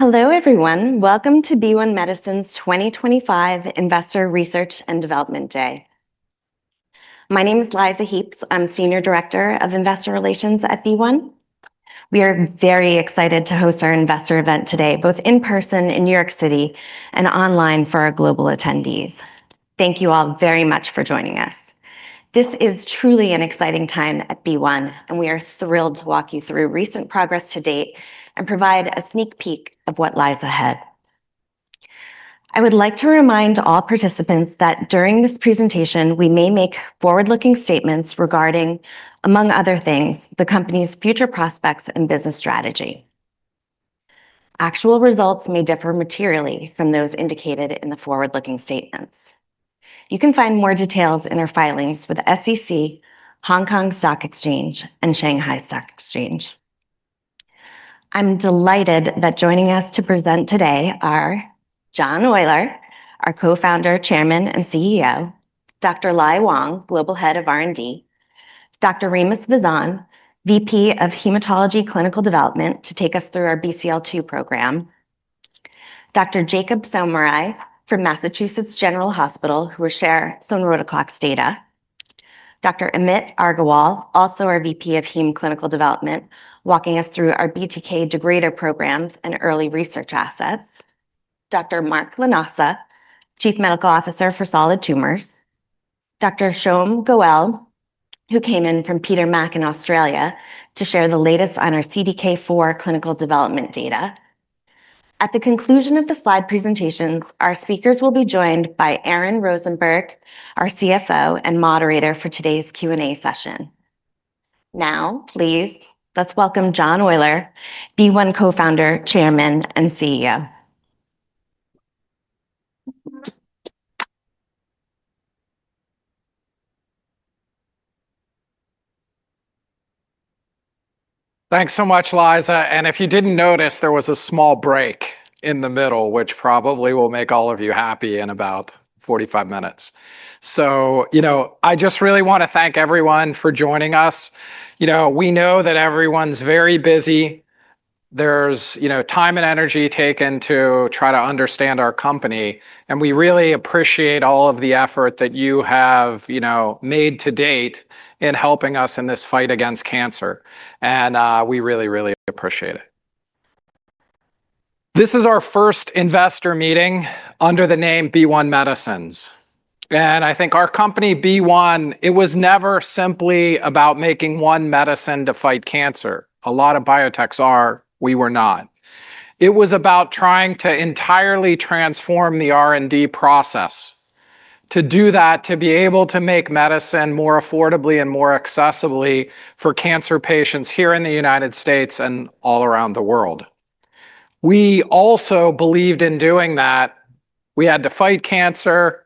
Hello, everyone. Welcome to BeOne Medicines' 2025 Investor Research and Development Day. My name is Liza Heaps. I'm Senior Director of Investor Relations at BeOne. We are very excited to host our investor event today, both in person in New York City and online for our global attendees. Thank you all very much for joining us. This is truly an exciting time at BeOne, and we are thrilled to walk you through recent progress to date and provide a sneak peek of what lies ahead. I would like to remind all participants that during this presentation, we may make forward-looking statements regarding, among other things, the company's future prospects and business strategy. Actual results may differ materially from those indicated in the forward-looking statements. You can find more details in our filings with the SEC, Hong Kong Stock Exchange, and Shanghai Stock Exchange. I'm delighted that joining us to present today are John Oyler, our Co-Founder, Chairman, and CEO; Dr. Lai Wang, Global Head of R&D; Dr. Remus Vizon, VP of Hematology Clinical Development, to take us through our BCL2 program; Dr. Jacob Soumerai from Massachusetts General Hospital, who will share Sonrotoclax data; Dr. Amit Agarwal, also our VP of Heme Clinical Development, walking us through our BTK degrader programs and early research assets; Dr. Mark Lanasa, Chief Medical Officer for Solid Tumors; Dr. Shom Goel, who came in from Peter MacCallum Cancer Centre in Australia to share the latest on our CDK4 clinical development data. At the conclusion of the slide presentations, our speakers will be joined by Aaron Rosenberg, our CFO and moderator for today's Q&A session. Now, please, let's welcome John Oyler, BeOne Co-Founder, Chairman, and CEO. Thanks so much, Liza. If you didn't notice, there was a small break in the middle, which probably will make all of you happy in about 45 minutes. You know, I just really want to thank everyone for joining us. You know, we know that everyone's very busy. There's, you know, time and energy taken to try to understand our company. We really appreciate all of the effort that you have, you know, made to date in helping us in this fight against cancer. We really, really appreciate it. This is our first investor meeting under the name BeOne Medicines. I think our company BeOne, it was never simply about making one medicine to fight cancer. A lot of biotechs are. We were not. It was about trying to entirely transform the R&D process, to do that, to be able to make medicine more affordably and more accessibly for cancer patients here in the United States and all around the world. We also believed in doing that. We had to fight cancer,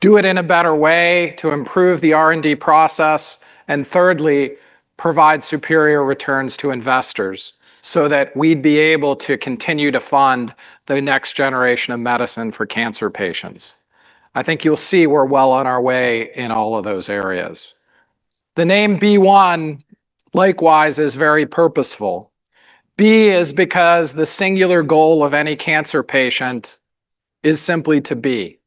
do it in a better way to improve the R&D process, and thirdly, provide superior returns to investors so that we'd be able to continue to fund the next generation of medicine for cancer patients. I think you'll see we're well on our way in all of those areas. The name BeOne, likewise, is very purposeful. B is because the singular goal of any cancer patient is simply to be.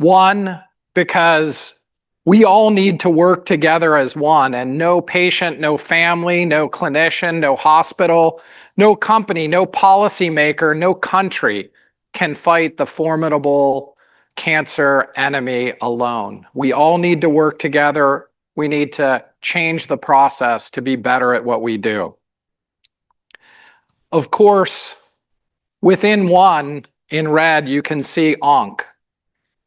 One, because we all need to work together as one, and no patient, no family, no clinician, no hospital, no company, no policymaker, no country can fight the formidable cancer enemy alone. We all need to work together. We need to change the process to be better at what we do. Of course, within one in red, you can see onc.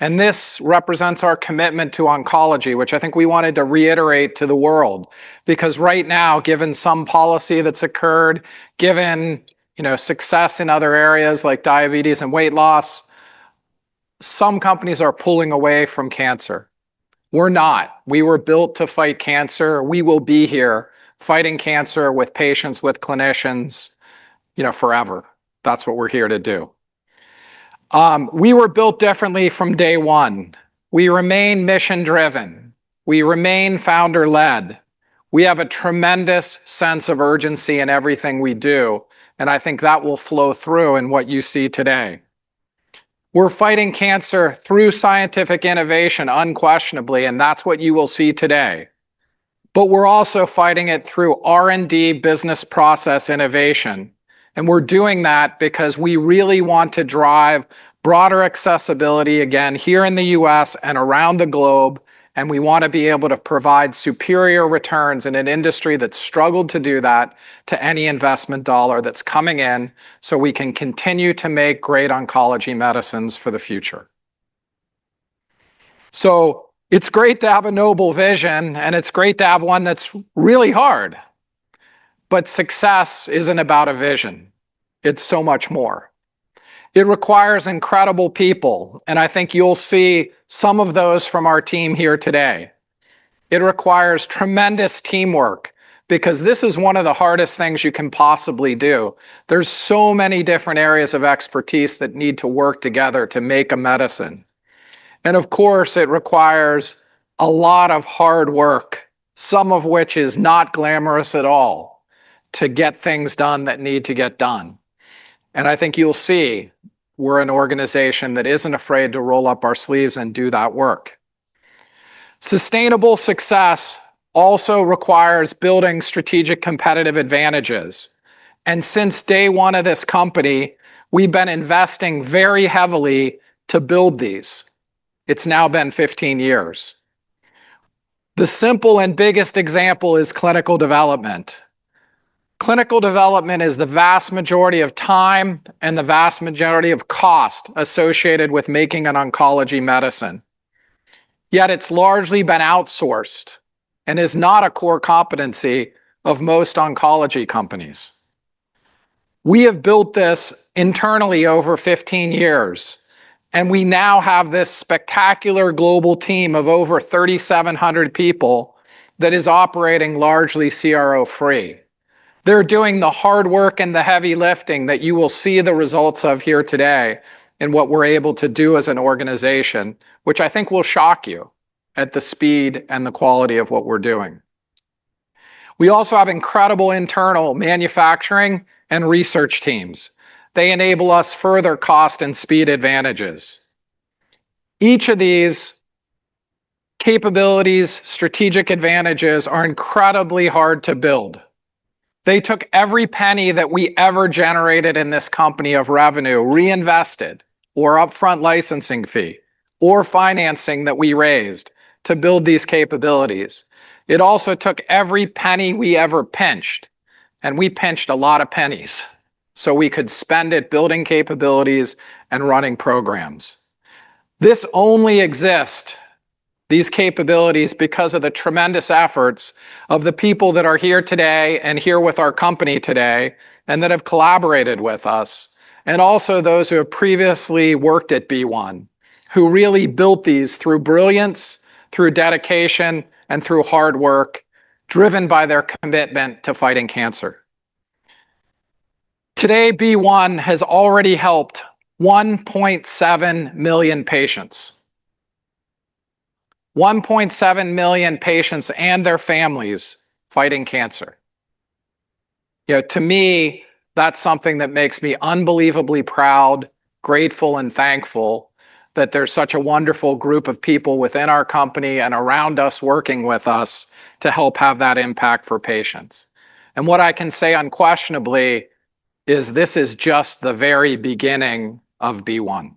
And this represents our commitment to oncology, which I think we wanted to reiterate to the world, because right now, given some policy that's occurred, given, you know, success in other areas like diabetes and weight loss, some companies are pulling away from cancer. We're not. We were built to fight cancer. We will be here fighting cancer with patients, with clinicians, you know, forever. That's what we're here to do. We were built differently from day one. We remain mission-driven. We remain founder-led. We have a tremendous sense of urgency in everything we do. I think that will flow through in what you see today. We're fighting cancer through scientific innovation, unquestionably, and that's what you will see today. We're also fighting it through R&D business process innovation. We're doing that because we really want to drive broader accessibility again here in the U.S. and around the globe. We want to be able to provide superior returns in an industry that's struggled to do that to any investment dollar that's coming in so we can continue to make great oncology medicines for the future. It's great to have a noble vision, and it's great to have one that's really hard. Success isn't about a vision. It's so much more. It requires incredible people. I think you'll see some of those from our team here today. It requires tremendous teamwork because this is one of the hardest things you can possibly do. There are so many different areas of expertise that need to work together to make a medicine. Of course, it requires a lot of hard work, some of which is not glamorous at all, to get things done that need to get done. I think you'll see we're an organization that isn't afraid to roll up our sleeves and do that work. Sustainable success also requires building strategic competitive advantages. Since day one of this company, we've been investing very heavily to build these. It has now been 15 years. The simple and biggest example is clinical development. Clinical development is the vast majority of time and the vast majority of cost associated with making an oncology medicine. Yet it's largely been outsourced and is not a core competency of most oncology companies. We have built this internally over 15 years, and we now have this spectacular global team of over 3,700 people that is operating largely CRO-free. They're doing the hard work and the heavy lifting that you will see the results of here today in what we're able to do as an organization, which I think will shock you at the speed and the quality of what we're doing. We also have incredible internal manufacturing and research teams. They enable us further cost and speed advantages. Each of these capabilities, strategic advantages are incredibly hard to build. They took every penny that we ever generated in this company of revenue, reinvested, or upfront licensing fee or financing that we raised to build these capabilities. It also took every penny we ever pinched, and we pinched a lot of pennies so we could spend it building capabilities and running programs. This only exists, these capabilities, because of the tremendous efforts of the people that are here today and here with our company today and that have collaborated with us, and also those who have previously worked at BeOne, who really built these through brilliance, through dedication, and through hard work driven by their commitment to fighting cancer. Today, BeOne has already helped 1.7 million patients, 1.7 million patients and their families fighting cancer. You know, to me, that's something that makes me unbelievably proud, grateful, and thankful that there's such a wonderful group of people within our company and around us working with us to help have that impact for patients. What I can say unquestionably is this is just the very beginning of BeOne.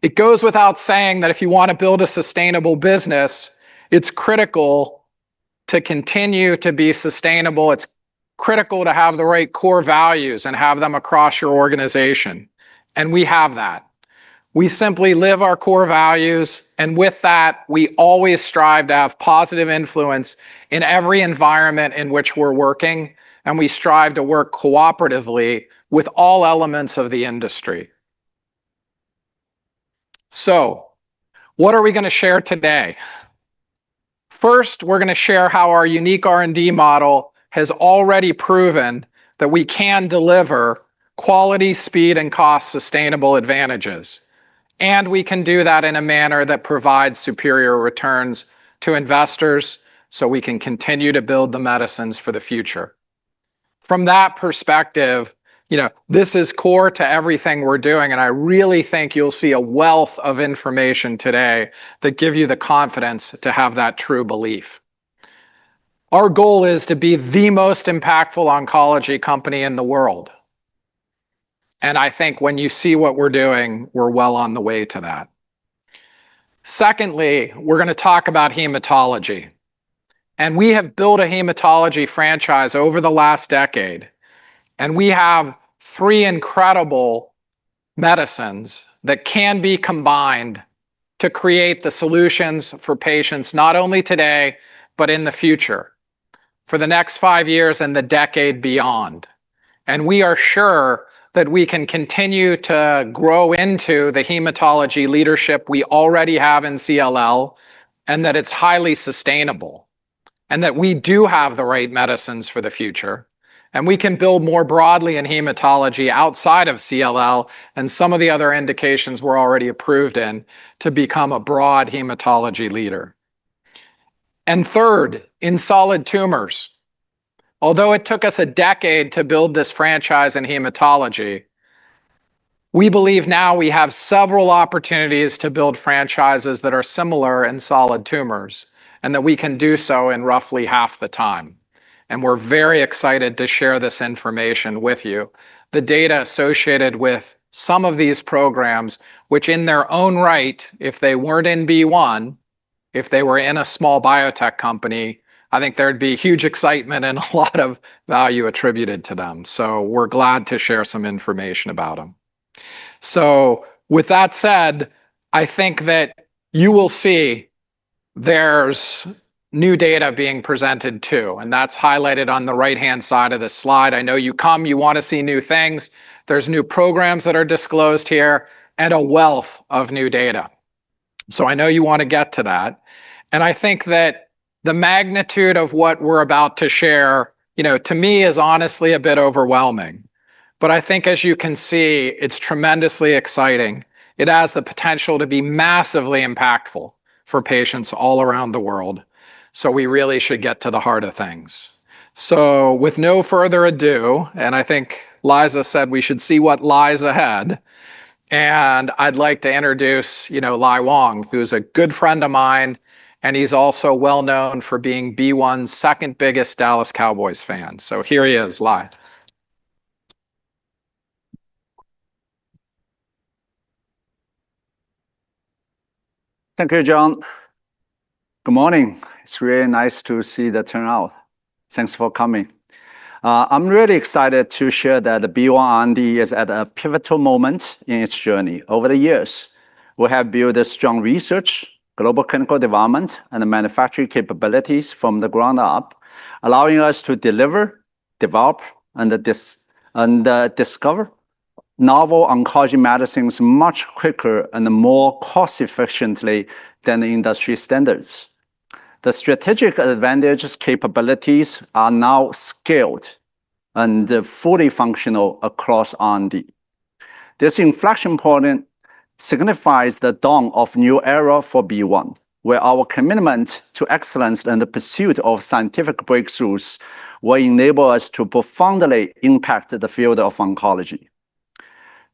It goes without saying that if you want to build a sustainable business, it's critical to continue to be sustainable. It's critical to have the right core values and have them across your organization. We have that. We simply live our core values. With that, we always strive to have positive influence in every environment in which we're working. We strive to work cooperatively with all elements of the industry. What are we going to share today? First, we're going to share how our unique R&D model has already proven that we can deliver quality, speed, and cost-sustainable advantages. We can do that in a manner that provides superior returns to investors so we can continue to build the medicines for the future. From that perspective, you know, this is core to everything we're doing. I really think you'll see a wealth of information today that gives you the confidence to have that true belief. Our goal is to be the most impactful oncology company in the world. I think when you see what we're doing, we're well on the way to that. Secondly, we're going to talk about hematology. We have built a hematology franchise over the last decade. We have three incredible medicines that can be combined to create the solutions for patients not only today, but in the future, for the next five years and the decade beyond. We are sure that we can continue to grow into the hematology leadership we already have in CLL and that it's highly sustainable and that we do have the right medicines for the future. We can build more broadly in hematology outside of CLL and some of the other indications we're already approved in to become a broad hematology leader. Third, in solid tumors, although it took us a decade to build this franchise in hematology, we believe now we have several opportunities to build franchises that are similar in solid tumors and that we can do so in roughly half the time. We are very excited to share this information with you, the data associated with some of these programs, which in their own right, if they were not in BeOne, if they were in a small biotech company, I think there would be huge excitement and a lot of value attributed to them. We are glad to share some information about them. With that said, I think that you will see there is new data being presented too, and that is highlighted on the right-hand side of the slide. I know you come, you want to see new things. There's new programs that are disclosed here and a wealth of new data. I know you want to get to that. I think that the magnitude of what we're about to share, you know, to me is honestly a bit overwhelming. I think as you can see, it's tremendously exciting. It has the potential to be massively impactful for patients all around the world. We really should get to the heart of things. With no further ado, I think Liza said we should see what lies ahead. I'd like to introduce, you know, Lai Wang, who's a good friend of mine. He's also well known for being BeOne's second biggest Dallas Cowboys fan. Here he is, Lai. Thank you, John. Good morning. It's really nice to see the turnout. Thanks for coming. I'm really excited to share that the BeOne R&D is at a pivotal moment in its journey. Over the years, we have built strong research, global clinical development, and manufacturing capabilities from the ground up, allowing us to deliver, develop, and discover novel oncology medicines much quicker and more cost-efficiently than industry standards. The strategic advantages, capabilities are now scaled and fully functional across R&D. This inflection point signifies the dawn of a new era for BeOne, where our commitment to excellence and the pursuit of scientific breakthroughs will enable us to profoundly impact the field of oncology.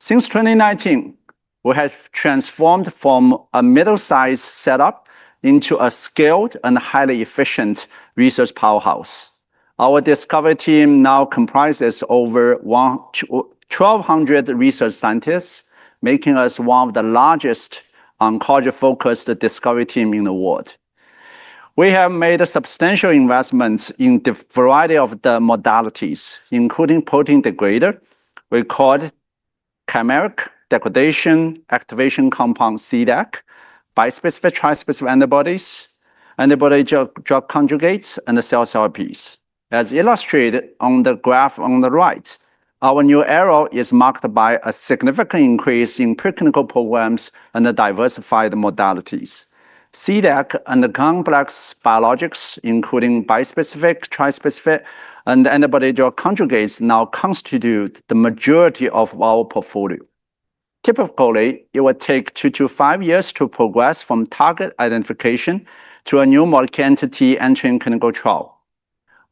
Since 2019, we have transformed from a middle-sized setup into a scaled and highly efficient research powerhouse. Our discovery team now comprises over 1,200 research scientists, making us one of the largest oncology-focused discovery teams in the world. We have made substantial investments in the variety of the modalities, including protein degrader, we call it chimeric degradation activation compound, CDAC, bispecific, trispecific antibodies, antibody drug conjugates, and the cell CRPs. As illustrated on the graph on the right, our new era is marked by a significant increase in preclinical programs and the diversified modalities. CDAC and the complex biologics, including bispecific, trispecific, and antibody drug conjugates, now constitute the majority of our portfolio. Typically, it would take two to five years to progress from target identification to a new molecular entity entering clinical trial.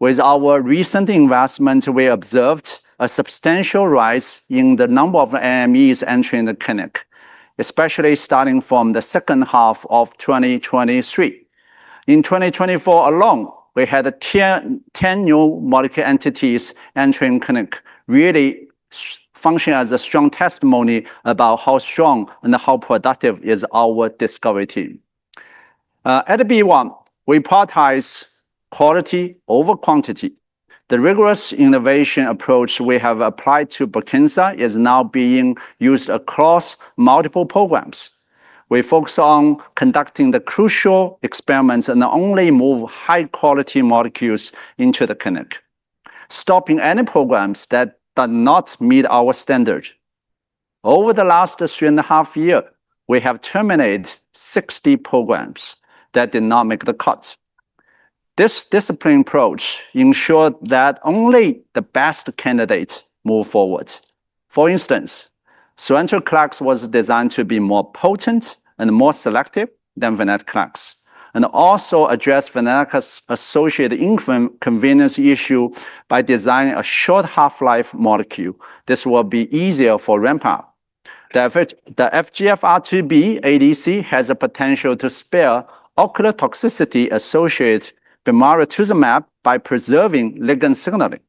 With our recent investment, we observed a substantial rise in the number of AMEs entering the clinic, especially starting from the second half of 2023. In 2024 alone, we had 10 new molecular entities entering clinic, really functioning as a strong testimony about how strong and how productive our discovery team is. At BeOne, we prioritize quality over quantity. The rigorous innovation approach we have applied to Brukinsa is now being used across multiple programs. We focus on conducting the crucial experiments and only move high-quality molecules into the clinic, stopping any programs that do not meet our standards. Over the last three and a half years, we have terminated 60 programs that did not make the cut. This disciplined approach ensures that only the best candidates move forward. For instance, Sonrotoclax was designed to be more potent and more selective than Venetoclax and also addressed Venetoclax's associated inconvenience issue by designing a short half-life molecule. This will be easier for ramp-up. The FGFR2B ADC has the potential to spare ocular toxicity associated with Maurotuzumab by preserving ligand signaling.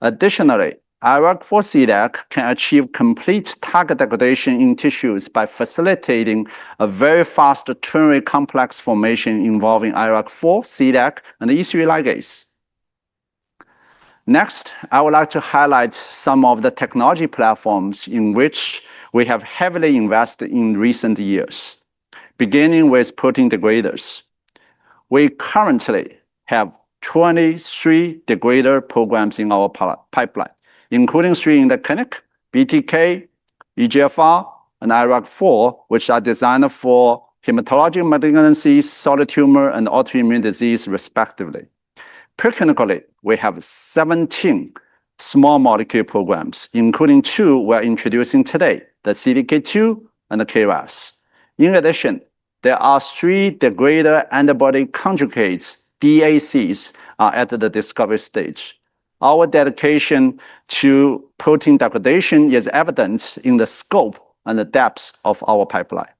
Additionally, IRAK4 CDAC can achieve complete target degradation in tissues by facilitating a very fast ternary complex formation involving IRAK4, CDAC, and E3 ligase. Next, I would like to highlight some of the technology platforms in which we have heavily invested in recent years, beginning with protein degraders. We currently have 23 degrader programs in our pipeline, including three in the clinic: BTK, EGFR, and IRAK4, which are designed for hematologic malignancies, solid tumor, and autoimmune disease, respectively. Preclinically, we have 17 small molecule programs, including two we're introducing today, the CDK2 and the KRAS. In addition, there are three degrader antibody conjugates, DACs, at the discovery stage. Our dedication to protein degradation is evident in the scope and the depth of our pipeline.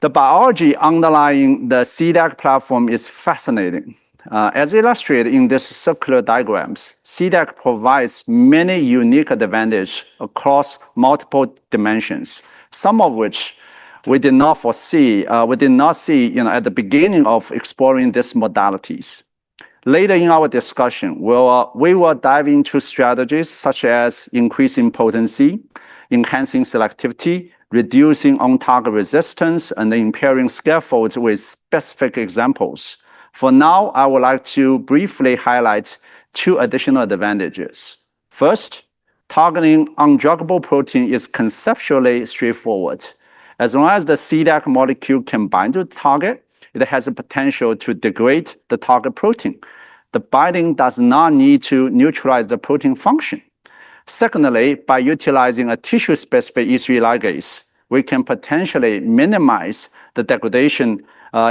The biology underlying the CDAC platform is fascinating. As illustrated in these circular diagrams, CDAC provides many unique advantages across multiple dimensions, some of which we did not foresee, we did not see at the beginning of exploring these modalities. Later in our discussion, we will dive into strategies such as increasing potency, enhancing selectivity, reducing on-target resistance, and impairing scaffolds with specific examples. For now, I would like to briefly highlight two additional advantages. First, targeting undruggable protein is conceptually straightforward. As long as the CDAC molecule can bind to the target, it has the potential to degrade the target protein. The binding does not need to neutralize the protein function. Secondly, by utilizing a tissue-specific E3 ligase, we can potentially minimize the degradation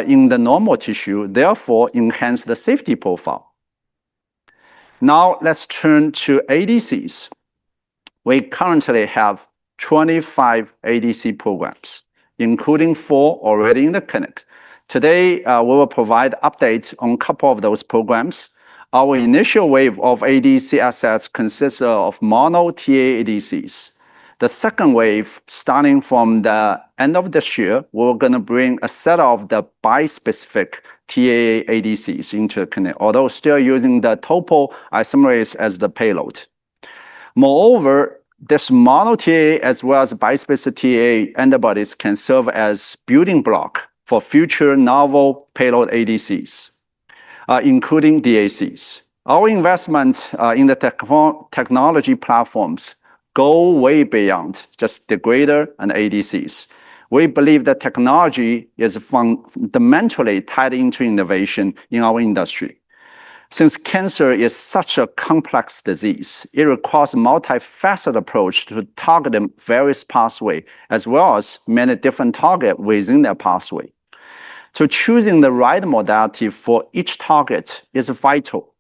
in the normal tissue, therefore enhance the safety profile. Now, let's turn to ADCs. We currently have 25 ADC programs, including four already in the clinic. Today, we will provide updates on a couple of those programs. Our initial wave of ADC assets consists of mono TAA ADCs. The second wave, starting from the end of this year, we're going to bring a set of the bispecific TAA ADCs into the clinic, although still using the topo isomerase as the payload. Moreover, this mono TAA, as well as bispecific TAA antibodies, can serve as a building block for future novel payload ADCs, including DACs. Our investments in the technology platforms go way beyond just degrader and ADCs. We believe that technology is fundamentally tied into innovation in our industry. Since cancer is such a complex disease, it requires a multifaceted approach to targeting various pathways, as well as many different targets within that pathway. Choosing the right modality for each target is vital.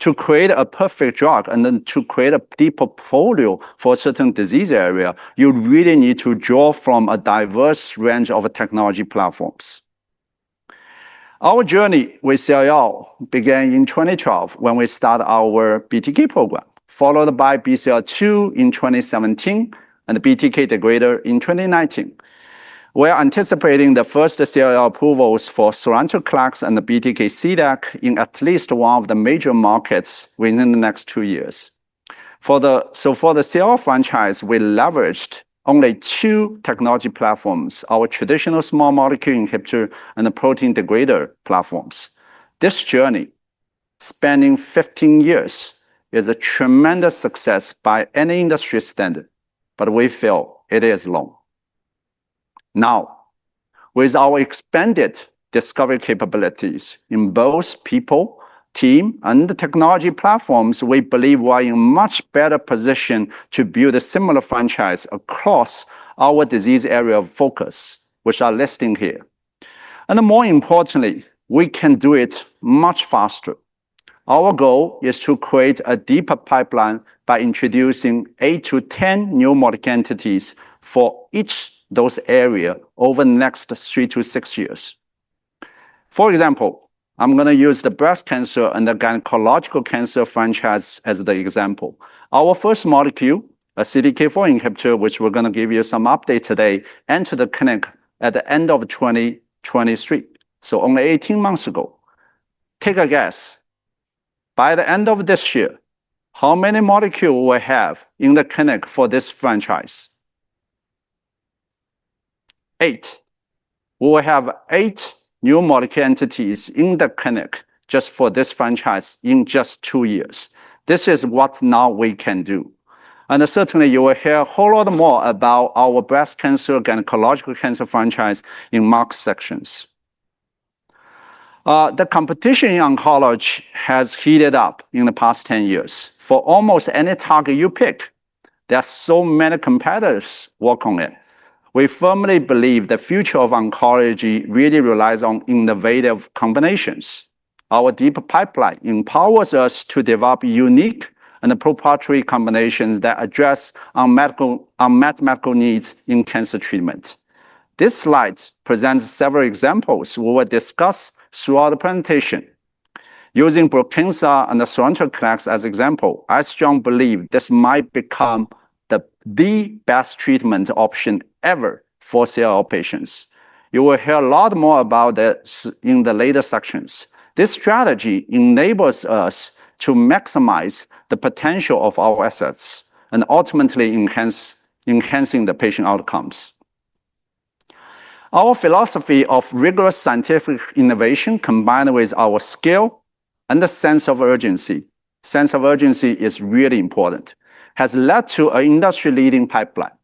To create a perfect drug and then to create a deep portfolio for a certain disease area, you really need to draw from a diverse range of technology platforms. Our journey with CLL began in 2012 when we started our BTK program, followed by BCL2 in 2017 and BTK degrader in 2019. We are anticipating the first CLL approvals for Sonrotoclax and the BTK CDAC in at least one of the major markets within the next two years. For the CLL franchise, we leveraged only two technology platforms: our traditional small molecule inhibitor and the protein degrader platforms. This journey, spanning 15 years, is a tremendous success by any industry standard, but we feel it is long. Now, with our expanded discovery capabilities in both people, team, and the technology platforms, we believe we are in a much better position to build a similar franchise across our disease area of focus, which I'm listing here. More importantly, we can do it much faster. Our goal is to create a deeper pipeline by introducing eight to ten new molecular entities for each of those areas over the next three to six years. For example, I'm going to use the breast cancer and the gynecological cancer franchise as the example. Our first molecule, a CDK4 inhibitor, which we're going to give you some updates today, entered the clinic at the end of 2023, so only 18 months ago. Take a guess. By the end of this year, how many molecules will we have in the clinic for this franchise? Eight. We will have eight new molecular entities in the clinic just for this franchise in just two years. This is what now we can do. Certainly, you will hear a whole lot more about our breast cancer and gynecological cancer franchise in Markh sections. The competition in oncology has heated up in the past 10 years. For almost any target you pick, there are so many competitors working on it. We firmly believe the future of oncology really relies on innovative combinations. Our deep pipeline empowers us to develop unique and proprietary combinations that address our mathematical needs in cancer treatment. This slide presents several examples we will discuss throughout the presentation. Using Brukinsa and Sonrotoclax as examples, I strongly believe this might become the best treatment option ever for CLL patients. You will hear a lot more about this in the later sections. This strategy enables us to maximize the potential of our assets and ultimately enhance the patient outcomes. Our philosophy of rigorous scientific innovation, combined with our skill and a sense of urgency, sense of urgency is really important, has led to an industry-leading pipeline.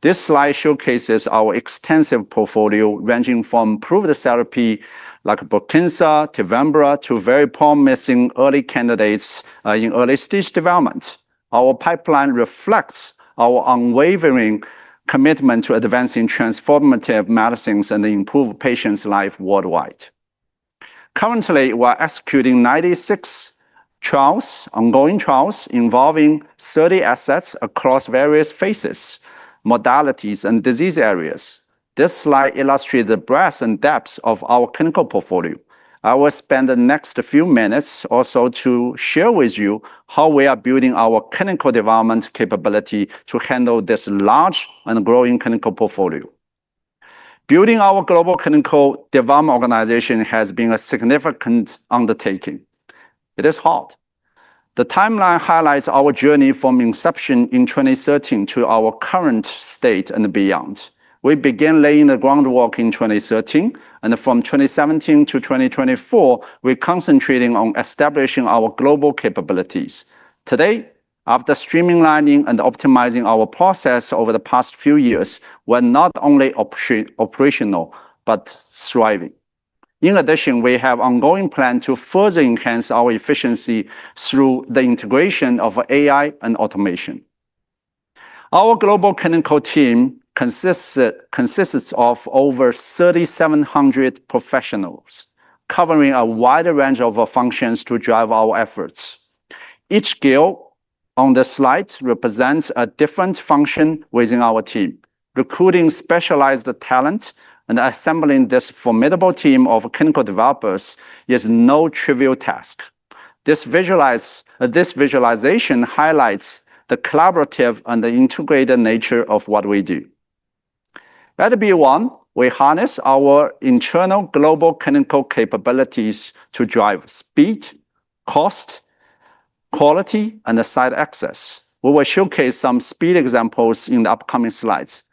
This slide showcases our extensive portfolio ranging from proven therapies like Brukinsa, Tivembra, to very promising early candidates in early-stage development. Our pipeline reflects our unwavering commitment to advancing transformative medicines and improving patients' lives worldwide. Currently, we are executing 96 trials, ongoing trials involving 30 assets across various phases, modalities, and disease areas. This slide illustrates the breadth and depth of our clinical portfolio. I will spend the next few minutes also to share with you how we are building our clinical development capability to handle this large and growing clinical portfolio. Building our global clinical development organization has been a significant undertaking. It is hard. The timeline highlights our journey from inception in 2013 to our current state and beyond. We began laying the groundwork in 2013, and from 2017 to 2024, we are concentrating on establishing our global capabilities. Today, after streamlining and optimizing our process over the past few years, we are not only operational but thriving. In addition, we have an ongoing plan to further enhance our efficiency through the integration of AI and automation. Our global clinical team consists of over 3,700 professionals, covering a wide range of functions to drive our efforts. Each skill on the slide represents a different function within our team. Recruiting specialized talent and assembling this formidable team of clinical developers is no trivial task. This visualization highlights the collaborative and the integrated nature of what we do. At BeOne, we harness our internal global clinical capabilities to drive speed, cost, quality, and site access. We will showcase some speed examples in the upcoming slides.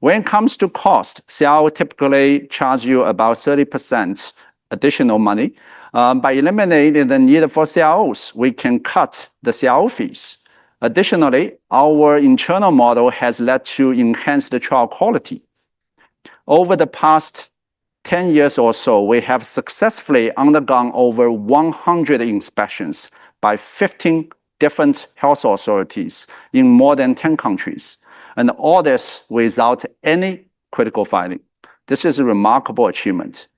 When it comes to cost, CROs typically charge you about 30% additional money. By eliminating the need for CROs, we can cut the CRO fees. Additionally, our internal model has led to enhanced trial quality. Over the past 10 years or so, we have successfully undergone over 100 inspections by 15 different health authorities in more than 10 countries, and all this without any critical findings. This is a remarkable achievement.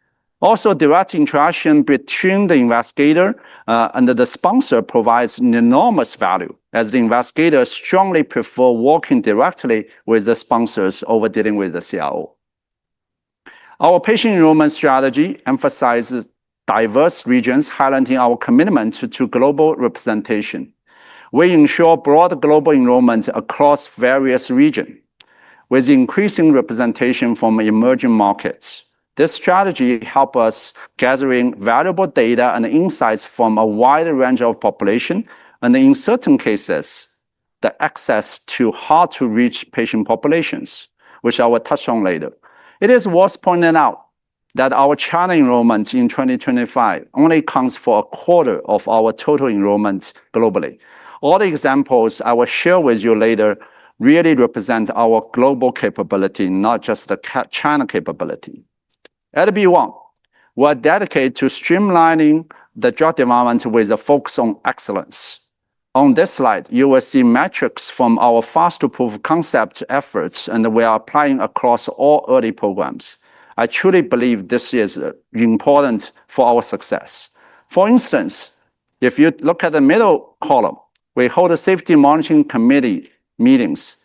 Also, direct interaction between the investigator and the sponsor provides enormous value, as the investigator strongly prefers working directly with the sponsors over dealing with the CRO. Our patient enrollment strategy emphasizes diverse regions, highlighting our commitment to global representation. We ensure broad global enrollment across various regions, with increasing representation from emerging markets. This strategy helps us gather valuable data and insights from a wide range of populations, and in certain cases, the access to hard-to-reach patient populations, which I will touch on later. It is worth pointing out that our China enrollment in 2025 only accounts for a quarter of our total enrollment globally. All the examples I will share with you later really represent our global capability, not just the China capability. At BeOne, we are dedicated to streamlining the drug development with a focus on excellence. On this slide, you will see metrics from our fast-to-prove concept efforts, and we are applying across all early programs. I truly believe this is important for our success. For instance, if you look at the middle column, we hold a safety monitoring committee meetings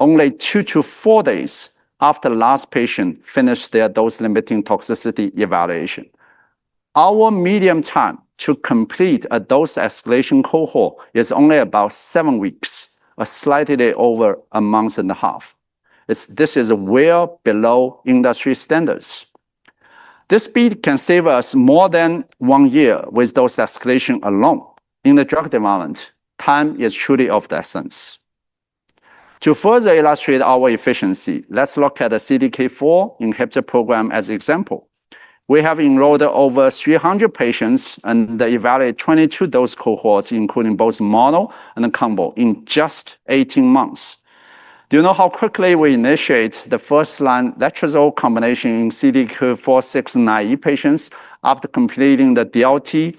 only two to four days after the last patient finished their dose-limiting toxicity evaluation. Our median time to complete a dose escalation cohort is only about seven weeks, slightly over a month and a half. This is well below industry standards. This speed can save us more than one year with dose escalation alone. In the drug development, time is truly of the essence. To further illustrate our efficiency, let's look at the CDK4 inhibitor program as an example. We have enrolled over 300 patients and evaluated 22 dose cohorts, including both mono and combo in just 18 months. Do you know how quickly we initiate the first-line letrozole combination in CDK469E patients after completing the DLT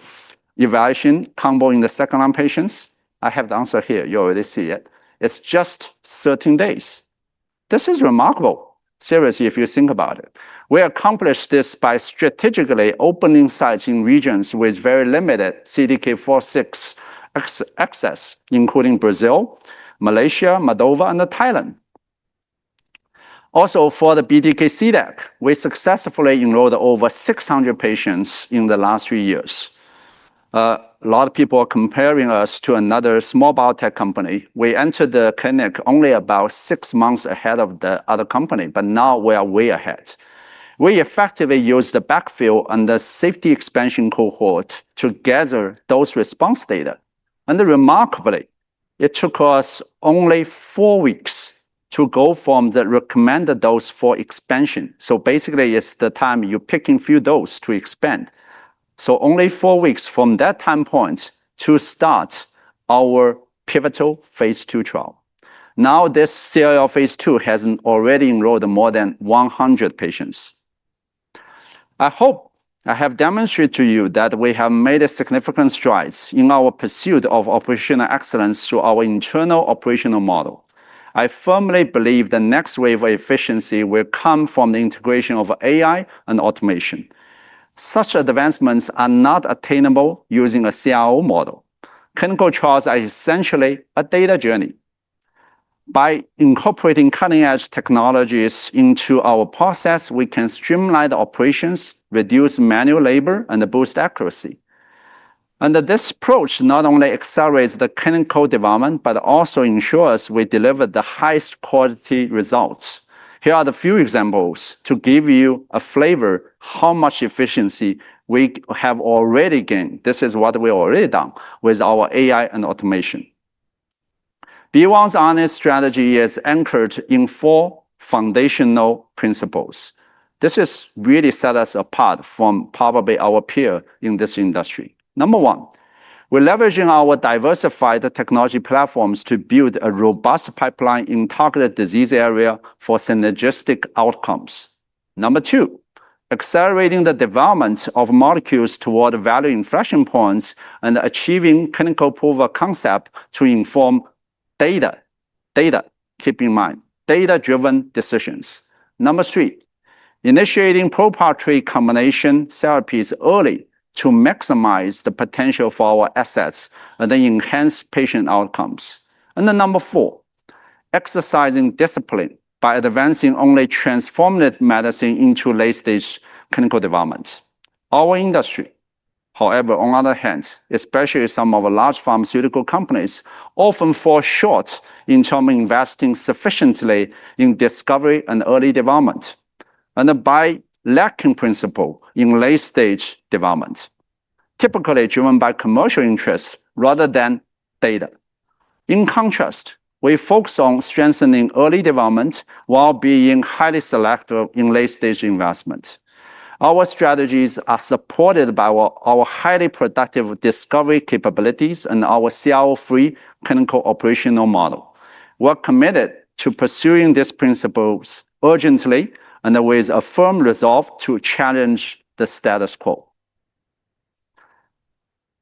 evaluation combo in the second-line patients? I have the answer here. You already see it. It's just 13 days. This is remarkable, seriously, if you think about it. We accomplished this by strategically opening sites in regions with very limited CDK4/6 access, including Brazil, Malaysia, Moldova, and Thailand. Also, for the BTK CDAC, we successfully enrolled over 600 patients in the last few years. A lot of people are comparing us to another small biotech company. We entered the clinic only about six months ahead of the other company, but now we are way ahead. We effectively used the backfield and the safety expansion cohort to gather dose response data. Remarkably, it took us only four weeks to go from the recommended dose for expansion. Basically, it's the time you pick a few doses to expand. Only four weeks from that time point to start our pivotal phase two trial. Now, this CLL phase two has already enrolled more than 100 patients. I hope I have demonstrated to you that we have made significant strides in our pursuit of operational excellence through our internal operational model. I firmly believe the next wave of efficiency will come from the integration of AI and automation. Such advancements are not attainable using a CLL model. Clinical trials are essentially a data journey. By incorporating cutting-edge technologies into our process, we can streamline the operations, reduce manual labor, and boost accuracy. This approach not only accelerates the clinical development, but also ensures we deliver the highest quality results. Here are a few examples to give you a flavor of how much efficiency we have already gained. This is what we have already done with our AI and automation. BeOne's R&D strategy is anchored in four foundational principles. This really sets us apart from probably our peers in this industry. Number one, we are leveraging our diversified technology platforms to build a robust pipeline in targeted disease areas for synergistic outcomes. Number two, accelerating the development of molecules toward value inflection points and achieving clinical proof of concept to inform data. Data, keep in mind, data-driven decisions. Number three, initiating proprietary combination therapies early to maximize the potential for our assets and enhance patient outcomes. Number four, exercising discipline by advancing only transformative medicine into late-stage clinical development. Our industry, however, on the other hand, especially some of the large pharmaceutical companies, often falls short in terms of investing sufficiently in discovery and early development and by lacking principle in late-stage development, typically driven by commercial interests rather than data. In contrast, we focus on strengthening early development while being highly selective in late-stage investment. Our strategies are supported by our highly productive discovery capabilities and our CLL-free clinical operational model. We are committed to pursuing these principles urgently and with a firm resolve to challenge the status quo.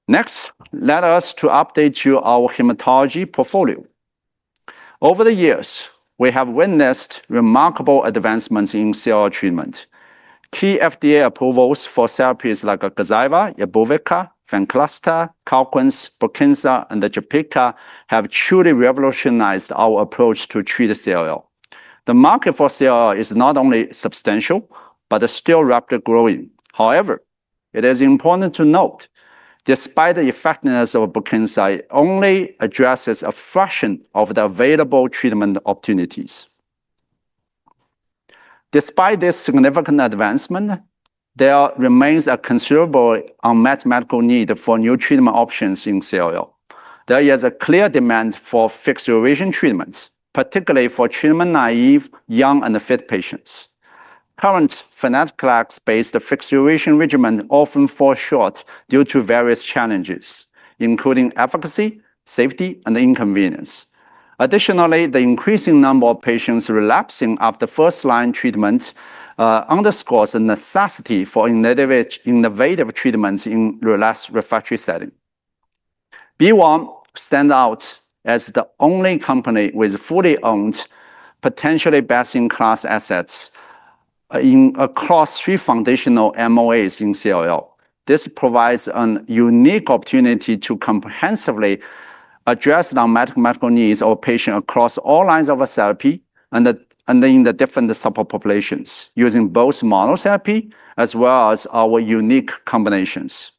Next, let us update you on our hematology portfolio. Over the years, we have witnessed remarkable advancements in CLL treatment. Key FDA approvals for therapies like Gazyva, Imbruvica, Venclexta, Calquence, Brukinsa, and Jaypirca have truly revolutionized our approach to treat CLL. The market for CLL is not only substantial, but still rapidly growing. However, it is important to note, despite the effectiveness of Brukinsa, it only addresses a fraction of the available treatment opportunities. Despite this significant advancement, there remains a considerable unmet medical need for new treatment options in CLL. There is a clear demand for fixed duration treatments, particularly for treatment-naive, young, and fit patients. Current phenetic-based fixed duration regimens often fall short due to various challenges, including efficacy, safety, and inconvenience. Additionally, the increasing number of patients relapsing after first-line treatment underscores the necessity for innovative treatments in a relapse refractory setting. BeOne stands out as the only company with fully owned, potentially best-in-class assets across three foundational MOAs in CLL. This provides a unique opportunity to comprehensively address the medical needs of patients across all lines of therapy and in the different subpopulations, using both monotherapy as well as our unique combinations.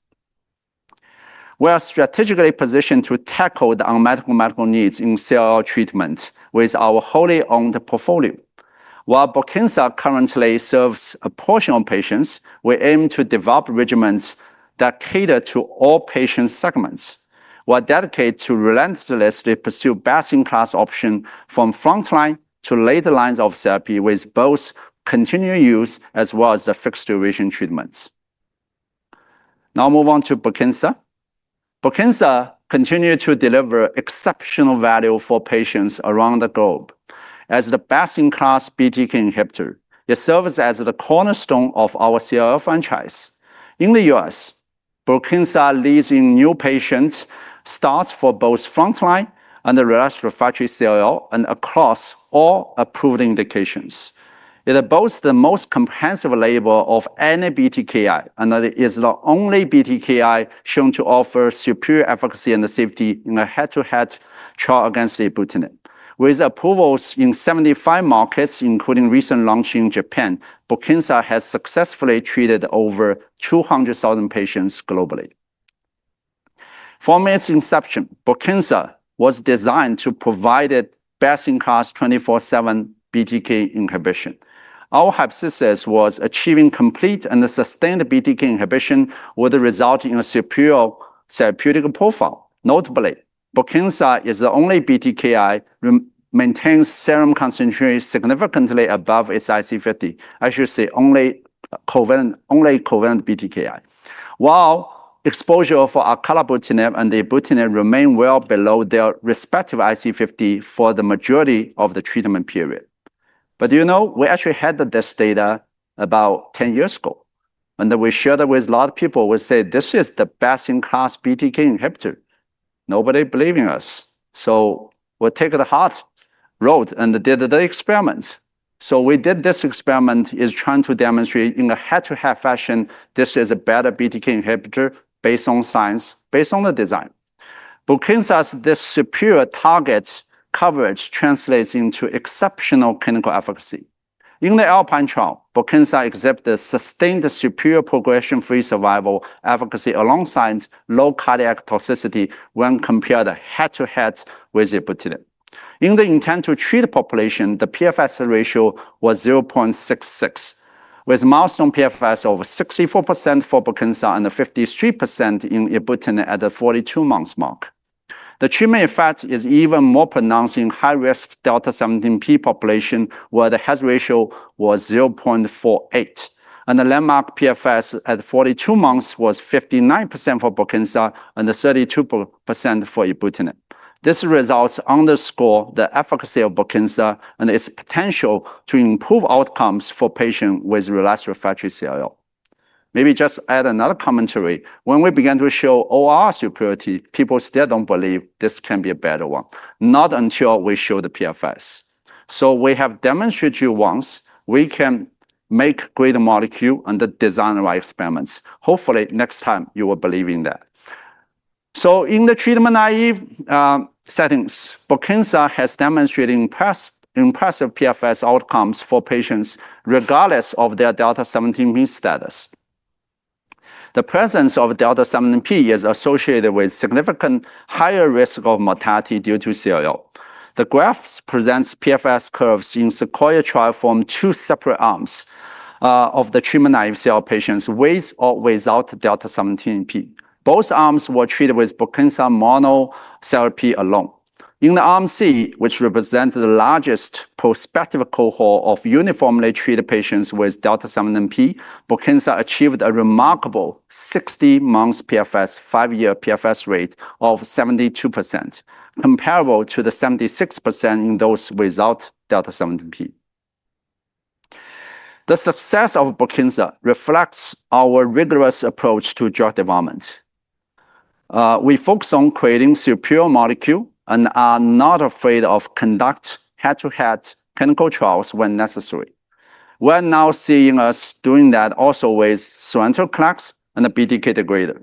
We are strategically positioned to tackle the unmet medical needs in CLL treatment with our wholly owned portfolio. While Brukinsa currently serves a portion of patients, we aim to develop regimens that cater to all patient segments. We are dedicated to relentlessly pursuing best-in-class options from frontline to late lines of therapy with both continued use as well as the fixed duration treatments. Now, move on to Brukinsa. Brukinsa continues to deliver exceptional value for patients around the globe. As the best-in-class BTK inhibitor, it serves as the cornerstone of our CLL franchise. In the U.S., Brukinsa leads in new patient starts for both frontline and relapse refractory CLL and across all approved indications. It boasts the most comprehensive label of any BTKI, and it is the only BTKI shown to offer superior efficacy and safety in a head-to-head trial against ibrutinib. With approvals in 75 markets, including recent launch in Japan, Brukinsa has successfully treated over 200,000 patients globally. From its inception, Brukinsa was designed to provide best-in-class 24/7 BTK inhibition. Our hypothesis was achieving complete and sustained BTK inhibition, with a result in a superior therapeutic profile. Notably, Brukinsa is the only BTKI that maintains serum concentrations significantly above its IC50, I should say only covalent BTKI, while exposure for acalabrutinib and ibrutinib remains well below their respective IC50 for the majority of the treatment period. You know, we actually had this data about 10 years ago, and we shared it with a lot of people. We said, "This is the best-in-class BTK inhibitor." Nobody believed in us. We took the hard road and did the experiment. We did this experiment in trying to demonstrate in a head-to-head fashion, this is a better BTK inhibitor based on science, based on the design. Brukinsa's superior target coverage translates into exceptional clinical efficacy. In the Alpine trial, Brukinsa exhibited sustained superior progression-free survival efficacy alongside low cardiac toxicity when compared head-to-head with ibrutinib. In the intended treated population, the PFS ratio was 0.66, with milestone PFS of 64% for Brukinsa and 53% in ibrutinib at the 42-month mark. The treatment effect is even more pronounced in high-risk Delta 17P population, where the HES ratio was 0.48, and the landmark PFS at 42 months was 59% for Brukinsa and 32% for ibrutinib. This result underscores the efficacy of Brukinsa and its potential to improve outcomes for patients with relapse refractory CLL. Maybe just add another commentary. When we began to show ORR superiority, people still do not believe this can be a better one, not until we show the PFS. So we have demonstrated to you once we can make great molecules and design the right experiments. Hopefully, next time you will believe in that. In the treatment-naive settings, Brukinsa has demonstrated impressive PFS outcomes for patients regardless of their del(17p) status. The presence of del(17p) is associated with significantly higher risk of mortality due to CLL. The graph presents PFS curves in the SEQUOIA trial from two separate arms of the treatment-naive CLL patients with or without del(17p). Both arms were treated with Brukinsa monotherapy alone. In arm C, which represents the largest prospective cohort of uniformly treated patients with del(17p), Brukinsa achieved a remarkable 60-month PFS, five-year PFS rate of 72%, comparable to the 76% in those without del(17p). The success of Brukinsa reflects our rigorous approach to drug development. We focus on creating superior molecules and are not afraid of conducting head-to-head clinical trials when necessary. We are now seeing us doing that also with Sonrotoclax and BTK degrader.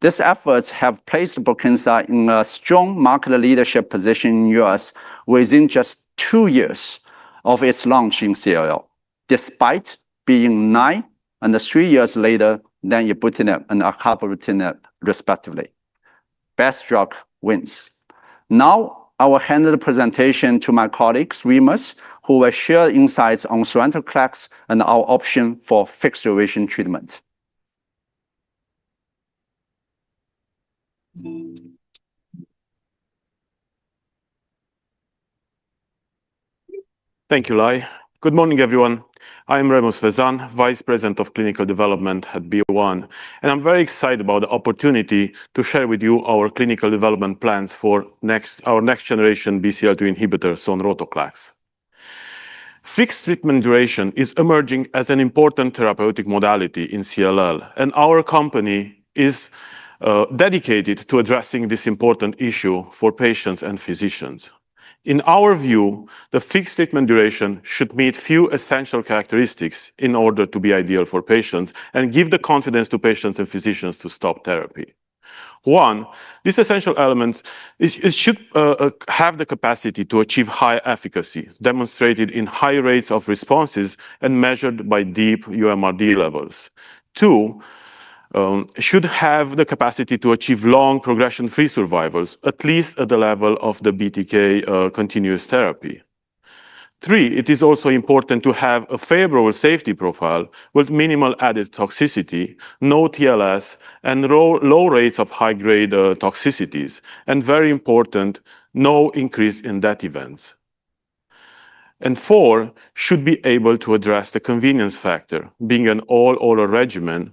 These efforts have placed Brukinsa in a strong market leadership position in the U.S. within just two years of its launch in CLL, despite being nine and three years later than ibrutinib and acalabrutinib, respectively. Best drug wins. Now, I will hand the presentation to my colleagues, Remus, who will share insights on Sonrotoclax and our option for fixed duration treatment. Thank you, Lai. Good morning, everyone. I am Remus Vizon, Vice President of Clinical Development at BeOne, and I'm very excited about the opportunity to share with you our clinical development plans for our next-generation BCL2 inhibitors, Sonrotoclax. Fixed treatment duration is emerging as an important therapeutic modality in CLL, and our company is dedicated to addressing this important issue for patients and physicians. In our view, the fixed treatment duration should meet a few essential characteristics in order to be ideal for patients and give the confidence to patients and physicians to stop therapy. One, this essential element should have the capacity to achieve high efficacy, demonstrated in high rates of responses and measured by deep uMRD levels. Two, it should have the capacity to achieve long progression-free survivals, at least at the level of the BTK continuous therapy. Three, it is also important to have a favorable safety profile with minimal added toxicity, no TLS, and low rates of high-grade toxicities, and very important, no increase in death events. Four, it should be able to address the convenience factor, being an all-oral regimen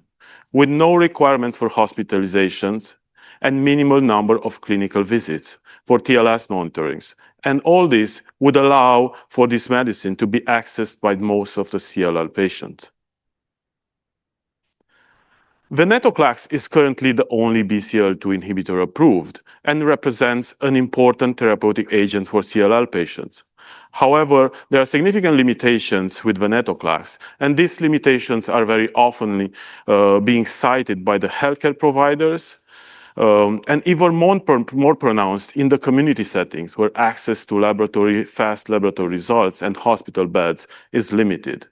with no requirement for hospitalizations and minimal number of clinical visits for TLS monitoring. All this would allow for this medicine to be accessed by most of the CLL patients. Venetoclax is currently the only BCL2 inhibitor approved and represents an important therapeutic agent for CLL patients. However, there are significant limitations with Venetoclax, and these limitations are very often being cited by the healthcare providers and even more pronounced in the community settings where access to fast laboratory results and hospital beds is limited.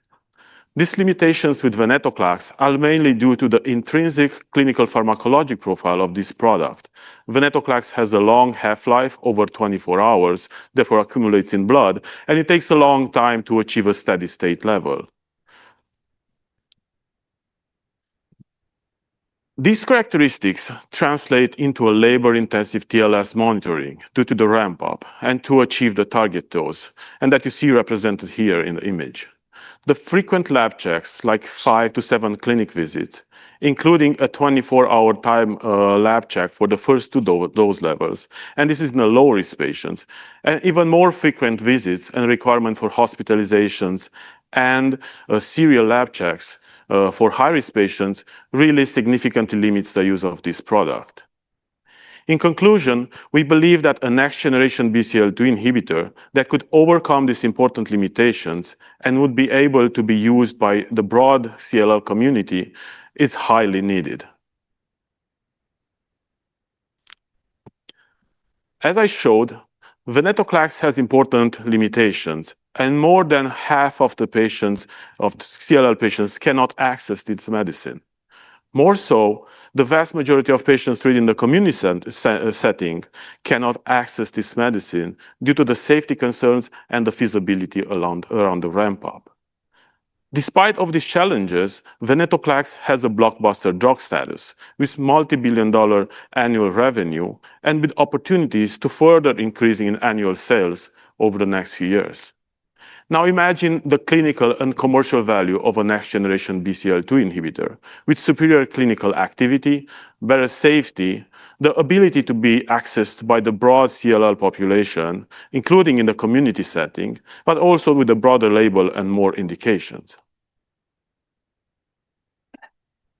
These limitations with Venetoclax are mainly due to the intrinsic clinical pharmacologic profile of this product. Venetoclax has a long half-life, over 24 hours, therefore accumulates in blood, and it takes a long time to achieve a steady-state level. These characteristics translate into a labor-intensive TLS monitoring due to the ramp-up and to achieve the target dose, and that you see represented here in the image. The frequent lab checks, like five to seven clinic visits, including a 24-hour time lab check for the first two dose levels, and this is in the low-risk patients, and even more frequent visits and requirement for hospitalizations and serial lab checks for high-risk patients really significantly limits the use of this product. In conclusion, we believe that a next-generation BCL2 inhibitor that could overcome these important limitations and would be able to be used by the broad CLL community is highly needed. As I showed, Venetoclax has important limitations, and more than half of the CLL patients cannot access this medicine. More so, the vast majority of patients treated in the community setting cannot access this medicine due to the safety concerns and the feasibility around the ramp-up. Despite these challenges, Venetoclax has a blockbuster drug status with multi-billion dollar annual revenue and with opportunities to further increase in annual sales over the next few years. Now, imagine the clinical and commercial value of a next-generation BCL2 inhibitor with superior clinical activity, better safety, the ability to be accessed by the broad CLL population, including in the community setting, but also with a broader label and more indications.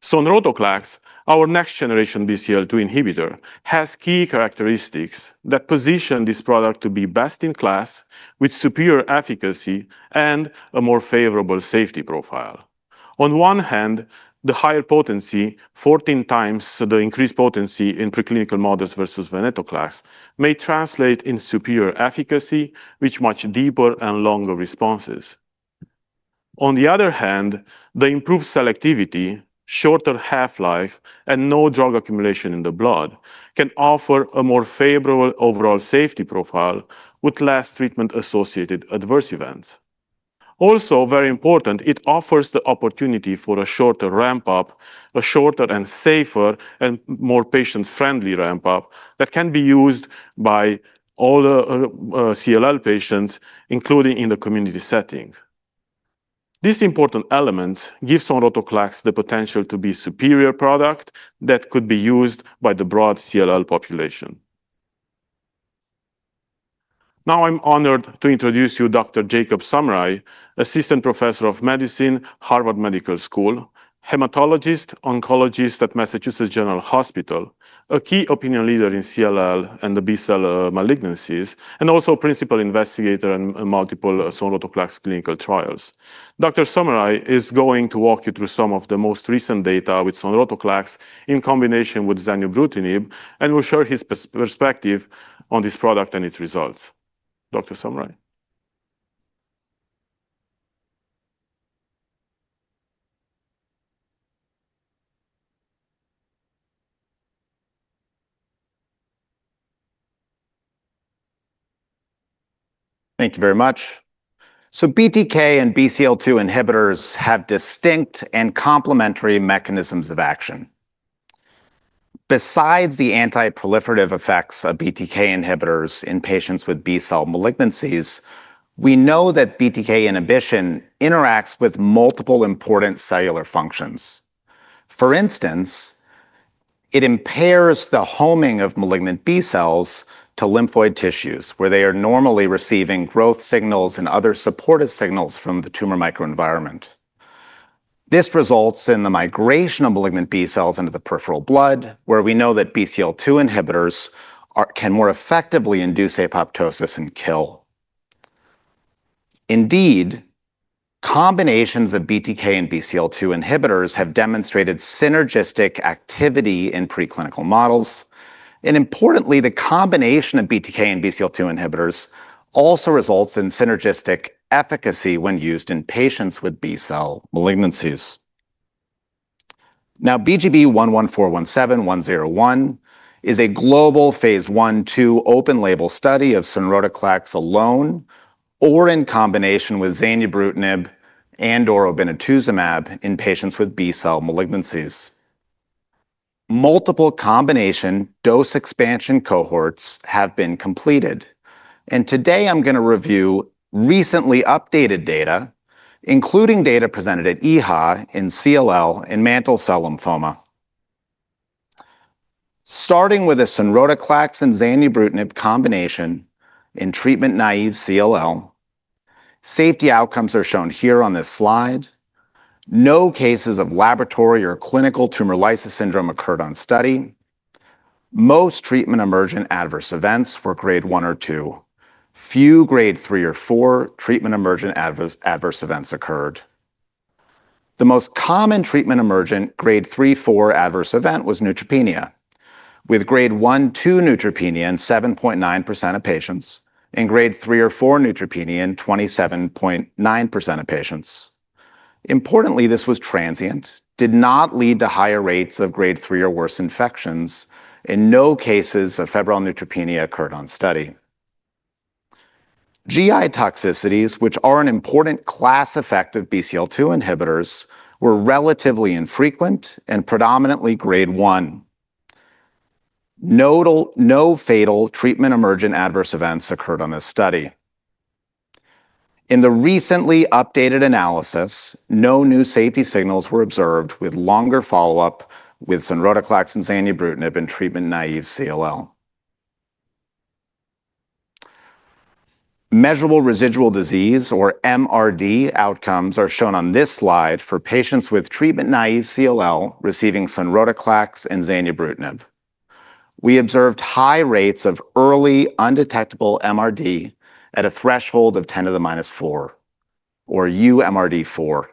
Sonrotoclax, our next-generation BCL2 inhibitor, has key characteristics that position this product to be best in class with superior efficacy and a more favorable safety profile. On one hand, the higher potency, 14 times the increased potency in preclinical models versus Venetoclax, may translate in superior efficacy with much deeper and longer responses. On the other hand, the improved selectivity, shorter half-life, and no drug accumulation in the blood can offer a more favorable overall safety profile with less treatment-associated adverse events. Also, very important, it offers the opportunity for a shorter ramp-up, a shorter and safer and more patient-friendly ramp-up that can be used by all the CLL patients, including in the community setting. These important elements give Sonrotoclax the potential to be a superior product that could be used by the broad CLL population. Now, I'm honored to introduce you to Dr. Jacob Soumerai, Assistant Professor of Medicine, Harvard Medical School, hematologist-oncologist at Massachusetts General Hospital, a key opinion leader in CLL and the BCL2 malignancies, and also a principal investigator in multiple Sonrotoclax clinical trials. Dr. Soumerai is going to walk you through some of the most recent data with Sonrotoclax in combination with zanubrutinib and will share his perspective on this product and its results. Dr. Soumerai? Thank you very much. BTK and BCL2 inhibitors have distinct and complementary mechanisms of action. Besides the anti-proliferative effects of BTK inhibitors in patients with B-cell malignancies, we know that BTK inhibition interacts with multiple important cellular functions. For instance, it impairs the homing of malignant B cells to lymphoid tissues, where they are normally receiving growth signals and other supportive signals from the tumor microenvironment. This results in the migration of malignant B cells into the peripheral blood, where we know that BCL2 inhibitors can more effectively induce apoptosis and kill. Indeed, combinations of BTK and BCL2 inhibitors have demonstrated synergistic activity in preclinical models, and importantly, the combination of BTK and BCL2 inhibitors also results in synergistic efficacy when used in patients with B-cell malignancies. Now, BGB-11417-101 is a global phase I-II open-label study of Sonrotoclax alone or in combination with zanubrutinib and/or obinutuzumab in patients with B-cell malignancies. Multiple combination dose expansion cohorts have been completed, and today I'm going to review recently updated data, including data presented at EHA in CLL and mantle cell lymphoma. Starting with the Sonrotoclax and zanubrutinib combination in treatment-naive CLL, safety outcomes are shown here on this slide. No cases of laboratory or clinical tumor lysis syndrome occurred on study. Most treatment-emergent adverse events were grade I or II. Few grade III or IV treatment-emergent adverse events occurred. The most common treatment-emergent grade III-IV adverse event was neutropenia, with grade I-II neutropenia in 7.9% of patients and grade III or IV neutropenia in 27.9% of patients. Importantly, this was transient, did not lead to higher rates of grade III or worse infections, and no cases of febrile neutropenia occurred on study. GI toxicities, which are an important class effect of BCL2 inhibitors, were relatively infrequent and predominantly grade I. No fatal treatment-emergent adverse events occurred on this study. In the recently updated analysis, no new safety signals were observed with longer follow-up with Sonrotoclax and zanubrutinib in treatment-naive CLL. Measurable residual disease, or MRD, outcomes are shown on this slide for patients with treatment-naive CLL receiving Sonrotoclax and zanubrutinib. We observed high rates of early undetectable MRD at a threshold of 10 to the minus four, or uMRD4,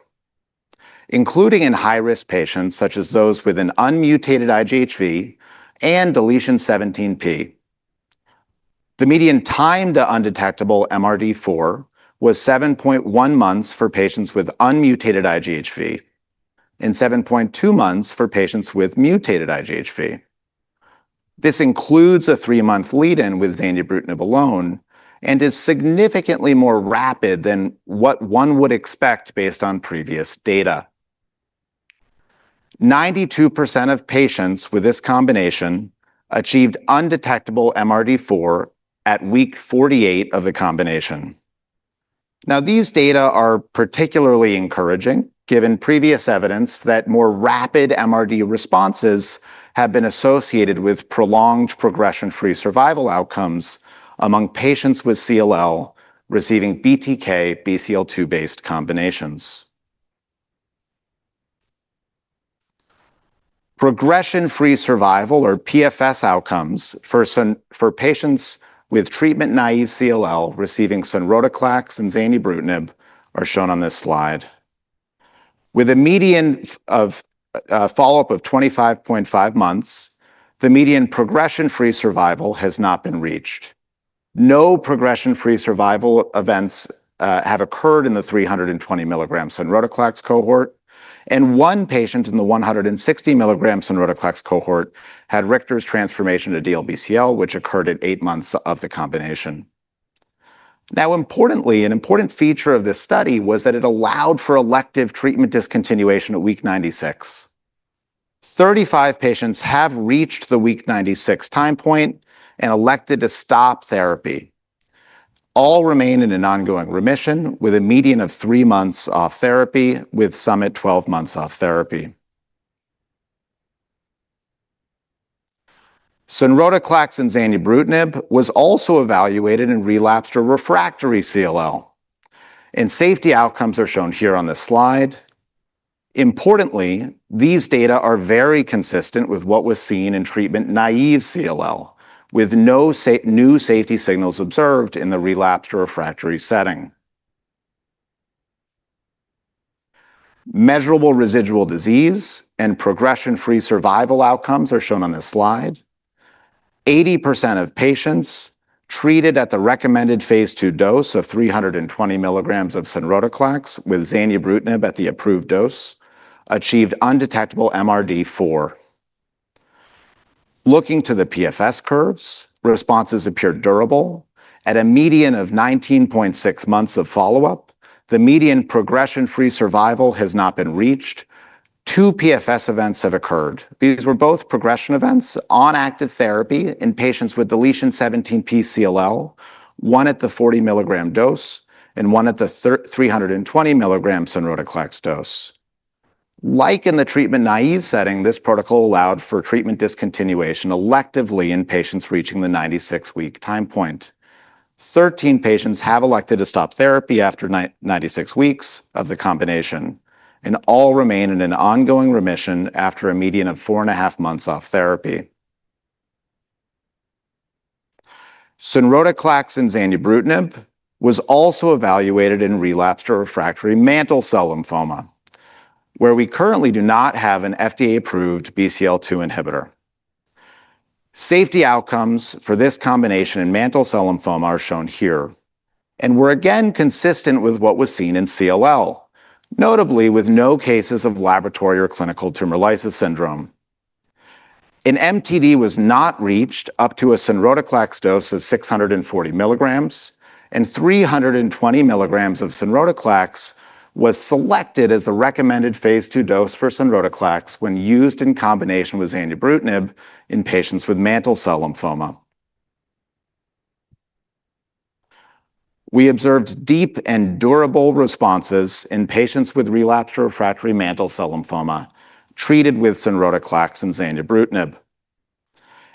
including in high-risk patients such as those with an unmutated IgHV and deletion 17P. The median time to undetectable MRD4 was 7.1 months for patients with unmutated IgHV and 7.2 months for patients with mutated IgHV. This includes a three-month lead-in with zanubrutinib alone and is significantly more rapid than what one would expect based on previous data. 92% of patients with this combination achieved undetectable MRD4 at week 48 of the combination. Now, these data are particularly encouraging given previous evidence that more rapid MRD responses have been associated with prolonged progression-free survival outcomes among patients with CLL receiving BTK-BCL2-based combinations. Progression-free survival, or PFS, outcomes for patients with treatment-naive CLL receiving Sonrotoclax and zanubrutinib are shown on this slide. With a median follow-up of 25.5 months, the median progression-free survival has not been reached. No progression-free survival events have occurred in the 320 milligram Sonrotoclax cohort, and one patient in the 160 milligram Sonrotoclax cohort had Richter's transformation, adiel BCL, which occurred at eight months of the combination. Now, importantly, an important feature of this study was that it allowed for elective treatment discontinuation at week 96. Thirty-five patients have reached the week 96 time point and elected to stop therapy. All remain in an ongoing remission with a median of three months off therapy, with some at 12 months off therapy. Sonrotoclax and zanubrutinib was also evaluated in relapsed to refractory CLL, and safety outcomes are shown here on this slide. Importantly, these data are very consistent with what was seen in treatment-naive CLL, with no new safety signals observed in the relapsed or refractory setting. Measurable residual disease and progression-free survival outcomes are shown on this slide. 80% of patients treated at the recommended phase II dose of 320 milligrams of Sonrotoclax with zanubrutinib at the approved dose achieved undetectable MRD4. Looking to the PFS curves, responses appear durable. At a median of 19.6 months of follow-up, the median progression-free survival has not been reached. Two PFS events have occurred. These were both progression events on active therapy in patients with deletion 17P CLL, one at the 40 milligram dose and one at the 320 milligram Sonrotoclax dose. Like in the treatment-naive setting, this protocol allowed for treatment discontinuation electively in patients reaching the 96-week time point. 13 patients have elected to stop therapy after 96 weeks of the combination, and all remain in an ongoing remission after a median of four and a half months off therapy. Sonrotoclax and zanubrutinib was also evaluated in relapsed or refractory mantle cell lymphoma, where we currently do not have an FDA-approved BCL2 inhibitor. Safety outcomes for this combination in mantle cell lymphoma are shown here, and were again consistent with what was seen in CLL, notably with no cases of laboratory or clinical tumor lysis syndrome. An MTD was not reached up to a sonrotoclax dose of 640 milligrams, and 320 milligrams of sonrotoclax was selected as a recommended phase II dose for sonrotoclax when used in combination with zanubrutinib in patients with mantle cell lymphoma. We observed deep and durable responses in patients with relapsed or refractory mantle cell lymphoma treated with sonrotoclax and zanubrutinib.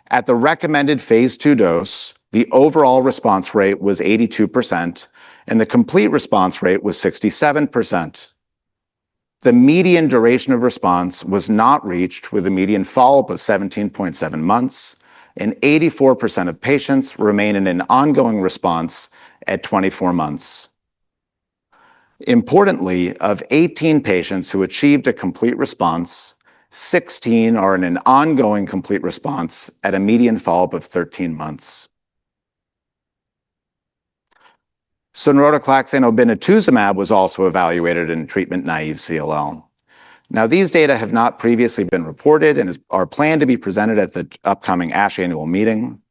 At the recommended phase II dose, the overall response rate was 82%, and the complete response rate was 67%. The median duration of response was not reached with a median follow-up of 17.7 months, and 84% of patients remain in an ongoing response at 24 months. Importantly, of 18 patients who achieved a complete response, 16 are in an ongoing complete response at a median follow-up of 13 months. Sonrotoclax and obinutuzumab was also evaluated in treatment-naive CLL. Now, these data have not previously been reported and are planned to be presented at the upcoming ASH annual meeting.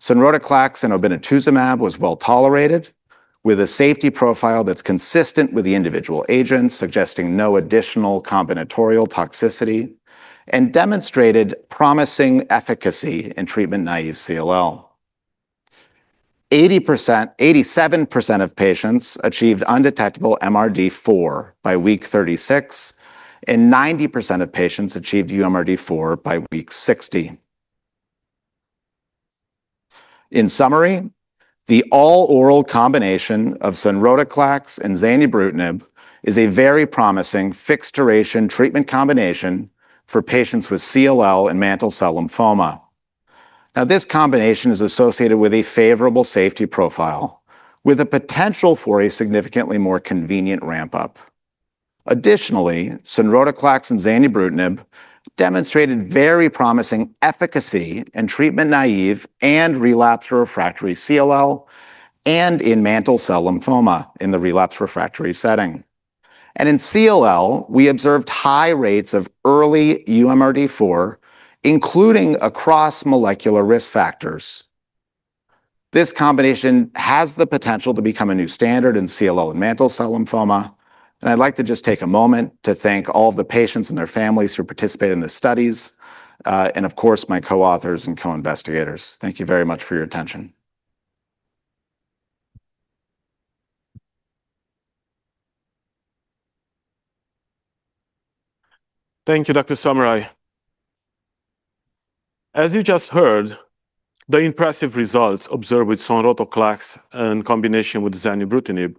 Sonrotoclax and obinutuzumab was well tolerated with a safety profile that's consistent with the individual agents, suggesting no additional combinatorial toxicity, and demonstrated promising efficacy in treatment-naive CLL. 87% of patients achieved undetectable MRD4 by week 36, and 90% of patients achieved UMRD4 by week 60. In summary, the all-oral combination of Sonrotoclax and zanubrutinib is a very promising fixed-duration treatment combination for patients with CLL and mantle cell lymphoma. Now, this combination is associated with a favorable safety profile, with the potential for a significantly more convenient ramp-up. Additionally, Sonrotoclax and zanubrutinib demonstrated very promising efficacy in treatment-naive and relapsed or refractory CLL, and in mantle cell lymphoma in the relapsed refractory setting. In CLL, we observed high rates of early uMRD4, including across molecular risk factors. This combination has the potential to become a new standard in CLL and mantle cell lymphoma, and I'd like to just take a moment to thank all of the patients and their families who participated in the studies, and of course, my co-authors and co-investigators. Thank you very much for your attention. Thank you, Dr. Soumerai. As you just heard, the impressive results observed with Sonrotoclax in combination with zanubrutinib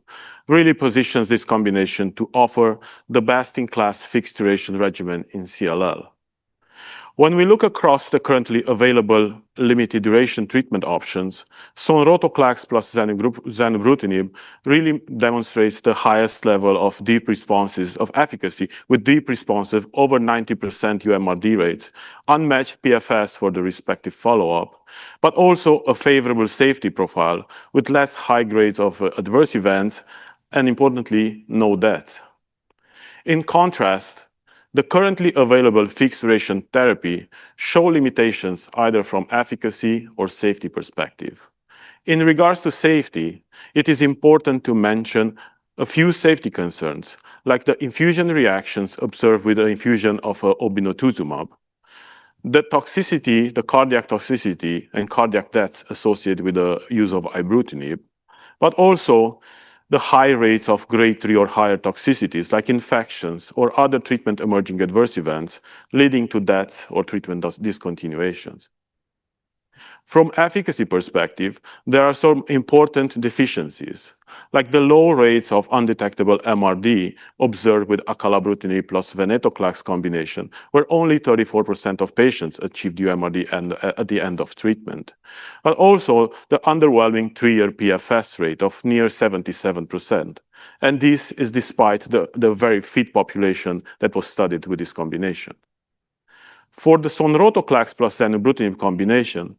really positions this combination to offer the best-in-class fixed-duration regimen in CLL. When we look across the currently available limited-duration treatment options, Sonrotoclax plus zanubrutinib really demonstrates the highest level of deep responses of efficacy, with deep responses of over 90% uMRD rates, unmatched PFS for the respective follow-up, but also a favorable safety profile with less high grades of adverse events, and importantly, no deaths. In contrast, the currently available fixed-duration therapy shows limitations either from efficacy or safety perspective. In regards to safety, it is important to mention a few safety concerns, like the infusion reactions observed with the infusion of obinutuzumab, the toxicity, the cardiac toxicity, and cardiac deaths associated with the use of ibrutinib, but also the high rates of grade III or higher toxicities, like infections or other treatment-emerging adverse events leading to deaths or treatment discontinuations. From an efficacy perspective, there are some important deficiencies, like the low rates of undetectable MRD observed with acalabrutinib plus venetoclax combination, where only 34% of patients achieved uMRD at the end of treatment, but also the underwhelming three-year PFS rate of near 77%. This is despite the very fit population that was studied with this combination. For the Sonrotoclax plus zanubrutinib combination,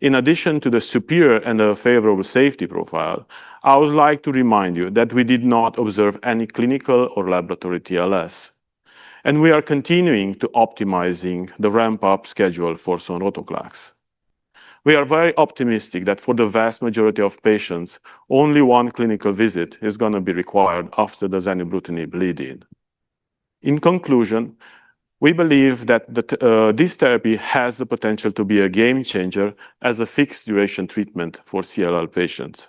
in addition to the superior and the favorable safety profile, I would like to remind you that we did not observe any clinical or laboratory TLS, and we are continuing to optimize the ramp-up schedule for Sonrotoclax. We are very optimistic that for the vast majority of patients, only one clinical visit is going to be required after the zanubrutinib lead-in. In conclusion, we believe that this therapy has the potential to be a game changer as a fixed-duration treatment for CLL patients.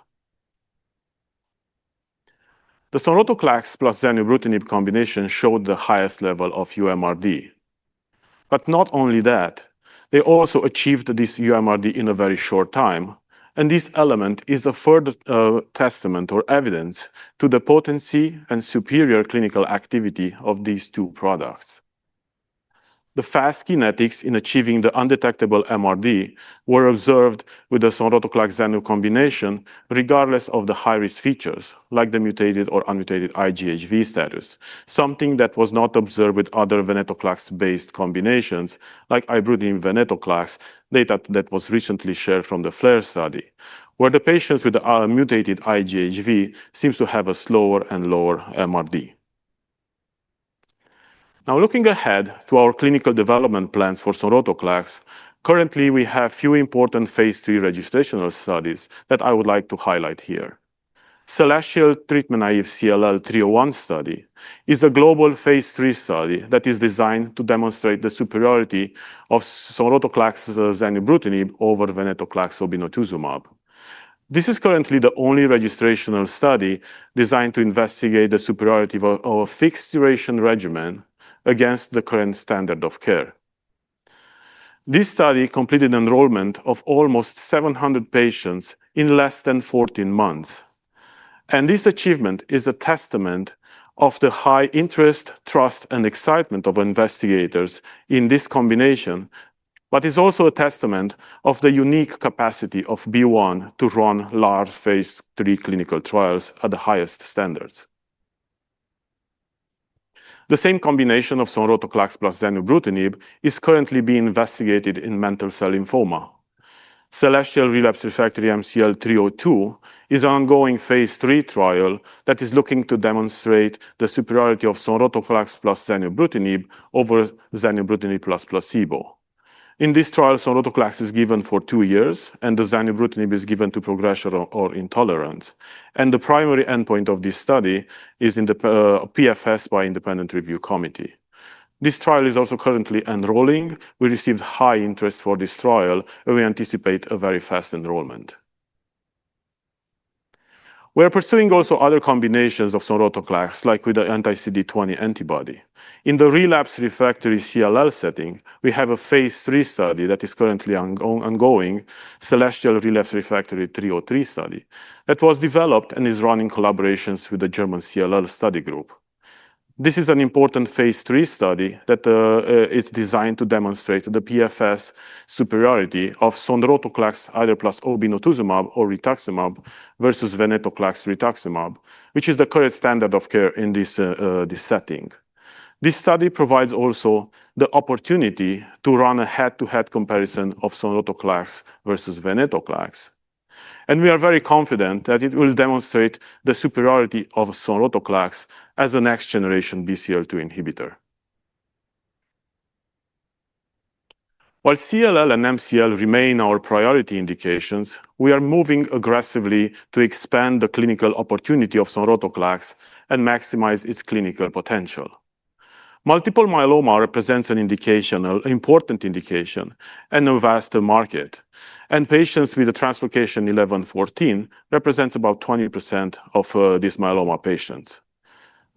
The Sonrotoclax plus zanubrutinib combination showed the highest level of uMRD, but not only that, they also achieved this uMRD in a very short time, and this element is a further testament or evidence to the potency and superior clinical activity of these two products. The fast kinetics in achieving the undetectable MRD were observed with the Sonrotoclax zanubrutinib combination, regardless of the high-risk features, like the mutated or unmutated IgHV status, something that was not observed with other venetoclax-based combinations, like ibrutinib-venetoclax data that was recently shared from the FLAIR study, where the patients with a mutated IgHV seem to have a slower and lower MRD. Now, looking ahead to our clinical development plans for Sonrotoclax, currently we have few important phase III registrational studies that I would like to highlight here. Celestial Treatment-Naive CLL 301 study is a global phase III study that is designed to demonstrate the superiority of Sonrotoclax zanubrutinib over venetoclax obinutuzumab. This is currently the only registrational study designed to investigate the superiority of a fixed-duration regimen against the current standard of care. This study completed enrollment of almost 700 patients in less than 14 months, and this achievement is a testament of the high interest, trust, and excitement of investigators in this combination, but is also a testament of the unique capacity of BeOne Medicines to run large phase III clinical trials at the highest standards. The same combination of Sonrotoclax plus zanubrutinib is currently being investigated in mantle cell lymphoma. Celestial Relapsed Refractory MCL 302 is an ongoing phase III trial that is looking to demonstrate the superiority of Sonrotoclax plus zanubrutinib over zanubrutinib plus placebo. In this trial, Sonrotoclax is given for two years, and the zanubrutinib is given to progression or intolerance, and the primary endpoint of this study is in the PFS by Independent Review Committee. This trial is also currently enrolling. We received high interest for this trial, and we anticipate a very fast enrollment. We are pursuing also other combinations of Sonrotoclax, like with the anti-CD20 antibody. In the relapsed refractory CLL setting, we have a phase III study that is currently ongoing, Celestial Relapsed Refractory 303 study, that was developed and is running collaborations with the German CLL study group. This is an important phase III study that is designed to demonstrate the PFS superiority of Sonrotoclax either plus obinutuzumab or rituximab versus venetoclax rituximab, which is the current standard of care in this setting. This study provides also the opportunity to run a head-to-head comparison of Sonrotoclax versus venetoclax, and we are very confident that it will demonstrate the superiority of Sonrotoclax as a next-generation BCL2 inhibitor. While CLL and MCL remain our priority indications, we are moving aggressively to expand the clinical opportunity of Sonrotoclax and maximize its clinical potential. Multiple myeloma represents an indication, an important indication, and a vast market, and patients with a translocation 11-14 represents about 20% of these myeloma patients.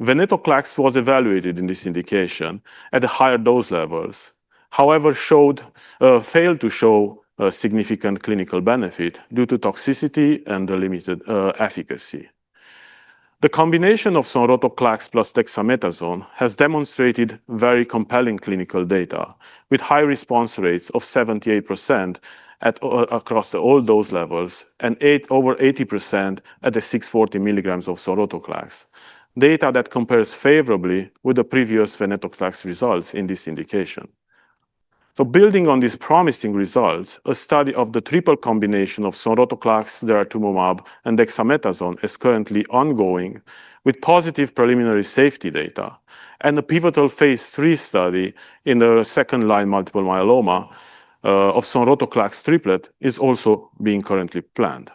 Venetoclax was evaluated in this indication at the higher dose levels, however, failed to show significant clinical benefit due to toxicity and limited efficacy. The combination of Sonrotoclax plus dexamethasone has demonstrated very compelling clinical data with high response rates of 78% across all dose levels and over 80% at the 640 milligrams of Sonrotoclax, data that compares favorably with the previous venetoclax results in this indication. Building on these promising results, a study of the triple combination of Sonrotoclax, daratumumab, and dexamethasone is currently ongoing with positive preliminary safety data, and a pivotal phase III study in the second-line multiple myeloma of Sonrotoclax triplet is also being currently planned.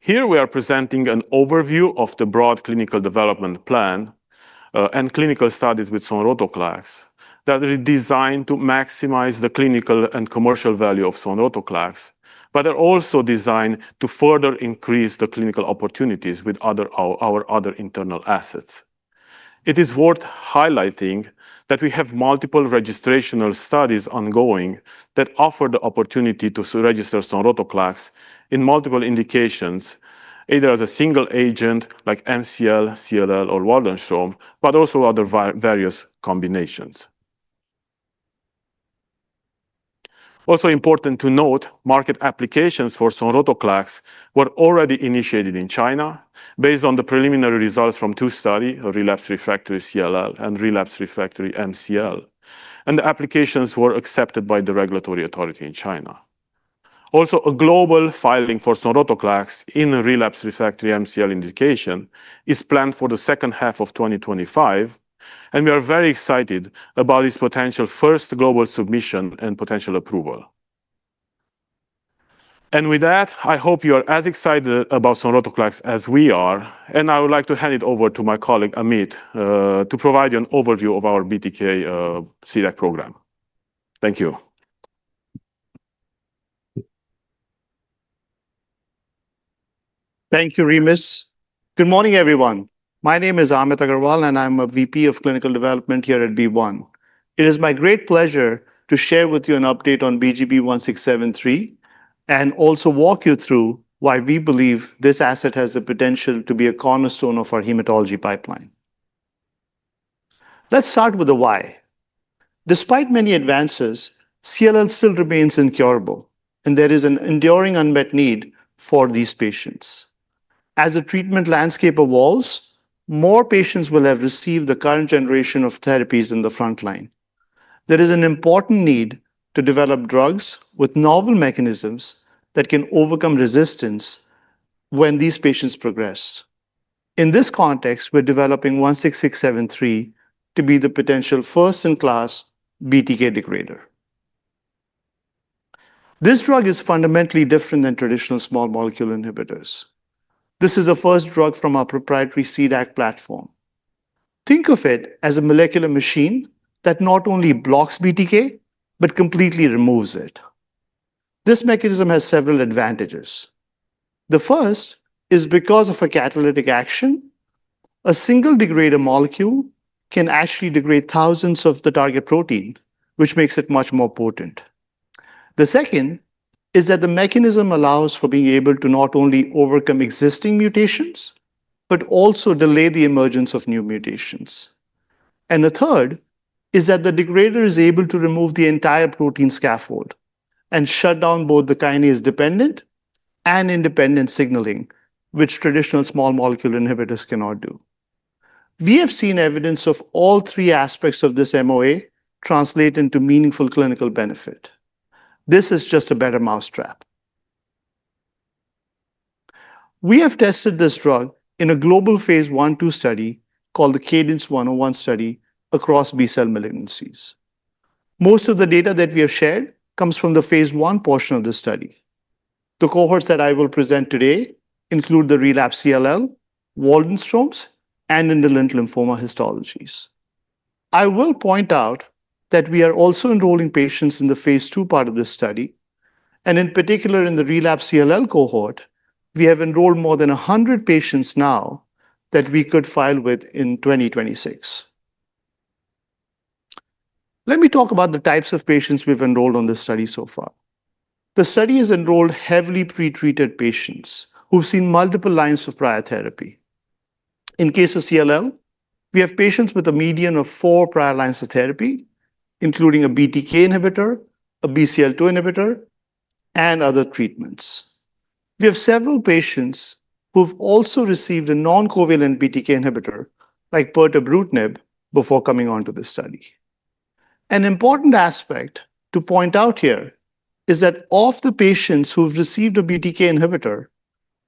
Here we are presenting an overview of the broad clinical development plan and clinical studies with Sonrotoclax that are designed to maximize the clinical and commercial value of Sonrotoclax, but are also designed to further increase the clinical opportunities with our other internal assets. It is worth highlighting that we have multiple registrational studies ongoing that offer the opportunity to register Sonrotoclax in multiple indications, either as a single agent like MCL, CLL, or Waldenstrom, but also other various combinations. Also important to note, market applications for Sonrotoclax were already initiated in China based on the preliminary results from two studies, relapsed refractory CLL and relapsed refractory MCL, and the applications were accepted by the regulatory authority in China. Also, a global filing for Sonrotoclax in relapsed refractory MCL indication is planned for the second half of 2025, and we are very excited about this potential first global submission and potential approval. I hope you are as excited about Sonrotoclax as we are, and I would like to hand it over to my colleague Amit to provide you an overview of our BTK-CDAC program. Thank you. Thank you, Remus. Good morning, everyone. My name is Amit Agarwal, and I'm a VP of Clinical Development here at BeOne Medicines. It is my great pleasure to share with you an update on BGB-16673 and also walk you through why we believe this asset has the potential to be a cornerstone of our hematology pipeline. Let's start with the why. Despite many advances, CLL still remains incurable, and there is an enduring unmet need for these patients. As the treatment landscape evolves, more patients will have received the current generation of therapies in the front line. There is an important need to develop drugs with novel mechanisms that can overcome resistance when these patients progress. In this context, we're developing BGB-16673 to be the potential first-in-class BTK degrader. This drug is fundamentally different than traditional small molecule inhibitors. This is a first drug from our proprietary CDAC platform. Think of it as a molecular machine that not only blocks BTK, but completely removes it. This mechanism has several advantages. The first is because of a catalytic action, a single degrader molecule can actually degrade thousands of the target protein, which makes it much more potent. The second is that the mechanism allows for being able to not only overcome existing mutations, but also delay the emergence of new mutations. The third is that the degrader is able to remove the entire protein scaffold and shut down both the kinase-dependent and independent signaling, which traditional small molecule inhibitors cannot do. We have seen evidence of all three aspects of this MOA translate into meaningful clinical benefit. This is just a better mousetrap. We have tested this drug in a global phase I-II study called the Cadence 101 study across B-cell malignancies. Most of the data that we have shared comes from the phase I portion of the study. The cohorts that I will present today include the relapsed CLL, Waldenstrom's, and indolent lymphoma histologies. I will point out that we are also enrolling patients in the phase II part of this study, and in particular in the relapsed CLL cohort, we have enrolled more than 100 patients now that we could file with in 2026. Let me talk about the types of patients we've enrolled on this study so far. The study has enrolled heavily pretreated patients who've seen multiple lines of prior therapy. In case of CLL, we have patients with a median of four prior lines of therapy, including a BTK inhibitor, a BCL2 inhibitor, and other treatments. We have several patients who've also received a non-covalent BTK inhibitor like pirtobrutinib before coming onto this study. An important aspect to point out here is that of the patients who've received a BTK inhibitor,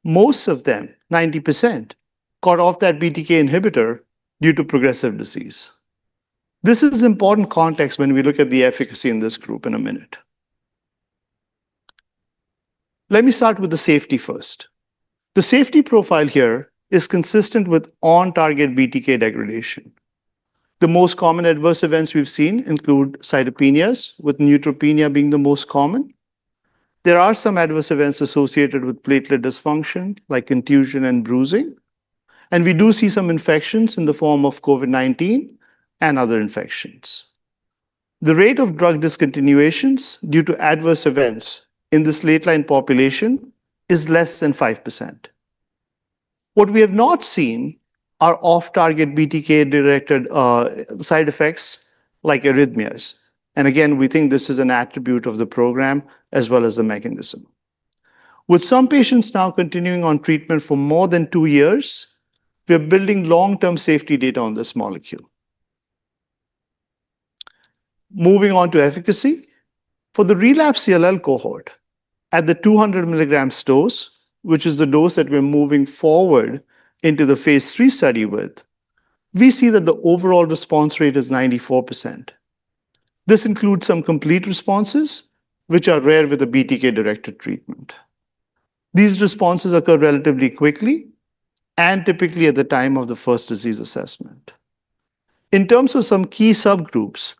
most of them, 90%, got off that BTK inhibitor due to progressive disease. This is important context when we look at the efficacy in this group in a minute. Let me start with the safety first. The safety profile here is consistent with on-target BTK degradation. The most common adverse events we've seen include cytopenias, with neutropenia being the most common. There are some adverse events associated with platelet dysfunction, like contusion and bruising, and we do see some infections in the form of COVID-19 and other infections. The rate of drug discontinuations due to adverse events in this lateline population is less than 5%. What we have not seen are off-target BTK-directed side effects like arrhythmias, and again, we think this is an attribute of the program as well as the mechanism. With some patients now continuing on treatment for more than two years, we're building long-term safety data on this molecule. Moving on to efficacy, for the relapsed CLL cohort at the 200 milligrams dose, which is the dose that we're moving forward into the phase III study with, we see that the overall response rate is 94%. This includes some complete responses, which are rare with the BTK-directed treatment. These responses occur relatively quickly and typically at the time of the first disease assessment. In terms of some key subgroups,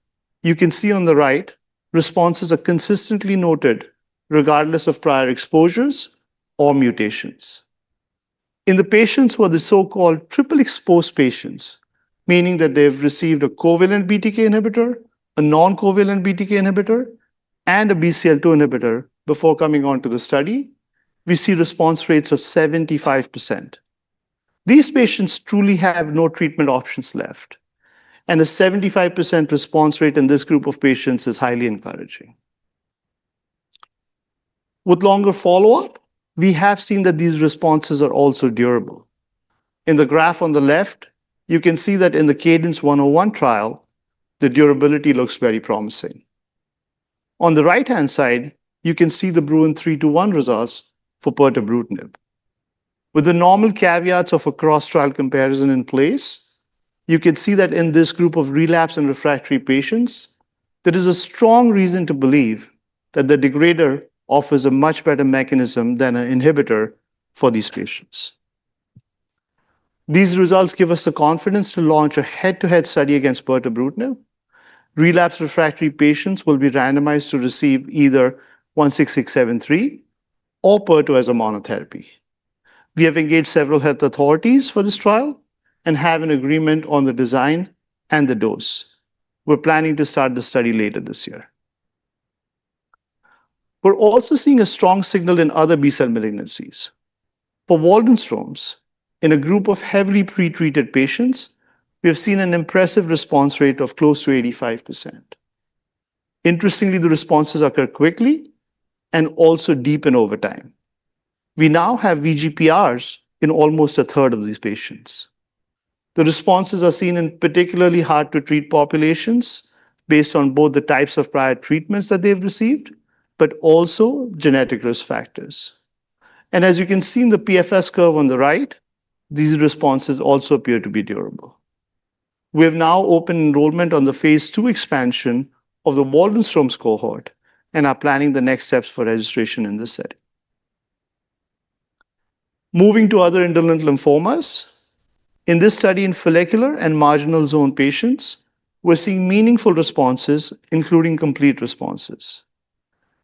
you can see on the right, responses are consistently noted regardless of prior exposures or mutations. In the patients who are the so-called triple-exposed patients, meaning that they've received a covalent BTK inhibitor, a non-covalent BTK inhibitor, and a BCL2 inhibitor before coming onto the study, we see response rates of 75%. These patients truly have no treatment options left, and a 75% response rate in this group of patients is highly encouraging. With longer follow-up, we have seen that these responses are also durable. In the graph on the left, you can see that in the Cadence 101 trial, the durability looks very promising. On the right-hand side, you can see the Bruin 3-1 results for pirtobrutinib. With the normal caveats of a cross-trial comparison in place, you can see that in this group of relapsed and refractory patients, there is a strong reason to believe that the degrader offers a much better mechanism than an inhibitor for these patients. These results give us the confidence to launch a head-to-head study against pirtobrutinib. Relapsed refractory patients will be randomized to receive either 16673 or pirtobrutinib monotherapy. We have engaged several health authorities for this trial and have an agreement on the design and the dose. We're planning to start the study later this year. We're also seeing a strong signal in other B-cell malignancies. For Waldenstrom's, in a group of heavily pretreated patients, we have seen an impressive response rate of close to 85%. Interestingly, the responses occur quickly and also deepen over time. We now have VGPRs in almost a third of these patients. The responses are seen in particularly hard-to-treat populations based on both the types of prior treatments that they've received, but also genetic risk factors. As you can see in the PFS curve on the right, these responses also appear to be durable. We have now opened enrollment on the phase II expansion of the Waldenstrom's cohort and are planning the next steps for registration in this setting. Moving to other indolent lymphomas, in this study in follicular and marginal zone patients, we're seeing meaningful responses, including complete responses.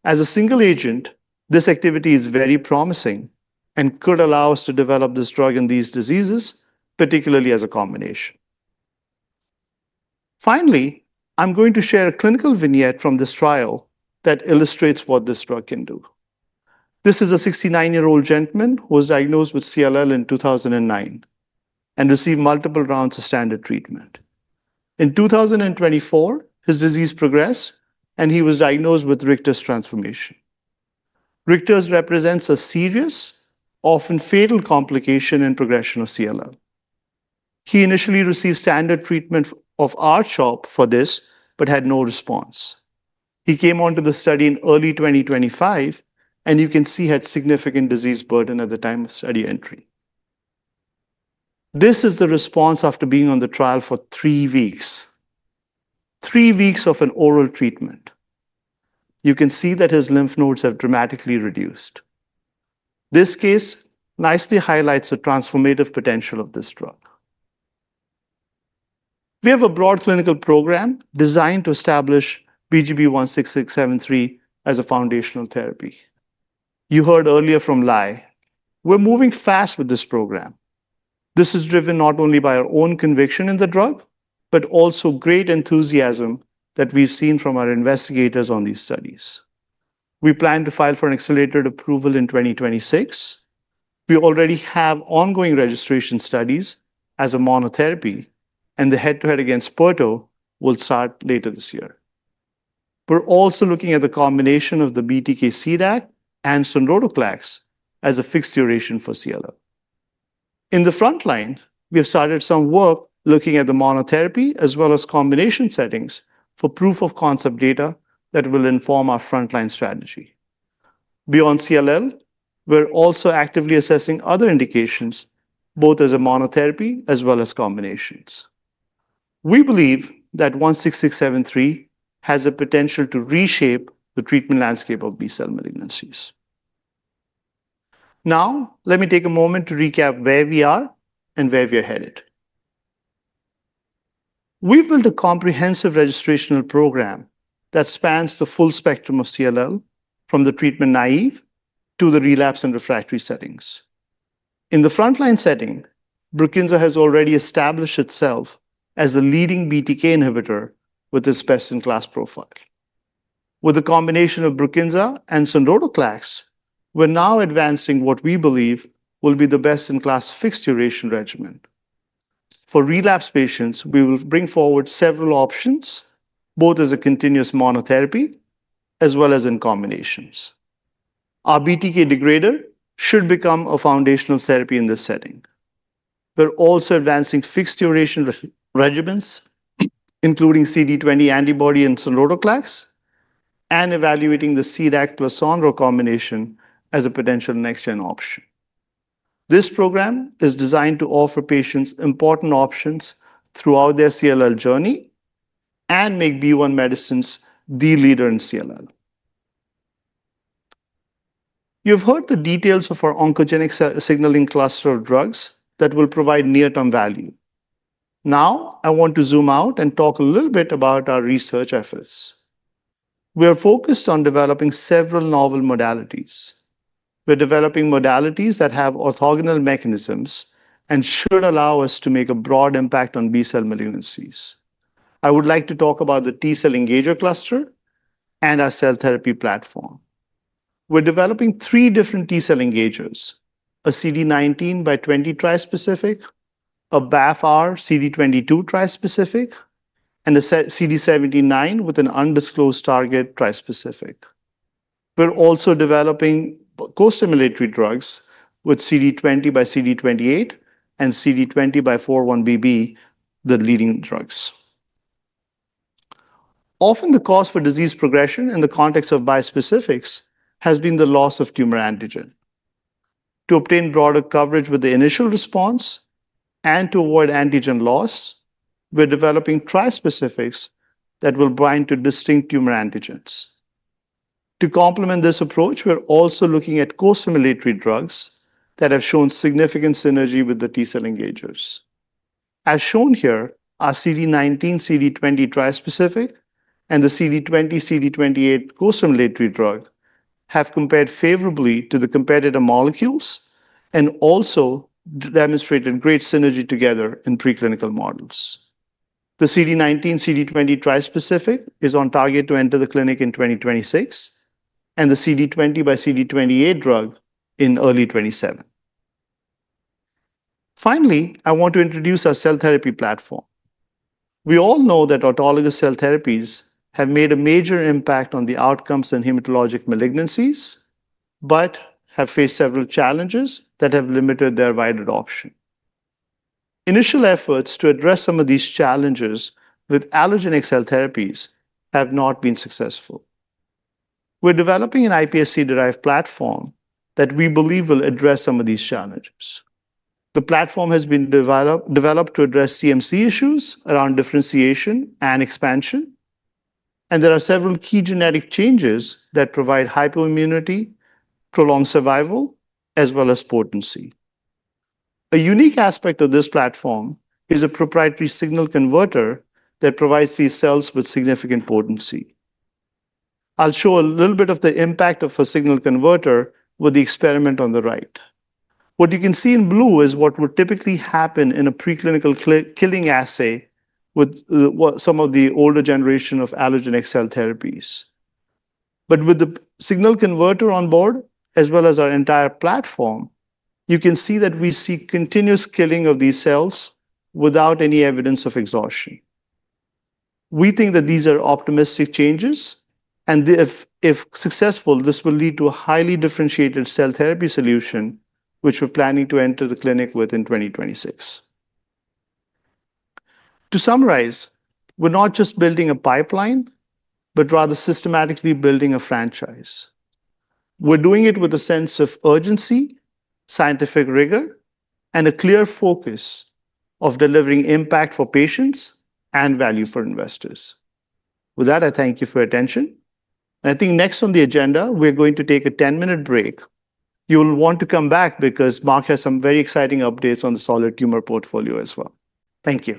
As a single agent, this activity is very promising and could allow us to develop this drug in these diseases, particularly as a combination. Finally, I'm going to share a clinical vignette from this trial that illustrates what this drug can do. This is a 69-year-old gentleman who was diagnosed with CLL in 2009 and received multiple rounds of standard treatment. In 2024, his disease progressed and he was diagnosed with Richter's transformation. Richter's represents a serious, often fatal complication in progression of CLL. He initially received standard treatment of R-CHOP for this, but had no response. He came onto the study in early 2025, and you can see he had significant disease burden at the time of study entry. This is the response after being on the trial for three weeks, three weeks of an oral treatment. You can see that his lymph nodes have dramatically reduced. This case nicely highlights the transformative potential of this drug. We have a broad clinical program designed to establish BGB-16673 as a foundational therapy. You heard earlier from Lai. We're moving fast with this program. This is driven not only by our own conviction in the drug, but also great enthusiasm that we've seen from our investigators on these studies. We plan to file for an accelerated approval in 2026. We already have ongoing registration studies as a monotherapy, and the head-to-head against Jaypirca will start later this year. We're also looking at the combination of the BTK-CDAC and Sonrotoclax as a fixed duration for CLL. In the front line, we have started some work looking at the monotherapy as well as combination settings for proof-of-concept data that will inform our frontline strategy. Beyond CLL, we're also actively assessing other indications, both as a monotherapy as well as combinations. We believe that 16673 has the potential to reshape the treatment landscape of B-cell malignancies. Now, let me take a moment to recap where we are and where we are headed. We've built a comprehensive registrational program that spans the full spectrum of CLL, from the treatment naive to the relapsed and refractory settings. In the frontline setting, Brukinsa has already established itself as the leading BTK inhibitor with this best-in-class profile. With the combination of Brukinsa and Sonrotoclax, we're now advancing what we believe will be the best-in-class fixed duration regimen. For relapsed patients, we will bring forward several options, both as a continuous monotherapy as well as in combinations. Our BTK degrader should become a foundational therapy in this setting. We're also advancing fixed duration regimens, including CD20 antibody and Sonrotoclax, and evaluating the CDAC plus onro combination as a potential next-gen option. This program is designed to offer patients important options throughout their CLL journey and make BeOne Medicines the leader in CLL. You've heard the details of our oncogenic signaling cluster of drugs that will provide near-term value. Now, I want to zoom out and talk a little bit about our research efforts. We are focused on developing several novel modalities. We're developing modalities that have orthogonal mechanisms and should allow us to make a broad impact on B-cell malignancies. I would like to talk about the T-cell engager cluster and our cell therapy platform. We're developing three different T-cell engagers: a CD19 by 20 trispecific, a BAFFR CD22 trispecific, and a CD79 with an undisclosed target trispecific. We're also developing co-stimulatory drugs with CD20 by CD28 and CD20 by 41BB, the leading drugs. Often, the cause for disease progression in the context of bispecifics has been the loss of tumor antigen. To obtain broader coverage with the initial response and to avoid antigen loss, we're developing trispecifics that will bind to distinct tumor antigens. To complement this approach, we're also looking at co-stimulatory drugs that have shown significant synergy with the T-cell engagers. As shown here, our CD19, CD20 trispecific, and the CD20, CD28 co-stimulatory drug have compared favorably to the competitor molecules and also demonstrated great synergy together in preclinical models. The CD19, CD20 trispecific is on target to enter the clinic in 2026, and the CD20 by CD28 drug in early 2027. Finally, I want to introduce our cell therapy platform. We all know that autologous cell therapies have made a major impact on the outcomes in hematologic malignancies, but have faced several challenges that have limited their wide adoption. Initial efforts to address some of these challenges with allogeneic cell therapies have not been successful. We're developing an IPSC-derived platform that we believe will address some of these challenges. The platform has been developed to address CMC issues around differentiation and expansion, and there are several key genetic changes that provide hypoimmunity, prolonged survival, as well as potency. A unique aspect of this platform is a proprietary signal converter that provides these cells with significant potency. I'll show a little bit of the impact of a signal converter with the experiment on the right. What you can see in blue is what would typically happen in a preclinical killing assay with some of the older generation of allogeneic cell therapies. With the signal converter on board, as well as our entire platform, you can see that we see continuous killing of these cells without any evidence of exhaustion. We think that these are optimistic changes, and if successful, this will lead to a highly differentiated cell therapy solution, which we're planning to enter the clinic with in 2026. To summarize, we're not just building a pipeline, but rather systematically building a franchise. We're doing it with a sense of urgency, scientific rigor, and a clear focus of delivering impact for patients and value for investors. With that, I thank you for your attention. I think next on the agenda, we're going to take a 10-minute break. You'll want to come back because Mark has some very exciting updates on the solid tumor portfolio as well. Thank you.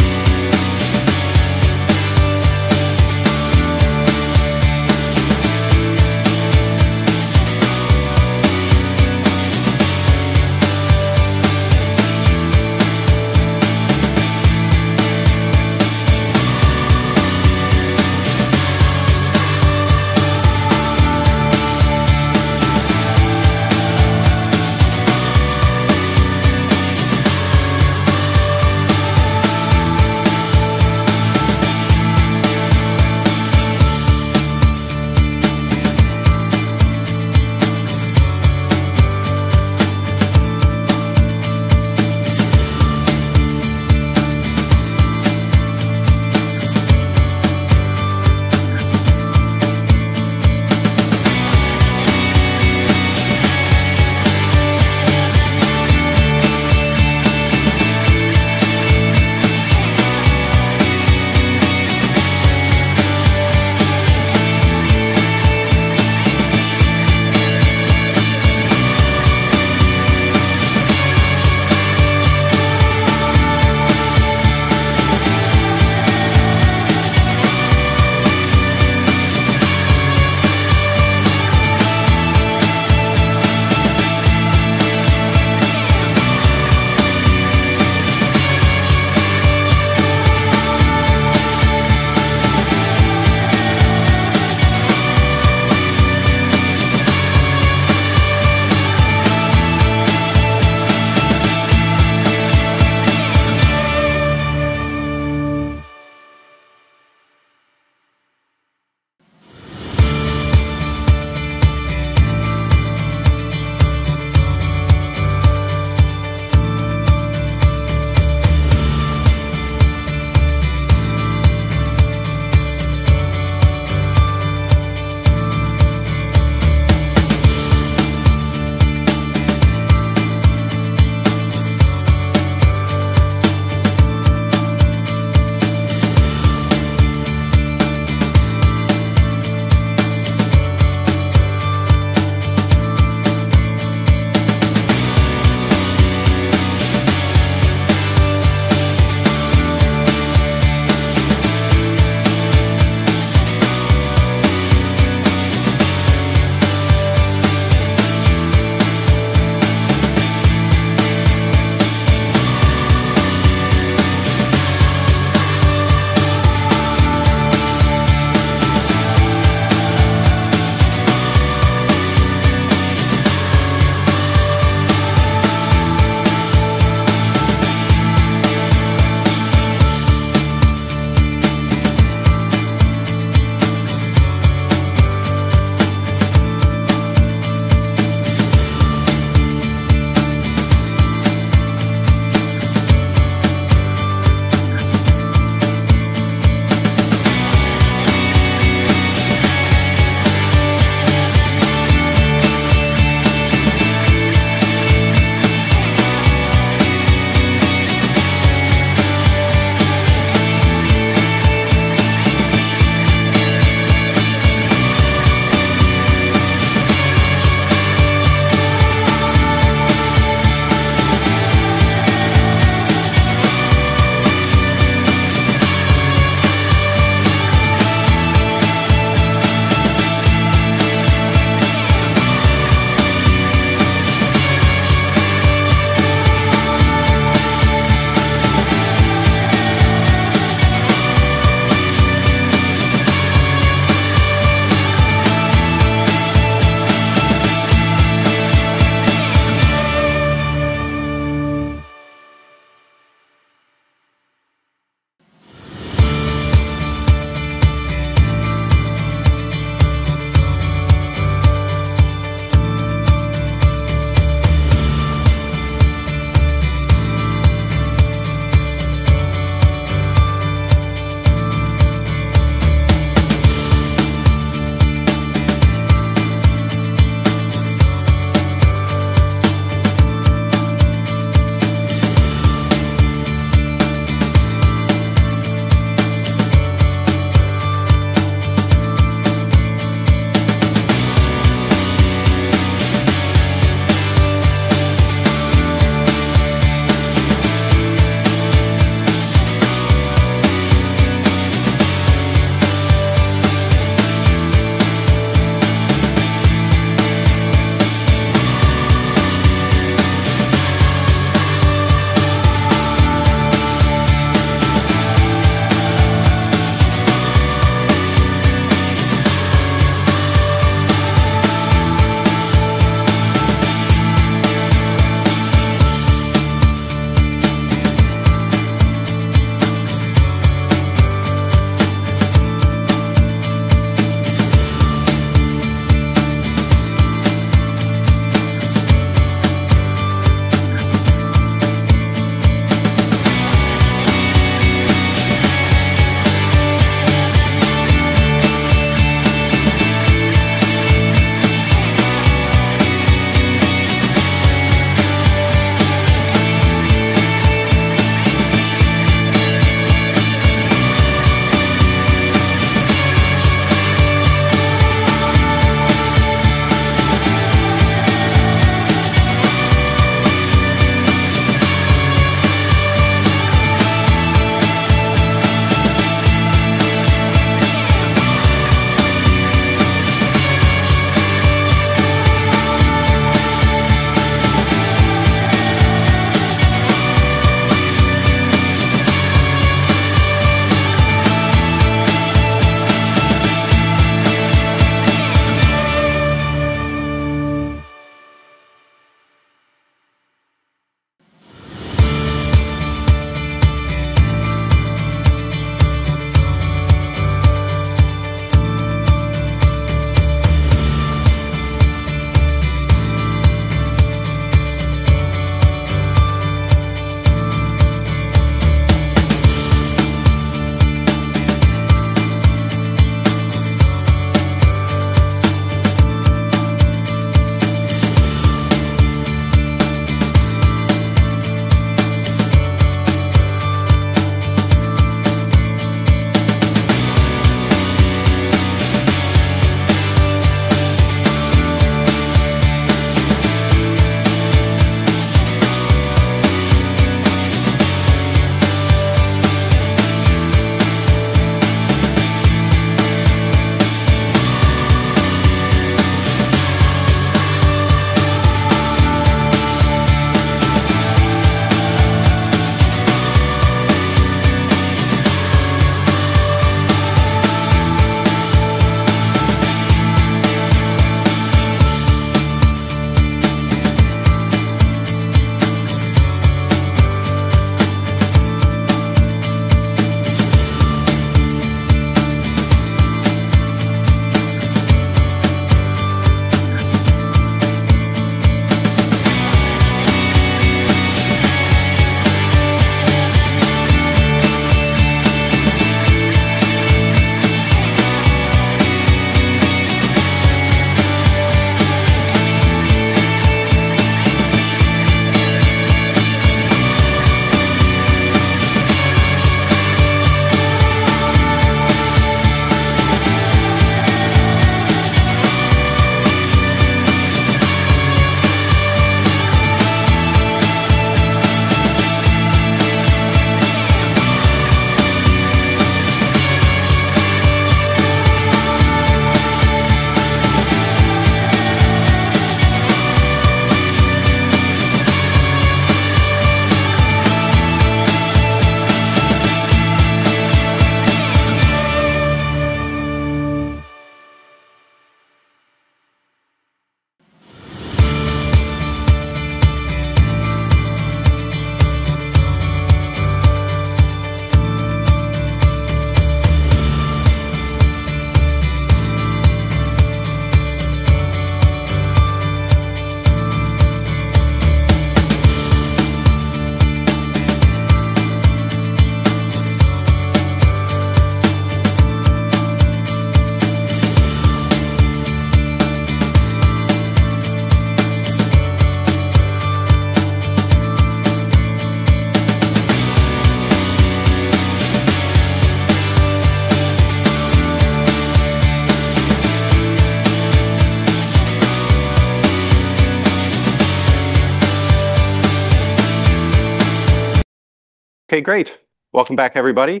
Okay, great. Welcome back, everybody.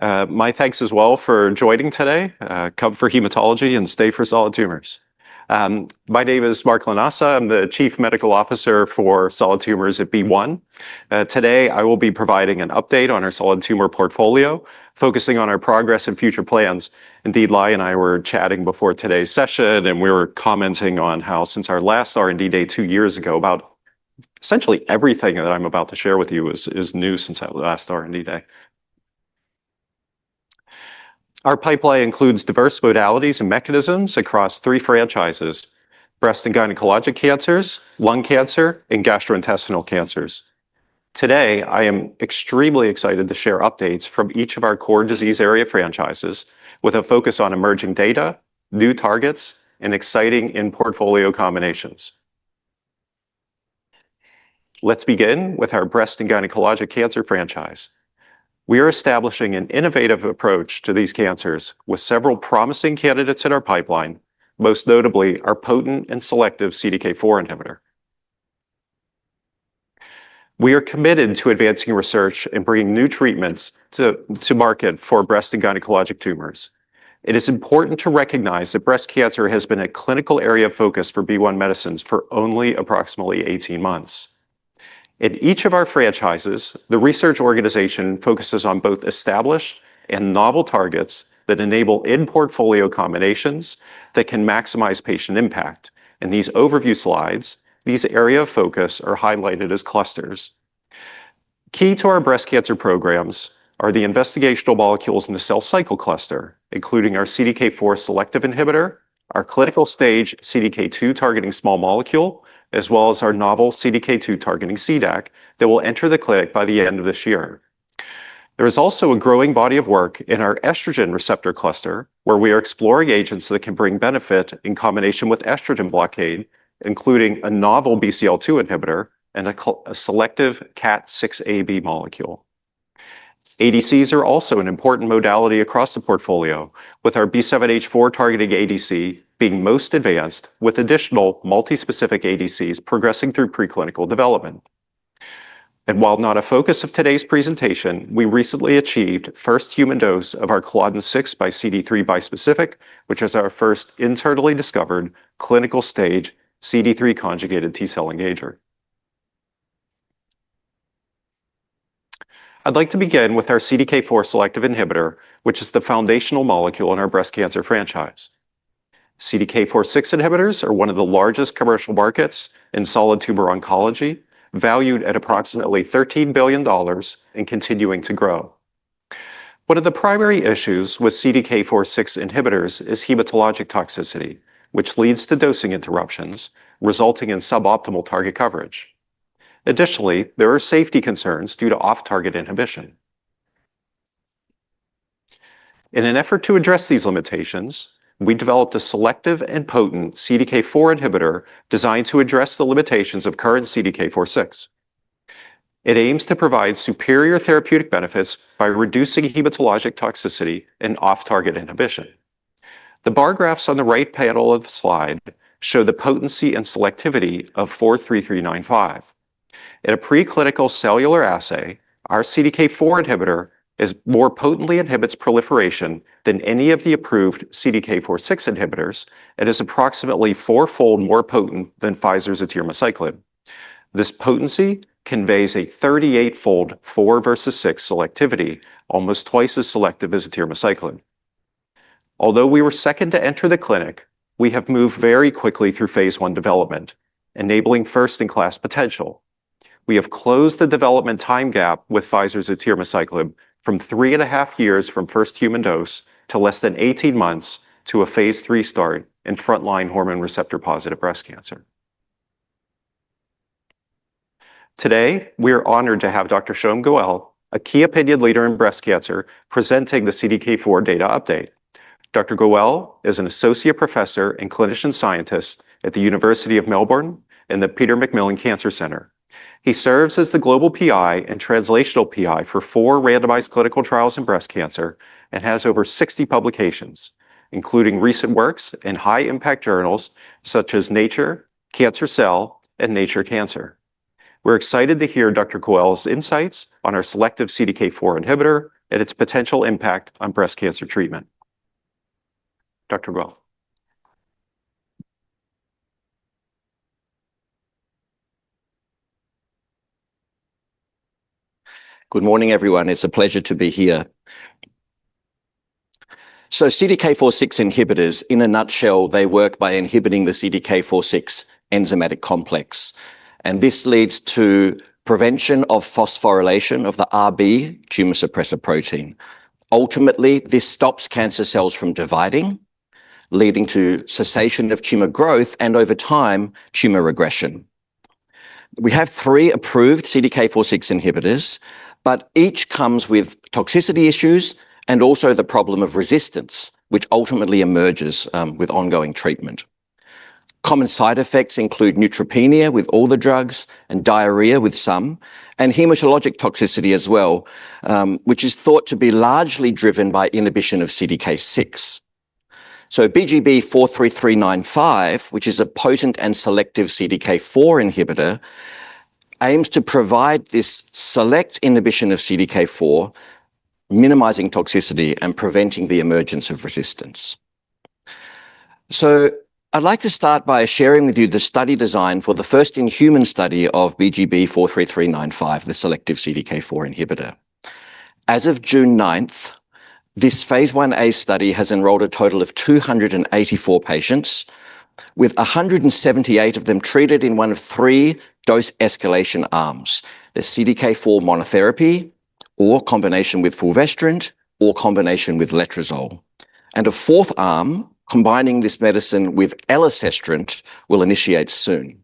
My thanks as well for joining today. Come for hematology and stay for solid tumors. My name is Mark Lanassa. I'm the Chief Medical Officer for Solid Tumors at BeOne Medicines. Today I will be providing an update on our solid tumor portfolio, focusing on our progress and future plans. Indeed, Lai and I were chatting before today's session, and we were commenting on how, since our last R&D day two years ago, about essentially everything that I'm about to share with you is new since our last R&D day. Our pipeline includes diverse modalities and mechanisms across three franchises: breast and gynecologic cancers, lung cancer, and gastrointestinal cancers. Today, I am extremely excited to share updates from each of our core disease area franchises, with a focus on emerging data, new targets, and exciting in-portfolio combinations. Let's begin with our breast and gynecologic cancer franchise. We are establishing an innovative approach to these cancers with several promising candidates in our pipeline, most notably our potent and selective CDK4 inhibitor. We are committed to advancing research and bringing new treatments to market for breast and gynecologic tumors. It is important to recognize that breast cancer has been a clinical area of focus for BeOne Medicines for only approximately 18 months. In each of our franchises, the research organization focuses on both established and novel targets that enable in-portfolio combinations that can maximize patient impact. In these overview slides, these areas of focus are highlighted as clusters. Key to our breast cancer programs are the investigational molecules in the cell cycle cluster, including our CDK4 selective inhibitor, our clinical stage CDK2 targeting small molecule, as well as our novel CDK2 targeting CDAC that will enter the clinic by the end of this year. There is also a growing body of work in our estrogen receptor cluster, where we are exploring agents that can bring benefit in combination with estrogen blockade, including a novel BCL2 inhibitor and a selective CAT6AB molecule. ADCs are also an important modality across the portfolio, with our B7-H4 targeting ADC being most advanced, with additional multi-specific ADCs progressing through preclinical development. While not a focus of today's presentation, we recently achieved the first human dose of our CALODN6 by CD3 bispecific, which is our first internally discovered clinical stage CD3 conjugated T cell engager. I'd like to begin with our CDK4 selective inhibitor, which is the foundational molecule in our breast cancer franchise. CDK4/6 inhibitors are one of the largest commercial markets in solid tumor oncology, valued at approximately $13 billion and continuing to grow. One of the primary issues with CDK4/6 inhibitors is hematologic toxicity, which leads to dosing interruptions, resulting in suboptimal target coverage. Additionally, there are safety concerns due to off-target inhibition. In an effort to address these limitations, we developed a selective and potent CDK4 inhibitor designed to address the limitations of current CDK4/6. It aims to provide superior therapeutic benefits by reducing hematologic toxicity and off-target inhibition. The bar graphs on the right panel of the slide show the potency and selectivity of 43395. In a preclinical cellular assay, our CDK4 inhibitor more potently inhibits proliferation than any of the approved CDK4/6 inhibitors. It is approximately four-fold more potent than Pfizer's CAT6AB. This potency conveys a 38-fold 4 versus 6 selectivity, almost twice as selective as CAT6AB. Although we were second to enter the clinic, we have moved very quickly through phase one development, enabling first-in-class potential. We have closed the development time gap with Pfizer's CAT6AB from three and a half years from first human dose to less than 18 months to a phase three start in frontline hormone receptor positive breast cancer. Today, we are honored to have Dr. Shom Goel, a key opinion leader in breast cancer, presenting the CDK4 data update. Dr. Goel is an Associate Professor and clinician scientist at the University of Melbourne and the Peter MacCallum Cancer Centre. He serves as the global PI and translational PI for four randomized clinical trials in breast cancer and has over 60 publications, including recent works in high-impact journals such as Nature, Cancer Cell, and Nature Cancer. We're excited to hear Dr. Goel's insights on our selective CDK4 inhibitor and its potential impact on breast cancer treatment. Dr. Goel. Good morning, everyone. It's a pleasure to be here. CDK4/6 inhibitors, in a nutshell, they work by inhibiting the CDK4/6 enzymatic complex, and this leads to prevention of phosphorylation of the RB tumor suppressor protein. Ultimately, this stops cancer cells from dividing, leading to cessation of tumor growth and, over time, tumor regression. We have three approved CDK4/6 inhibitors, but each comes with toxicity issues and also the problem of resistance, which ultimately emerges with ongoing treatment. Common side effects include neutropenia with all the drugs and diarrhea with some, and hematologic toxicity as well, which is thought to be largely driven by inhibition of CDK6. BGB-43395, which is a potent and selective CDK4 inhibitor, aims to provide this select inhibition of CDK4, minimizing toxicity and preventing the emergence of resistance. I would like to start by sharing with you the study design for the first in-human study of BGB-43395, the selective CDK4 inhibitor. As of June 9th, this phase I A study has enrolled a total of 284 patients, with 178 of them treated in one of three dose escalation arms: the CDK4 monotherapy, or combination with fulvestrant, or combination with letrozole. A fourth arm, combining this medicine with elacestrant, will initiate soon.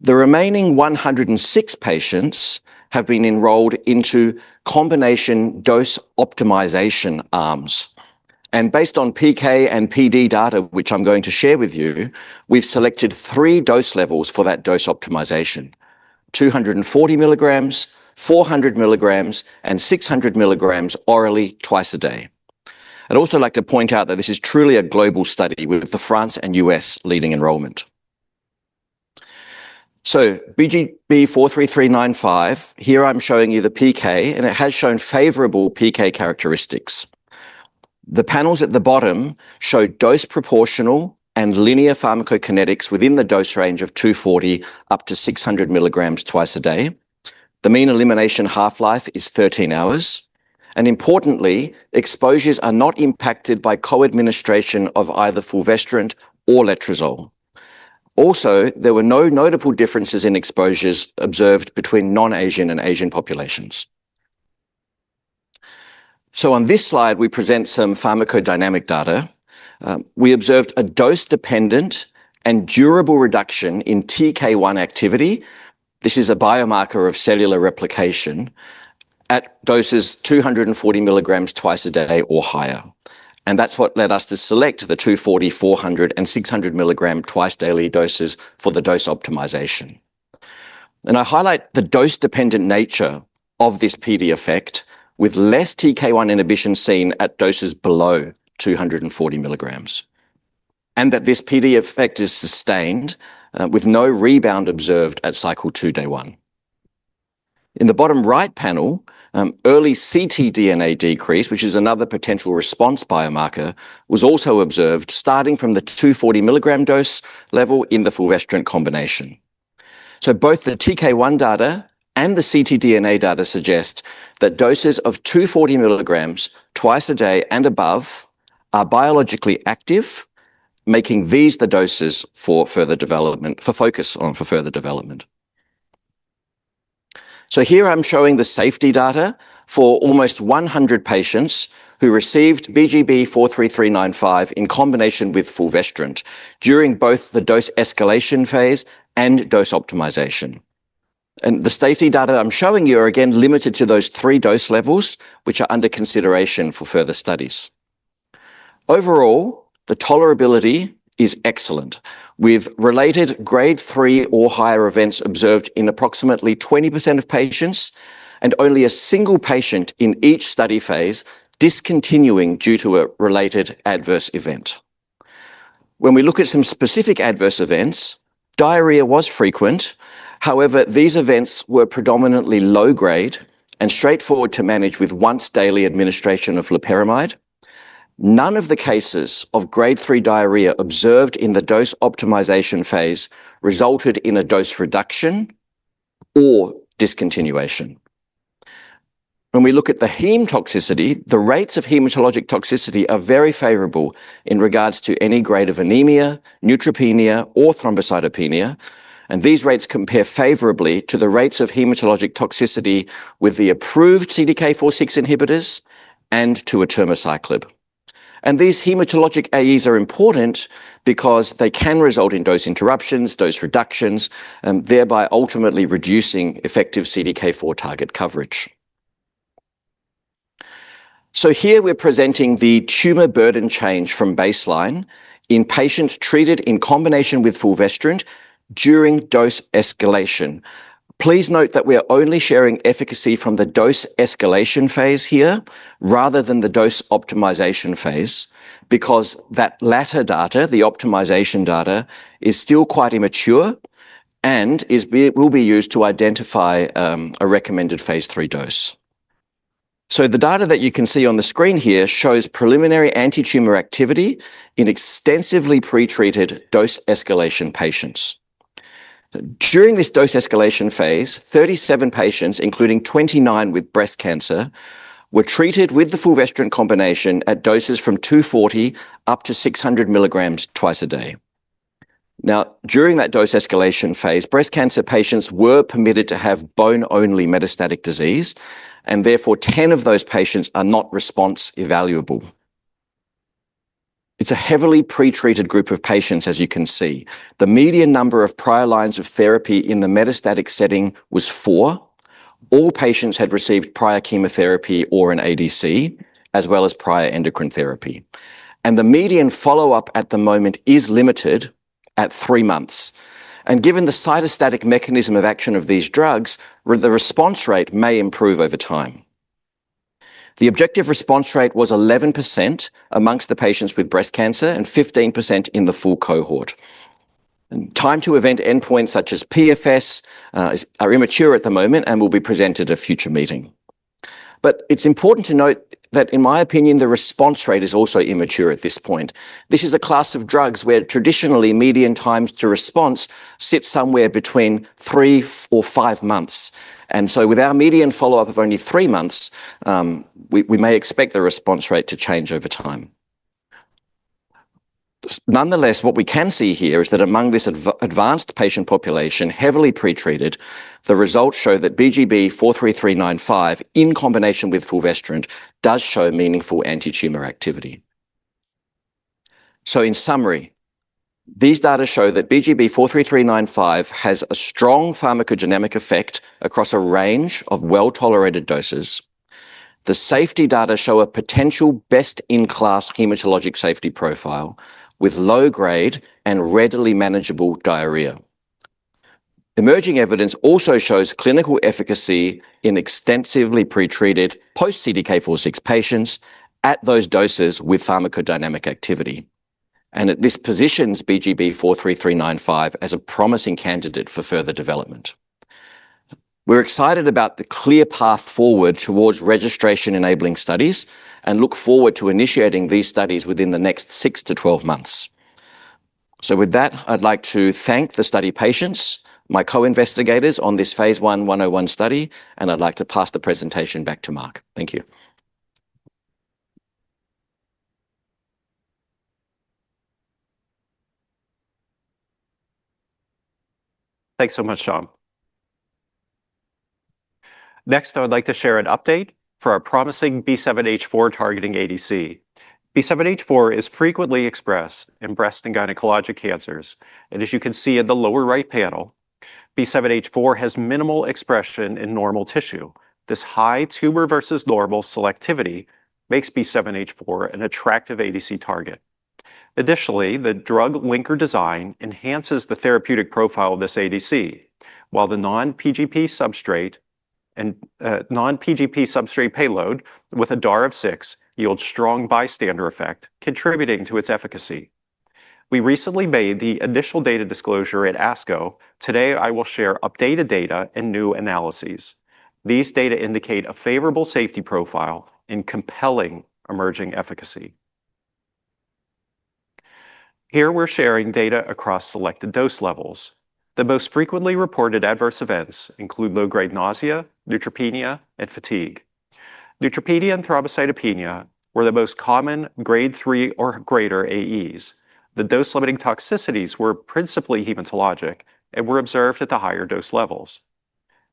The remaining 106 patients have been enrolled into combination dose optimization arms. Based on PK and PD data, which I'm going to share with you, we've selected three dose levels for that dose optimization: 240 milligrams, 400 milligrams, and 600 milligrams orally twice a day. I'd also like to point out that this is truly a global study with France and the U.S. leading enrollment. BGB-43395, here I'm showing you the PK, and it has shown favorable PK characteristics. The panels at the bottom show dose-proportional and linear pharmacokinetics within the dose range of 240-600 milligrams twice a day. The mean elimination half-life is 13 hours. Importantly, exposures are not impacted by co-administration of either fulvestrant or letrozole. Also, there were no notable differences in exposures observed between non-Asian and Asian populations. On this slide, we present some pharmacodynamic data. We observed a dose-dependent and durable reduction in TK1 activity. This is a biomarker of cellular replication at doses 240 milligrams twice a day or higher. That is what led us to select the 240, 400, and 600 milligram twice daily doses for the dose optimization. I highlight the dose-dependent nature of this PD effect, with less TK1 inhibition seen at doses below 240 milligrams, and that this PD effect is sustained with no rebound observed at cycle two, day one. In the bottom right panel, early CT DNA decrease, which is another potential response biomarker, was also observed starting from the 240 milligram dose level in the fulvestrant combination. Both the TK1 data and the CT DNA data suggest that doses of 240 milligrams twice a day and above are biologically active, making these the doses for further development, for focus on for further development. Here I'm showing the safety data for almost 100 patients who received BGB-43395 in combination with fulvestrant during both the dose escalation phase and dose optimization. The safety data I'm showing you are again limited to those three dose levels, which are under consideration for further studies. Overall, the tolerability is excellent, with related grade 3 or higher events observed in approximately 20% of patients, and only a single patient in each study phase discontinuing due to a related adverse event. When we look at some specific adverse events, diarrhea was frequent. However, these events were predominantly low-grade and straightforward to manage with once-daily administration of loperamide. None of the cases of grade 3 diarrhea observed in the dose optimization phase resulted in a dose reduction or discontinuation. When we look at the heme toxicity, the rates of hematologic toxicity are very favorable in regards to any grade of anemia, neutropenia, or thrombocytopenia. These rates compare favorably to the rates of hematologic toxicity with the approved CDK4/6 inhibitors and to atiromicinabin. These hematologic AEs are important because they can result in dose interruptions, dose reductions, and thereby ultimately reducing effective CDK4 target coverage. Here we're presenting the tumor burden change from baseline in patients treated in combination with fulvestrant during dose escalation. Please note that we are only sharing efficacy from the dose escalation phase here rather than the dose optimization phase, because that latter data, the optimization data, is still quite immature and will be used to identify a recommended phase three dose. The data that you can see on the screen here shows preliminary anti-tumor activity in extensively pretreated dose escalation patients. During this dose escalation phase, 37 patients, including 29 with breast cancer, were treated with the fulvestrant combination at doses from 240 up to 600 milligrams twice a day. Now, during that dose escalation phase, breast cancer patients were permitted to have bone-only metastatic disease, and therefore 10 of those patients are not response evaluable. It's a heavily pretreated group of patients, as you can see. The median number of prior lines of therapy in the metastatic setting was four. All patients had received prior chemotherapy or an ADC, as well as prior endocrine therapy. The median follow-up at the moment is limited at three months. Given the cytostatic mechanism of action of these drugs, the response rate may improve over time. The objective response rate was 11% amongst the patients with breast cancer and 15% in the full cohort. Time to event endpoints such as PFS are immature at the moment and will be presented at a future meeting. It is important to note that, in my opinion, the response rate is also immature at this point. This is a class of drugs where traditionally median times to response sit somewhere between three or five months. With our median follow-up of only three months, we may expect the response rate to change over time. Nonetheless, what we can see here is that among this advanced patient population, heavily pretreated, the results show that BGB-43395 in combination with fulvestrant does show meaningful anti-tumor activity. In summary, these data show that BGB-43395 has a strong pharmacodynamic effect across a range of well-tolerated doses. The safety data show a potential best-in-class hematologic safety profile with low-grade and readily manageable diarrhea. Emerging evidence also shows clinical efficacy in extensively pretreated post-CDK4/6 patients at those doses with pharmacodynamic activity. This positions BGB-43395 as a promising candidate for further development. We are excited about the clear path forward towards registration-enabling studies and look forward to initiating these studies within the next 6 to 12 months. I would like to thank the study patients, my co-investigators on this phase I 101 study, and I would like to pass the presentation back to Mark. Thank you. Thanks so much, Shom. Next, I would like to share an update for our promising B7-H4 targeting ADC. B7-H4 is frequently expressed in breast and gynecologic cancers. As you can see in the lower right panel, B7-H4 has minimal expression in normal tissue. This high tumor versus normal selectivity makes B7-H4 an attractive ADC target. Additionally, the drug linker design enhances the therapeutic profile of this ADC, while the non-PGP substrate and non-PGP substrate payload with a DAR of six yields strong bystander effect, contributing to its efficacy. We recently made the initial data disclosure at ASCO. Today, I will share updated data and new analyses. These data indicate a favorable safety profile and compelling emerging efficacy. Here, we're sharing data across selected dose levels. The most frequently reported adverse events include low-grade nausea, neutropenia, and fatigue. Neutropenia and thrombocytopenia were the most common grade three or greater AEs. The dose-limiting toxicities were principally hematologic and were observed at the higher dose levels.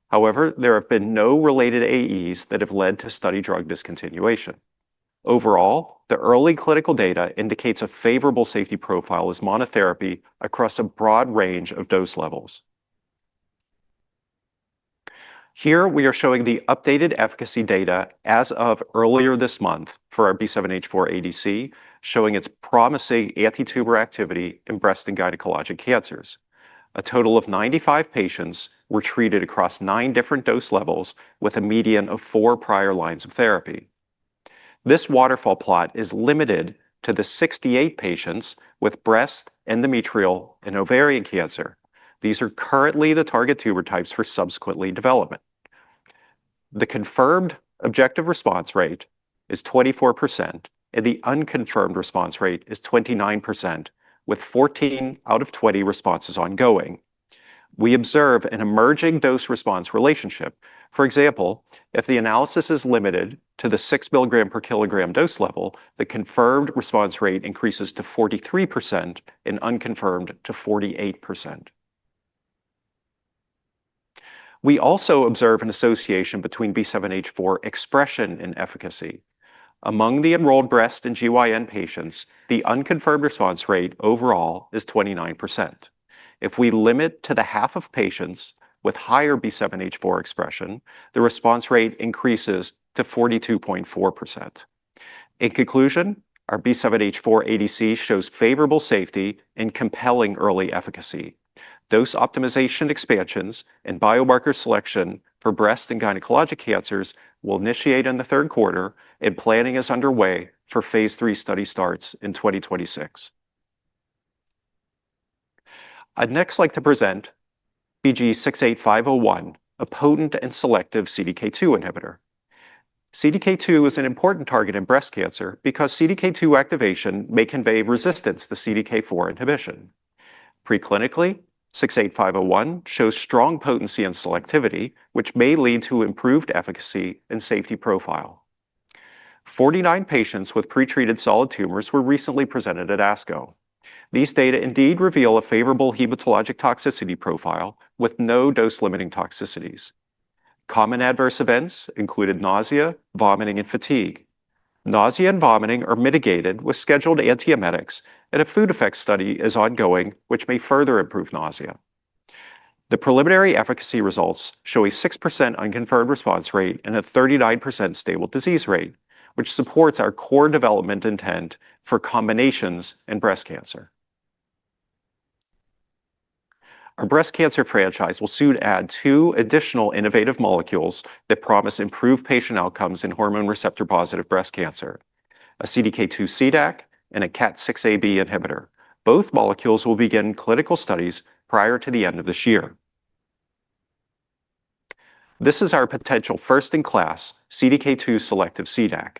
However, there have been no related AEs that have led to study drug discontinuation. Overall, the early clinical data indicates a favorable safety profile as monotherapy across a broad range of dose levels. Here, we are showing the updated efficacy data as of earlier this month for our B7-H4 ADC, showing its promising anti-tumor activity in breast and gynecologic cancers. A total of 95 patients were treated across nine different dose levels with a median of four prior lines of therapy. This waterfall plot is limited to the 68 patients with breast, endometrial, and ovarian cancer. These are currently the target tumor types for subsequent lead development. The confirmed objective response rate is 24%, and the unconfirmed response rate is 29%, with 14 out of 20 responses ongoing. We observe an emerging dose-response relationship. For example, if the analysis is limited to the 6 milligram per kilogram dose level, the confirmed response rate increases to 43% and unconfirmed to 48%. We also observe an association between B7-H4 expression and efficacy. Among the enrolled breast and GYN patients, the unconfirmed response rate overall is 29%. If we limit to the half of patients with higher B7-H4 expression, the response rate increases to 42.4%. In conclusion, our B7-H4 ADC shows favorable safety and compelling early efficacy. Dose optimization expansions and biomarker selection for breast and gynecologic cancers will initiate in the third quarter, and planning is underway for phase three study starts in 2026. I'd next like to present BGB-68501, a potent and selective CDK2 inhibitor. CDK2 is an important target in breast cancer because CDK2 activation may convey resistance to CDK4 inhibition. Preclinically, BGB-68501 shows strong potency and selectivity, which may lead to improved efficacy and safety profile. Forty-nine patients with pretreated solid tumors were recently presented at ASCO. These data indeed reveal a favorable hematologic toxicity profile with no dose-limiting toxicities. Common adverse events included nausea, vomiting, and fatigue. Nausea and vomiting are mitigated with scheduled antiemetics, and a food effects study is ongoing, which may further improve nausea. The preliminary efficacy results show a 6% unconfirmed response rate and a 39% stable disease rate, which supports our core development intent for combinations and breast cancer. Our breast cancer franchise will soon add two additional innovative molecules that promise improved patient outcomes in hormone receptor-positive breast cancer: a CDK2 CDAC and a CAT6AB inhibitor. Both molecules will begin clinical studies prior to the end of this year. This is our potential first-in-class CDK2 selective CDAC.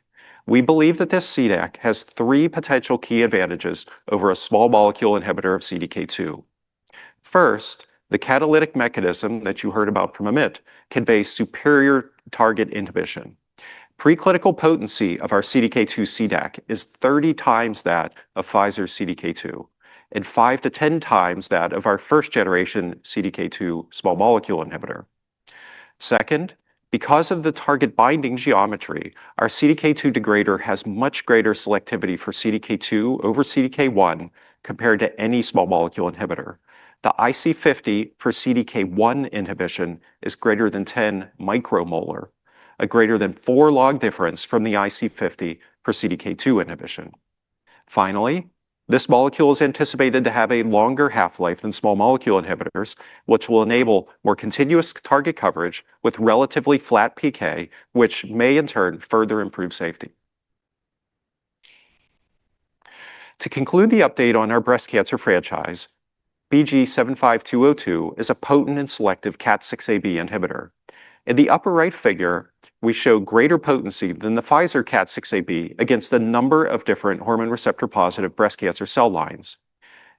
We believe that this CDAC has three potential key advantages over a small molecule inhibitor of CDK2. First, the catalytic mechanism that you heard about from Amit conveys superior target inhibition. Preclinical potency of our CDK2 CDAC is 30 times that of Pfizer CDK2 and 5-10 times that of our first-generation CDK2 small molecule inhibitor. Second, because of the target binding geometry, our CDK2 degrader has much greater selectivity for CDK2 over CDK1 compared to any small molecule inhibitor. The IC50 for CDK1 inhibition is greater than 10 micromolar, a greater than 4 log difference from the IC50 for CDK2 inhibition. Finally, this molecule is anticipated to have a longer half-life than small molecule inhibitors, which will enable more continuous target coverage with relatively flat PK, which may in turn further improve safety. To conclude the update on our breast cancer franchise, BGB75202 is a potent and selective CAT6AB inhibitor. In the upper right figure, we show greater potency than the Pfizer CAT6AB against the number of different hormone receptor-positive breast cancer cell lines.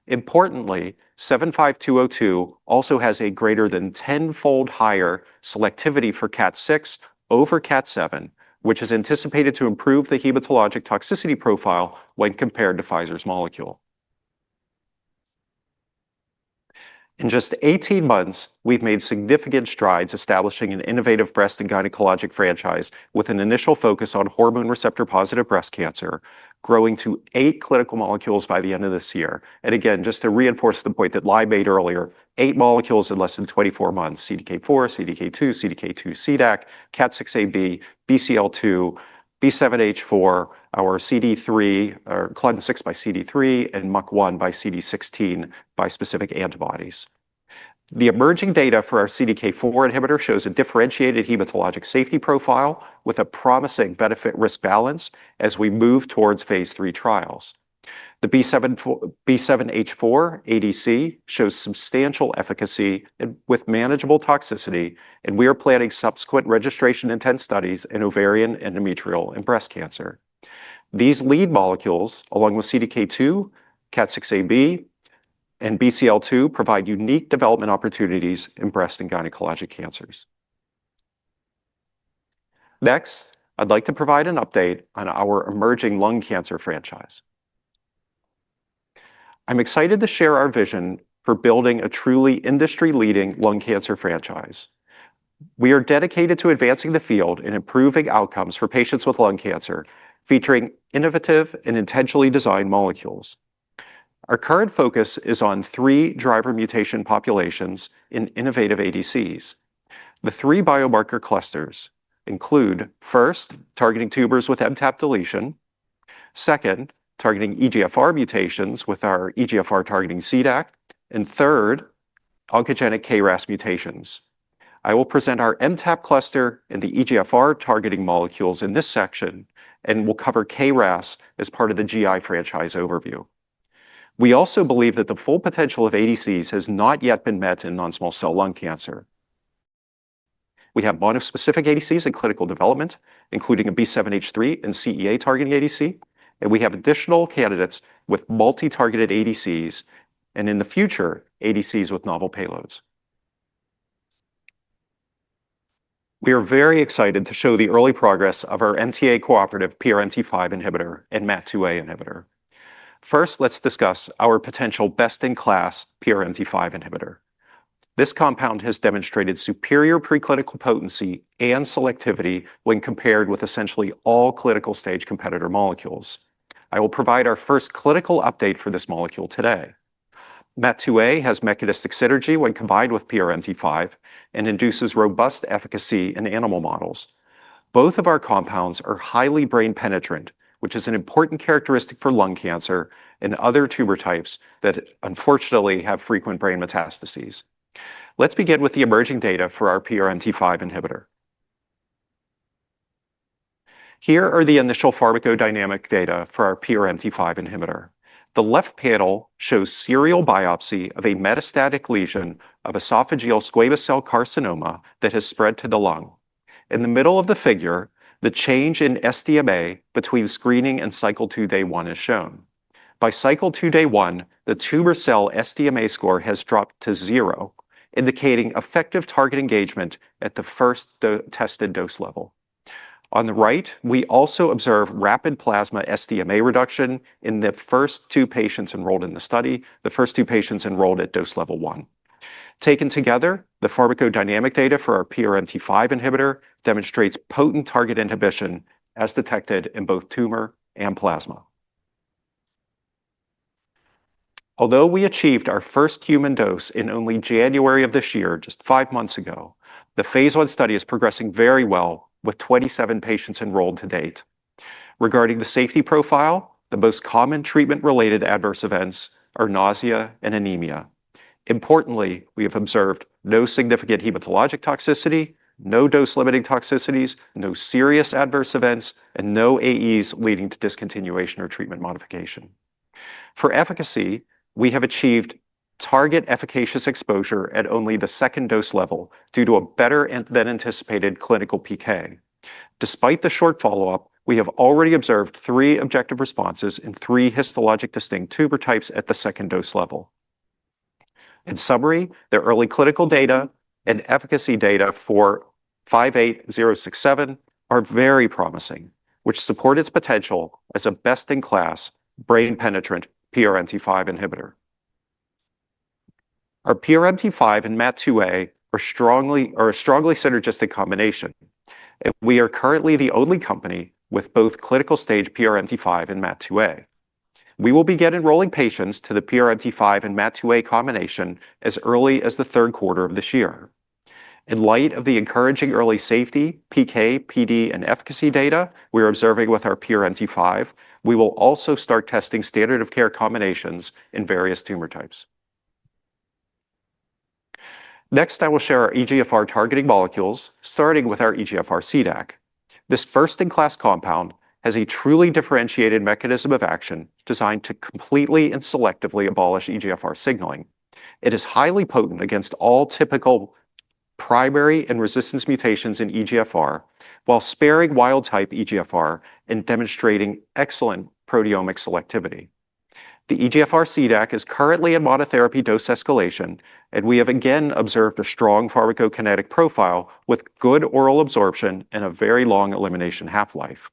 Importantly, BGB75202 also has a greater than 10-fold higher selectivity for CAT6 over CAT7, which is anticipated to improve the hematologic toxicity profile when compared to Pfizer's molecule. In just 18 months, we've made significant strides establishing an innovative breast and gynecologic franchise with an initial focus on hormone receptor-positive breast cancer, growing to eight clinical molecules by the end of this year. Just to reinforce the point that Lai made earlier, eight molecules in less than 24 months: CDK4, CDK2, CDK2 CDAC, CAT6AB, BCL2, B7-H4, our CD3, or Clon6 by CD3, and MUC1 by CD16 bispecific antibodies. The emerging data for our CDK4 inhibitor shows a differentiated hematologic safety profile with a promising benefit-risk balance as we move towards phase three trials. The B7-H4 ADC shows substantial efficacy with manageable toxicity, and we are planning subsequent registration-intent studies in ovarian, endometrial, and breast cancer. These lead molecules, along with CDK2, CAT6AB, and BCL2, provide unique development opportunities in breast and gynecologic cancers. Next, I'd like to provide an update on our emerging lung cancer franchise. I'm excited to share our vision for building a truly industry-leading lung cancer franchise. We are dedicated to advancing the field and improving outcomes for patients with lung cancer, featuring innovative and intentionally designed molecules. Our current focus is on three driver mutation populations in innovative ADCs. The three biomarker clusters include, first, targeting tumors with MTAP deletion; second, targeting EGFR mutations with our EGFR-targeting CDAC; and third, oncogenic KRAS mutations. I will present our MTAP cluster and the EGFR-targeting molecules in this section, and we'll cover KRAS as part of the GI franchise overview. We also believe that the full potential of ADCs has not yet been met in non-small cell lung cancer. We have a lot of specific ADCs in clinical development, including a B7-H3 and CEA-targeting ADC, and we have additional candidates with multi-targeted ADCs and, in the future, ADCs with novel payloads. We are very excited to show the early progress of our MTA-cooperative PRMT5 inhibitor and MAT2A inhibitor. First, let's discuss our potential best-in-class PRMT5 inhibitor. This compound has demonstrated superior preclinical potency and selectivity when compared with essentially all clinical-stage competitor molecules. I will provide our first clinical update for this molecule today. MAT2A has mechanistic synergy when combined with PRMT5 and induces robust efficacy in animal models. Both of our compounds are highly brain-penetrant, which is an important characteristic for lung cancer and other tumor types that unfortunately have frequent brain metastases. Let's begin with the emerging data for our PRMT5 inhibitor. Here are the initial pharmacodynamic data for our PRMT5 inhibitor. The left panel shows serial biopsy of a metastatic lesion of esophageal squamous cell carcinoma that has spread to the lung. In the middle of the figure, the change in SDMA between screening and cycle two-day-one is shown. By cycle two-day-one, the tumor cell SDMA score has dropped to zero, indicating effective target engagement at the first tested dose level. On the right, we also observe rapid plasma SDMA reduction in the first two patients enrolled in the study, the first two patients enrolled at dose level one. Taken together, the pharmacodynamic data for our PRMT5 inhibitor demonstrates potent target inhibition as detected in both tumor and plasma. Although we achieved our first human dose in only January of this year, just five months ago, the phase one study is progressing very well with 27 patients enrolled to date. Regarding the safety profile, the most common treatment-related adverse events are nausea and anemia. Importantly, we have observed no significant hematologic toxicity, no dose-limiting toxicities, no serious adverse events, and no AEs leading to discontinuation or treatment modification. For efficacy, we have achieved target efficacious exposure at only the second dose level due to a better-than-anticipated clinical PK. Despite the short follow-up, we have already observed three objective responses in three histologic distinct tumor types at the second dose level. In summary, the early clinical data and efficacy data for 58067 are very promising, which support its potential as a best-in-class brain-penetrant PRMT5 inhibitor. Our PRMT5 and MAT2A are a strongly synergistic combination, and we are currently the only company with both clinical-stage PRMT5 and MAT2A. We will begin enrolling patients to the PRMT5 and MAT2A combination as early as the third quarter of this year. In light of the encouraging early safety, PK, PD, and efficacy data we are observing with our PRMT5, we will also start testing standard-of-care combinations in various tumor types. Next, I will share our EGFR-targeting molecules, starting with our EGFR CDAC. This first-in-class compound has a truly differentiated mechanism of action designed to completely and selectively abolish EGFR signaling. It is highly potent against all typical primary and resistance mutations in EGFR, while sparing wild-type EGFR and demonstrating excellent proteomic selectivity. The EGFR CDAC is currently in monotherapy dose escalation, and we have again observed a strong pharmacokinetic profile with good oral absorption and a very long elimination half-life.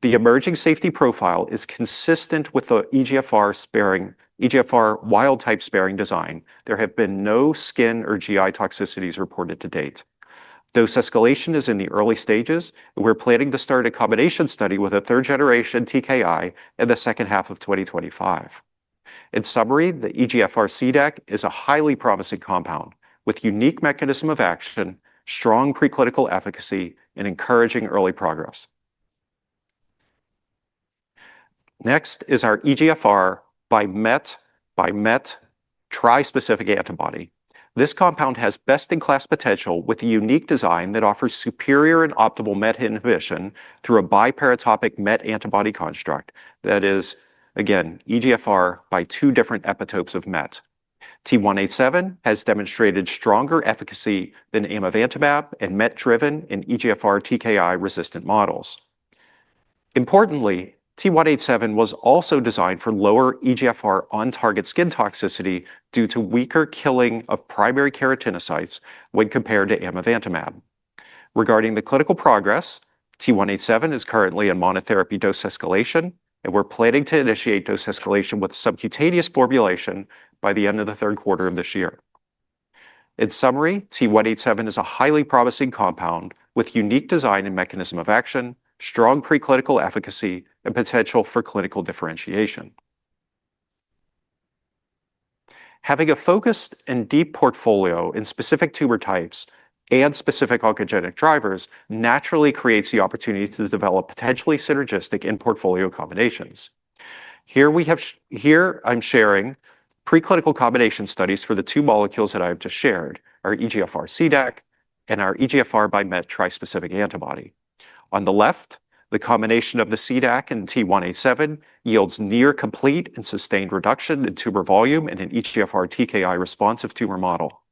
The emerging safety profile is consistent with the EGFR wild-type sparing design. There have been no skin or GI toxicities reported to date. Dose escalation is in the early stages, and we're planning to start a combination study with a third-generation TKI in the second half of 2025. In summary, the EGFR CDAC is a highly promising compound with a unique mechanism of action, strong preclinical efficacy, and encouraging early progress. Next is our EGFR by MET by MET tri-specific antibody. This compound has best-in-class potential with a unique design that offers superior and optimal MET inhibition through a biparatopic MET antibody construct that is, again, EGFR by two different epitopes of MET. T187 has demonstrated stronger efficacy than amivantamab and MET-driven in EGFR TKI-resistant models. Importantly, T187 was also designed for lower EGFR on-target skin toxicity due to weaker killing of primary keratinocytes when compared to amivantamab. Regarding the clinical progress, T187 is currently in monotherapy dose escalation, and we're planning to initiate dose escalation with subcutaneous formulation by the end of the third quarter of this year. In summary, T187 is a highly promising compound with a unique design and mechanism of action, strong preclinical efficacy, and potential for clinical differentiation. Having a focused and deep portfolio in specific tumor types and specific oncogenic drivers naturally creates the opportunity to develop potentially synergistic in-portfolio combinations. Here I'm sharing preclinical combination studies for the two molecules that I have just shared: our EGFR CDAC and our EGFR by MET tri-specific antibody. On the left, the combination of the CDAC and T187 yields near-complete and sustained reduction in tumor volume in an EGFR TKI-responsive tumor model.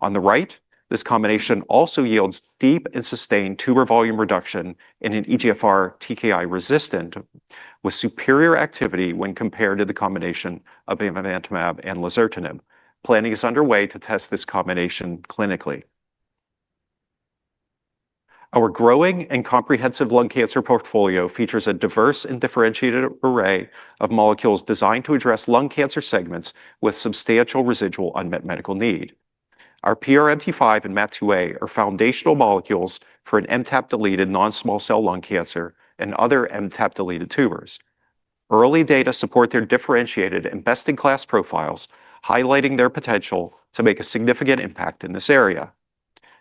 On the right, this combination also yields deep and sustained tumor volume reduction in an EGFR TKI-resistant with superior activity when compared to the combination of amivantamab and lazertinib. Planning is underway to test this combination clinically. Our growing and comprehensive lung cancer portfolio features a diverse and differentiated array of molecules designed to address lung cancer segments with substantial residual unmet medical need. Our PRMT5 and MAT2A are foundational molecules for an MTAP-deleted non-small cell lung cancer and other MTAP-deleted tumors. Early data support their differentiated and best-in-class profiles, highlighting their potential to make a significant impact in this area.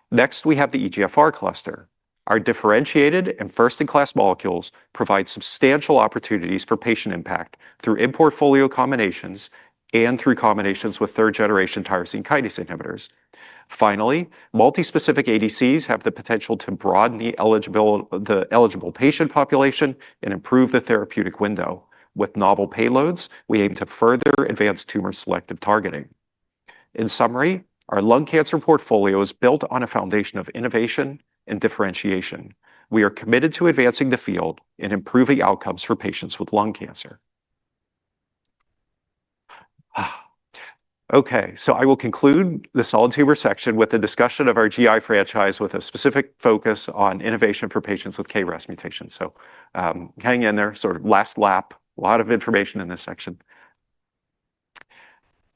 Next, we have the EGFR cluster. Our differentiated and first-in-class molecules provide substantial opportunities for patient impact through in-portfolio combinations and through combinations with third-generation tyrosine kinase inhibitors. Finally, multi-specific ADCs have the potential to broaden the eligible patient population and improve the therapeutic window. With novel payloads, we aim to further advance tumor selective targeting. In summary, our lung cancer portfolio is built on a foundation of innovation and differentiation. We are committed to advancing the field and improving outcomes for patients with lung cancer. Okay, I will conclude the solid tumor section with a discussion of our GI franchise with a specific focus on innovation for patients with KRAS mutation. Hang in there, sort of last lap. A lot of information in this section.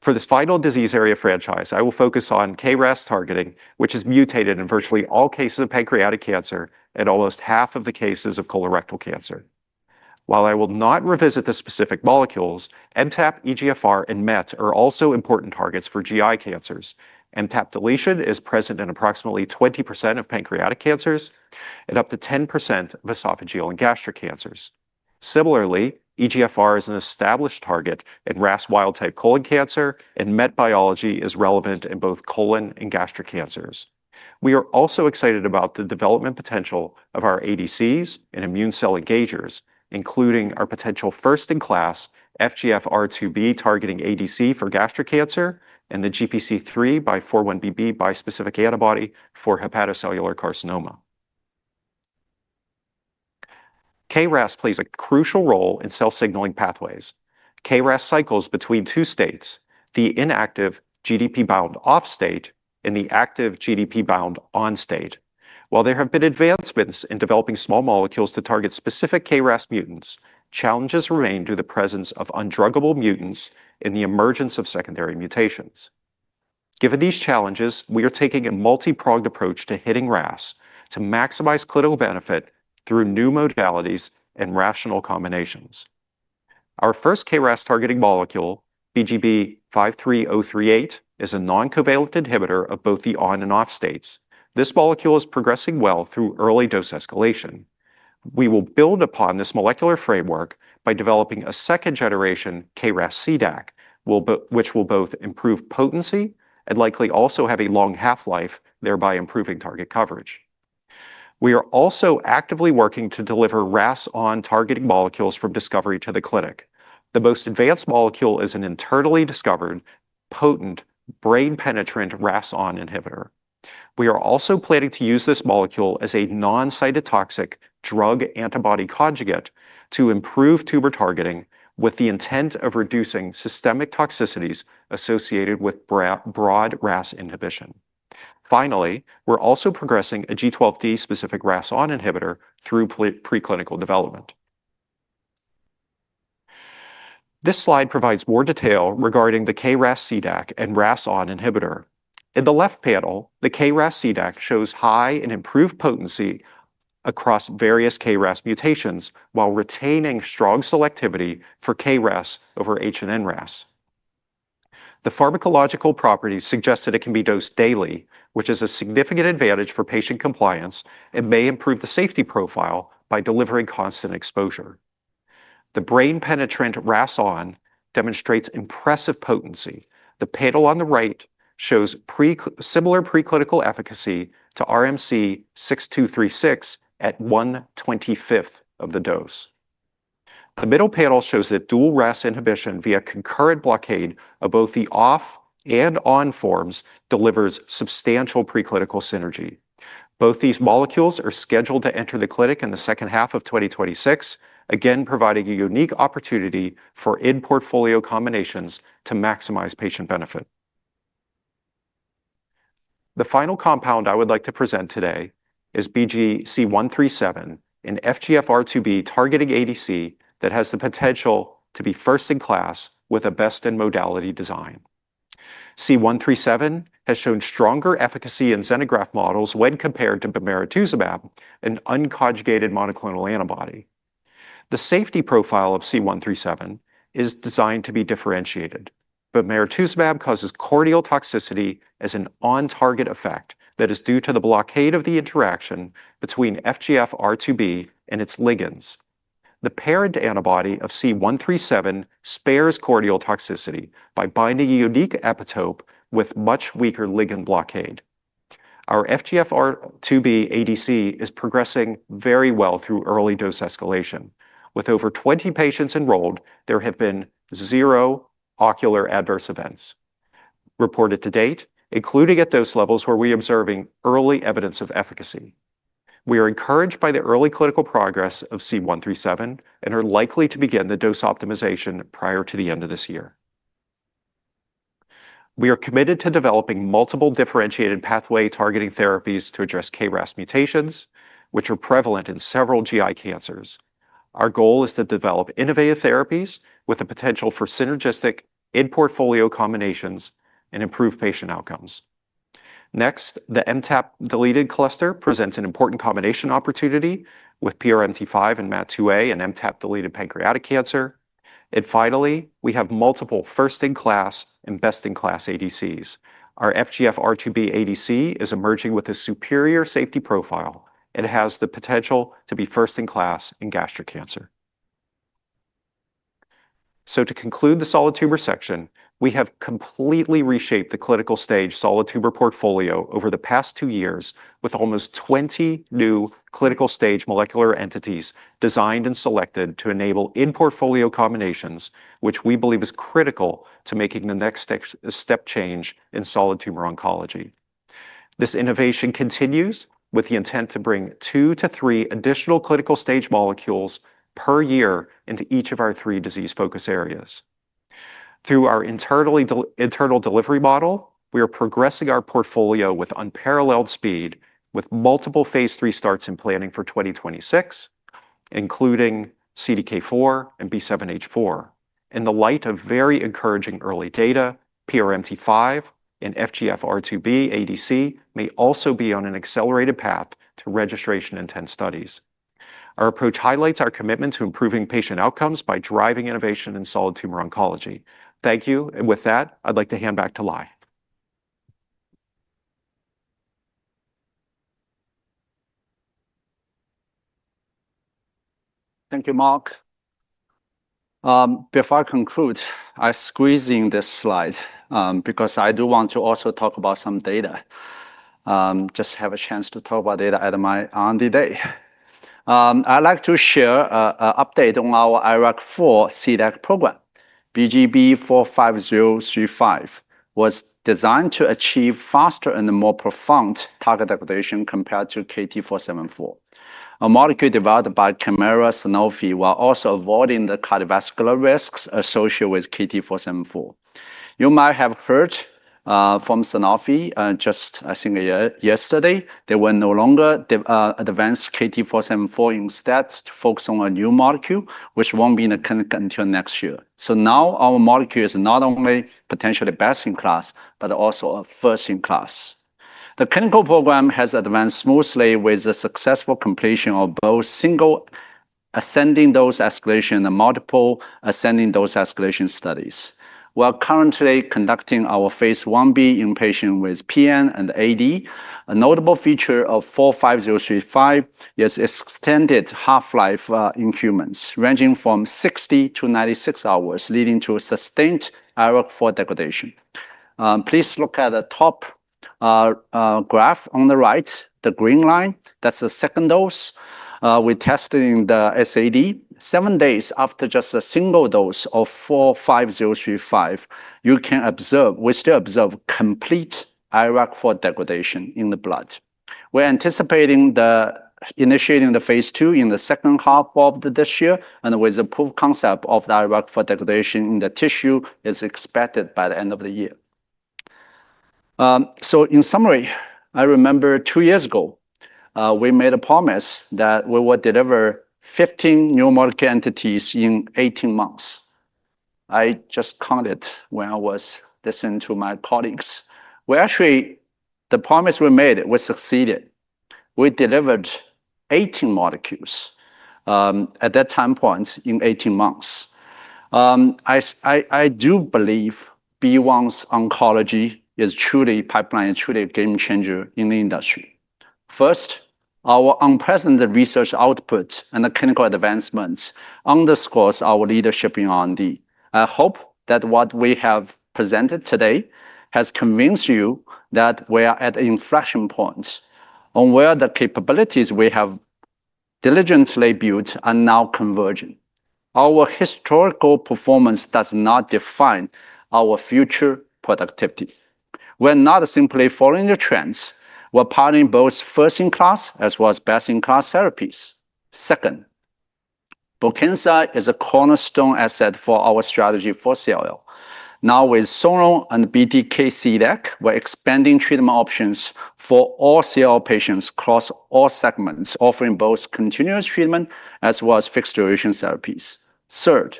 For this final disease area franchise, I will focus on KRAS targeting, which is mutated in virtually all cases of pancreatic cancer and almost half of the cases of colorectal cancer. While I will not revisit the specific molecules, MTAP, EGFR, and MET are also important targets for GI cancers. MTAP deletion is present in approximately 20% of pancreatic cancers and up to 10% of esophageal and gastric cancers. Similarly, EGFR is an established target in RAS wild-type colon cancer, and MET biology is relevant in both colon and gastric cancers. We are also excited about the development potential of our ADCs and immune cell engagers, including our potential first-in-class FGFR2B-targeting ADC for gastric cancer and the GPC3 by 41BB bispecific antibody for hepatocellular carcinoma. KRAS plays a crucial role in cell signaling pathways. KRAS cycles between two states: the inactive GDP-bound off-state and the active GDP-bound on-state. While there have been advancements in developing small molecules to target specific KRAS mutants, challenges remain due to the presence of undruggable mutants and the emergence of secondary mutations. Given these challenges, we are taking a multi-progress approach to hitting RAS to maximize clinical benefit through new modalities and rational combinations. Our first KRAS-targeting molecule, BGB-53038, is a non-covalent inhibitor of both the on and off-states. This molecule is progressing well through early dose escalation. We will build upon this molecular framework by developing a second-generation KRAS CDAC, which will both improve potency and likely also have a long half-life, thereby improving target coverage. We are also actively working to deliver RAS-on targeting molecules from discovery to the clinic. The most advanced molecule is an internally discovered, potent brain-penetrant RAS-on inhibitor. We are also planning to use this molecule as a non-cytotoxic drug-antibody conjugate to improve tumor targeting with the intent of reducing systemic toxicities associated with broad RAS inhibition. Finally, we're also progressing a G12D-specific RAS-on inhibitor through preclinical development. This slide provides more detail regarding the KRAS CDAC and RAS-on inhibitor. In the left panel, the KRAS CDAC shows high and improved potency across various KRAS mutations while retaining strong selectivity for KRAS over H and NRAS. The pharmacological properties suggest that it can be dosed daily, which is a significant advantage for patient compliance and may improve the safety profile by delivering constant exposure. The brain-penetrant RAS-on demonstrates impressive potency. The panel on the right shows similar preclinical efficacy to RMC6236 at 1/25th of the dose. The middle panel shows that dual RAS inhibition via concurrent blockade of both the off and on forms delivers substantial preclinical synergy. Both these molecules are scheduled to enter the clinic in the second half of 2026, again providing a unique opportunity for in-portfolio combinations to maximize patient benefit. The final compound I would like to present today is BGC-137, an FGFR2B-targeting ADC that has the potential to be first-in-class with a best-in-modality design. BGC-137 has shown stronger efficacy in xenograft models when compared to bemarituzumab, an unconjugated monoclonal antibody. The safety profile of BGC-137 is designed to be differentiated. Bemarituzumab causes ocular toxicity as an on-target effect that is due to the blockade of the interaction between FGFR2B and its ligands. The parent antibody of BGC-137 spares ocular toxicity by binding a unique epitope with much weaker ligand blockade. Our FGFR2B ADC is progressing very well through early dose escalation. With over 20 patients enrolled, there have been zero ocular adverse events reported to date, including at dose levels where we are observing early evidence of efficacy. We are encouraged by the early clinical progress of BGC-137 and are likely to begin the dose optimization prior to the end of this year. We are committed to developing multiple differentiated pathway-targeting therapies to address KRAS mutations, which are prevalent in several GI cancers. Our goal is to develop innovative therapies with the potential for synergistic in-portfolio combinations and improved patient outcomes. Next, the MTAP-deleted cluster presents an important combination opportunity with PRMT5 and MAT2A in MTAP-deleted pancreatic cancer. Finally, we have multiple first-in-class and best-in-class ADCs. Our FGFR2B ADC is emerging with a superior safety profile and has the potential to be first-in-class in gastric cancer. To conclude the solid tumor section, we have completely reshaped the clinical stage solid tumor portfolio over the past two years with almost 20 new clinical stage molecular entities designed and selected to enable in-portfolio combinations, which we believe is critical to making the next step change in solid tumor oncology. This innovation continues with the intent to bring two to three additional clinical stage molecules per year into each of our three disease focus areas. Through our internal delivery model, we are progressing our portfolio with unparalleled speed, with multiple phase three starts in planning for 2026, including CDK4 and B7-H4. In the light of very encouraging early data, PRMT5 and FGFR2B ADC may also be on an accelerated path to registration-intent studies. Our approach highlights our commitment to improving patient outcomes by driving innovation in solid tumor oncology. Thank you. With that, I'd like to hand back to Lai. Thank you, Mark. Before I conclude, I'm squeezing this slide because I do want to also talk about some data. Just have a chance to talk about data at my on-day day. I'd like to share an update on our IRAK4 CDAC program. BGB-45035 was designed to achieve faster and more profound target degradation compared to KT-474, a molecule developed by Sanofi, while also avoiding the cardiovascular risks associated with KT-474. You might have heard from Sanofi just, I think, yesterday. They will no longer advance KT-474, instead to focus on a new molecule, which will not be in the clinic until next year. Now our molecule is not only potentially best in class, but also first in class. The clinical program has advanced smoothly with the successful completion of both single ascending dose escalation and multiple ascending dose escalation studies. We are currently conducting our phase 1B in patients with PN and AD. A notable feature of 45035 is extended half-life in humans, ranging from 60-96 hours, leading to sustained IRAK4 degradation. Please look at the top graph on the right, the green line. That is the second dose. We tested in the SAD. Seven days after just a single dose of 45035, you can observe, we still observe complete IRAK4 degradation in the blood. We're anticipating initiating the phase two in the second half of this year, and with the proof of concept of the IRAK4 degradation in the tissue expected by the end of the year. In summary, I remember two years ago, we made a promise that we would deliver 15 new molecular entities in 18 months. I just counted when I was listening to my colleagues. We actually, the promise we made, we succeeded. We delivered 18 molecules at that time point in 18 months. I do believe BeOne's oncology is truly a pipeline, is truly a game changer in the industry. First, our unprecedented research output and the clinical advancements underscore our leadership in R&D. I hope that what we have presented today has convinced you that we are at an inflection point where the capabilities we have diligently built are now converging. Our historical performance does not define our future productivity. We're not simply following the trends. We're piloting both first-in-class as well as best-in-class therapies. Second, Brukinsa is a cornerstone asset for our strategy for CLL. Now, with Sonrotoclax and BTK CDAC, we're expanding treatment options for all CLL patients across all segments, offering both continuous treatment as well as fixed duration therapies. Third,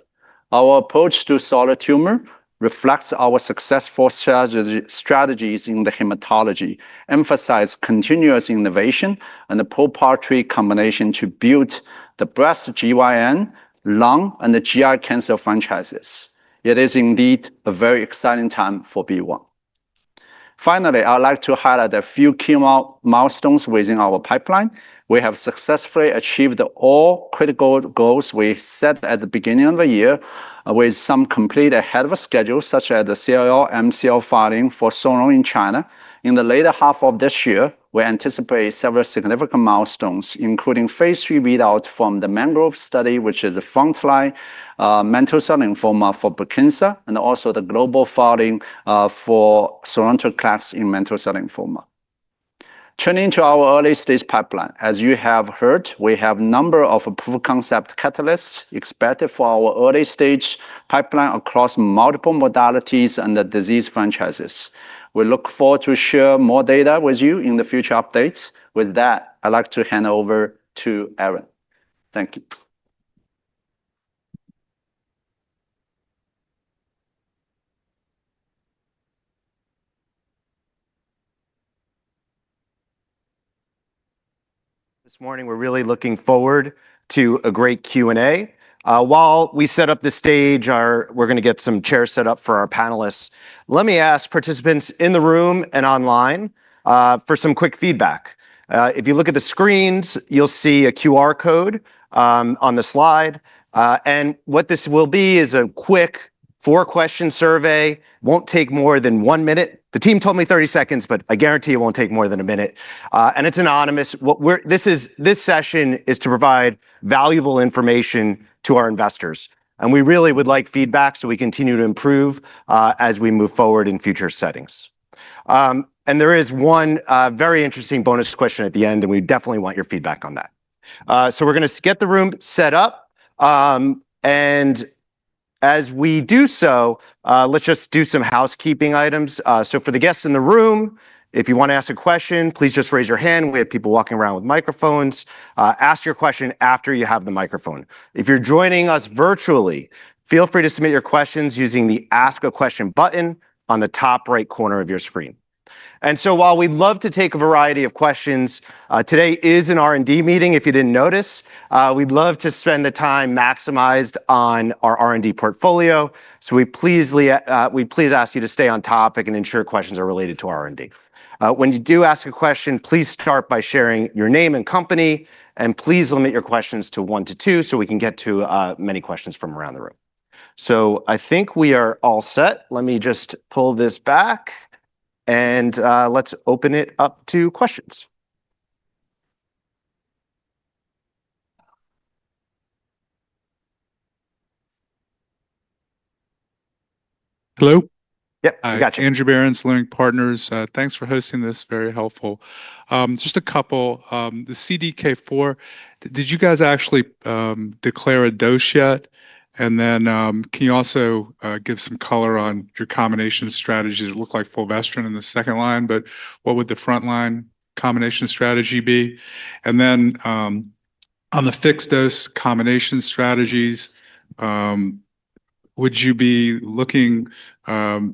our approach to solid tumor reflects our successful strategies in hematology, emphasizing continuous innovation and the proprietary combination to build the breast, GYN, lung, and the GI cancer franchises. It is indeed a very exciting time for BeOne Medicines. Finally, I'd like to highlight a few key milestones within our pipeline. We have successfully achieved all critical goals we set at the beginning of the year, with some complete ahead of schedule, such as the CLL MCL filing for Sonrotoclax in China. In the later half of this year, we anticipate several significant milestones, including phase three readouts from the Mangrove study, which is a frontline mantle cell lymphoma for Brukinsa, and also the global filing for Sonrotoclax in mantle cell lymphoma. Turning to our early stage pipeline, as you have heard, we have a number of proof of concept catalysts expected for our early stage pipeline across multiple modalities and the disease franchises. We look forward to sharing more data with you in the future updates. With that, I'd like to hand over to Aaron. Thank you. This morning, we're really looking forward to a great Q&A. While we set up the stage, we're going to get some chairs set up for our panelists. Let me ask participants in the room and online for some quick feedback. If you look at the screens, you'll see a QR code on the slide. What this will be is a quick four-question survey. It won't take more than one minute. The team told me 30 seconds, but I guarantee it won't take more than a minute. It's anonymous. This session is to provide valuable information to our investors. We really would like feedback so we continue to improve as we move forward in future settings. There is one very interesting bonus question at the end, and we definitely want your feedback on that. We're going to get the room set up. As we do so, let's just do some housekeeping items. For the guests in the room, if you want to ask a question, please just raise your hand. We have people walking around with microphones. Ask your question after you have the microphone. If you're joining us virtually, feel free to submit your questions using the Ask a Question button on the top right corner of your screen. While we'd love to take a variety of questions, today is an R&D meeting, if you didn't notice. We'd love to spend the time maximized on our R&D portfolio. We please ask you to stay on topic and ensure questions are related to R&D. When you do ask a question, please start by sharing your name and company. Please limit your questions to one to two so we can get to many questions from around the room. I think we are all set. Let me just pull this back and let's open it up to questions. Hello? Yep, I got you. Andrew Barrons, Lynch Partners. Thanks for hosting this. Very helpful. Just a couple. The CDK4, did you guys actually declare a dose yet? And then can you also give some color on your combination strategies? It looked like fulvestrant in the second line, but what would the frontline combination strategy be? And then on the fixed dose combination strategies, would you be looking, do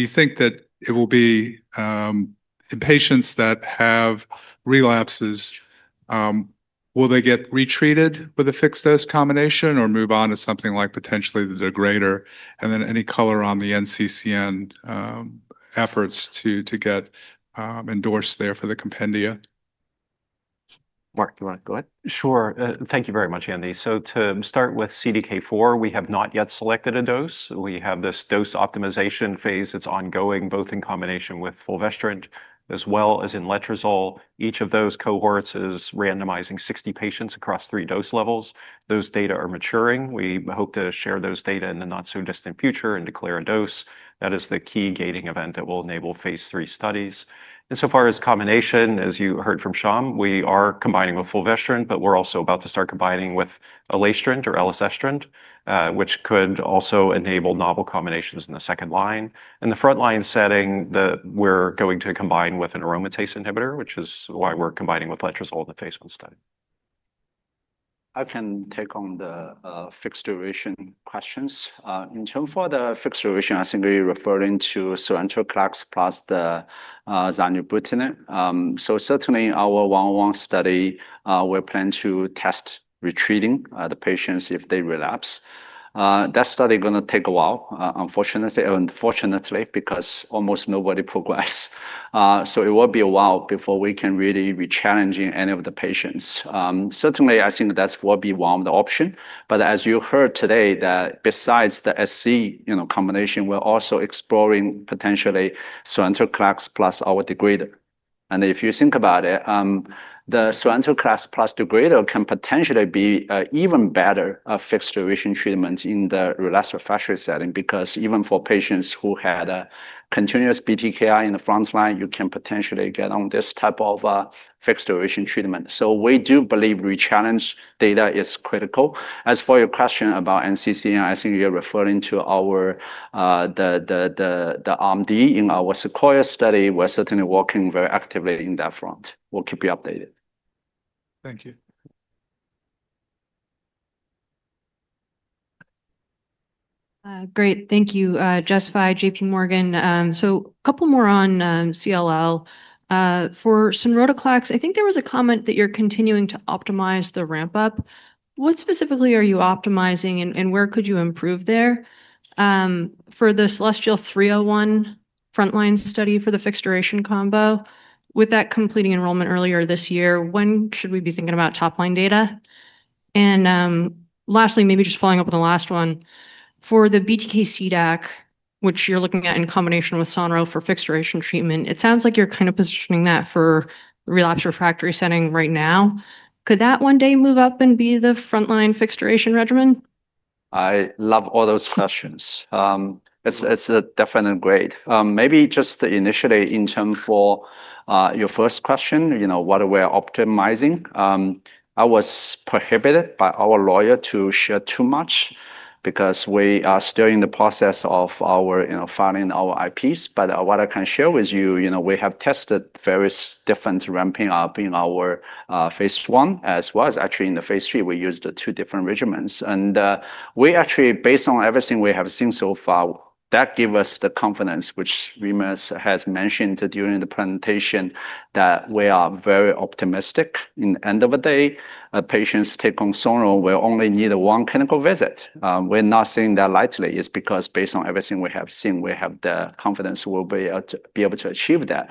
you think that it will be in patients that have relapses, will they get retreated with a fixed dose combination or move on to something like potentially the degrader? And then any color on the NCCN efforts to get endorsed there for the compendia? Mark, do you want to go ahead? Sure. Thank you very much, Andy. To start with CDK4, we have not yet selected a dose. We have this dose optimization phase that is ongoing both in combination with fulvestrant as well as in letrozole. Each of those cohorts is randomizing 60 patients across three dose levels. Those data are maturing. We hope to share those data in the not-so-distant future and declare a dose. That is the key gating event that will enable phase three studies. Insofar as combination, as you heard from Shom, we are combining with fulvestrant, but we're also about to start combining with alisertib or alisertinib, which could also enable novel combinations in the second line. In the frontline setting, we're going to combine with an aromatase inhibitor, which is why we're combining with letrozole in the phase one study. I can take on the fixed duration questions. In terms of the fixed duration, I think you're referring to Sonrotoclax plus zanubrutinib. Certainly our one-on-one study, we plan to test retreating the patients if they relapse. That study is going to take a while, unfortunately, because almost nobody progressed. It will be a while before we can really be challenging any of the patients. Certainly, I think that will be one of the options. As you heard today, besides the SC combination, we're also exploring potentially Sonrotoclax plus our degrader. If you think about it, the Sonrotoclax plus degrader can potentially be an even better fixed duration treatment in the relapsed refractory setting because even for patients who had a continuous BTKI in the frontline, you can potentially get on this type of fixed duration treatment. We do believe rechallenge data is critical. As for your question about NCCN, I think you're referring to our R&D in our SEQUOIA study. We're certainly working very actively in that front. We'll keep you updated. Thank you. Great. Thank you, Justify, JP Morgan. A couple more on CLL. For Sonrotoclax, I think there was a comment that you're continuing to optimize the ramp-up. What specifically are you optimizing and where could you improve there? For the Celestial 301 frontline study for the fixed duration combo, with that completing enrollment earlier this year, when should we be thinking about top-line data? Lastly, maybe just following up on the last one, for the BTK CDAC, which you're looking at in combination with Sonrotoclax for fixed duration treatment, it sounds like you're kind of positioning that for relapsed refractory setting right now. Could that one day move up and be the frontline fixed duration regimen? I love all those questions. It's a definite grade. Maybe just initially in terms for your first question, what are we optimizing? I was prohibited by our lawyer to share too much because we are still in the process of filing our IPs. What I can share with you, we have tested various different ramping up in our phase one as well as actually in the phase three. We used two different regimens. And we actually, based on everything we have seen so far, that gives us the confidence, which Remus has mentioned during the presentation, that we are very optimistic. In the end of the day, patients take on Sonrotoclax, we only need one clinical visit. We're not saying that lightly. It's because based on everything we have seen, we have the confidence we'll be able to achieve that.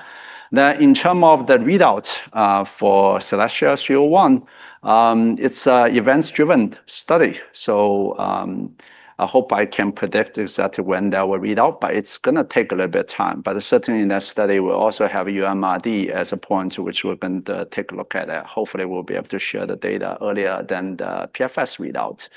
Now, in terms of the readouts for Celestial 301, it's an event-driven study. I hope I can predict exactly when that will read out, but it's going to take a little bit of time. Certainly in that study, we also have uMRD as a point, which we're going to take a look at. Hopefully, we'll be able to share the data earlier than the PFS readout.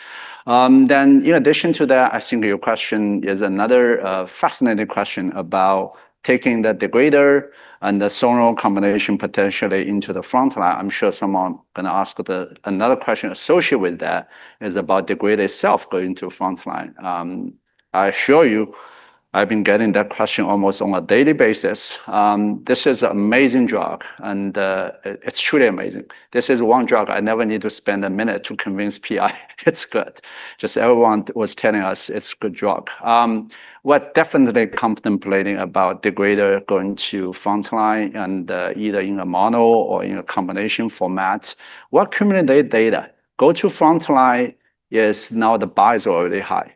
In addition to that, I think your question is another fascinating question about taking the degrader and the Sonrotoclax combination potentially into the frontline. I'm sure someone is going to ask another question associated with that, about degrader itself going to frontline. I assure you, I've been getting that question almost on a daily basis. This is an amazing drug, and it's truly amazing. This is one drug I never need to spend a minute to convince PI it's good. Just everyone was telling us it's a good drug. We're definitely contemplating about degrader going to frontline and either in a mono or in a combination format. We're accumulating data. Go to frontline is now the bias is already high,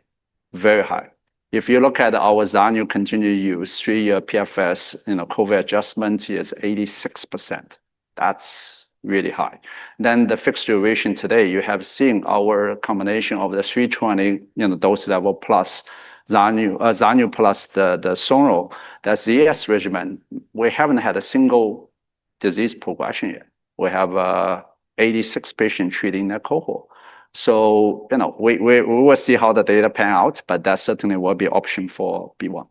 very high. If you look at our Zanubrutinib, continue to use three-year PFS, COVID adjustment is 86%. That's really high. The fixed duration today, you have seen our combination of the 320 dose level plus Zanubrutinib plus the Sonrotoclax, that's the ES regimen. We haven't had a single disease progression yet. We have 86 patients treating that cohort. We will see how the data pan out, but that certainly will be an option for BeOne.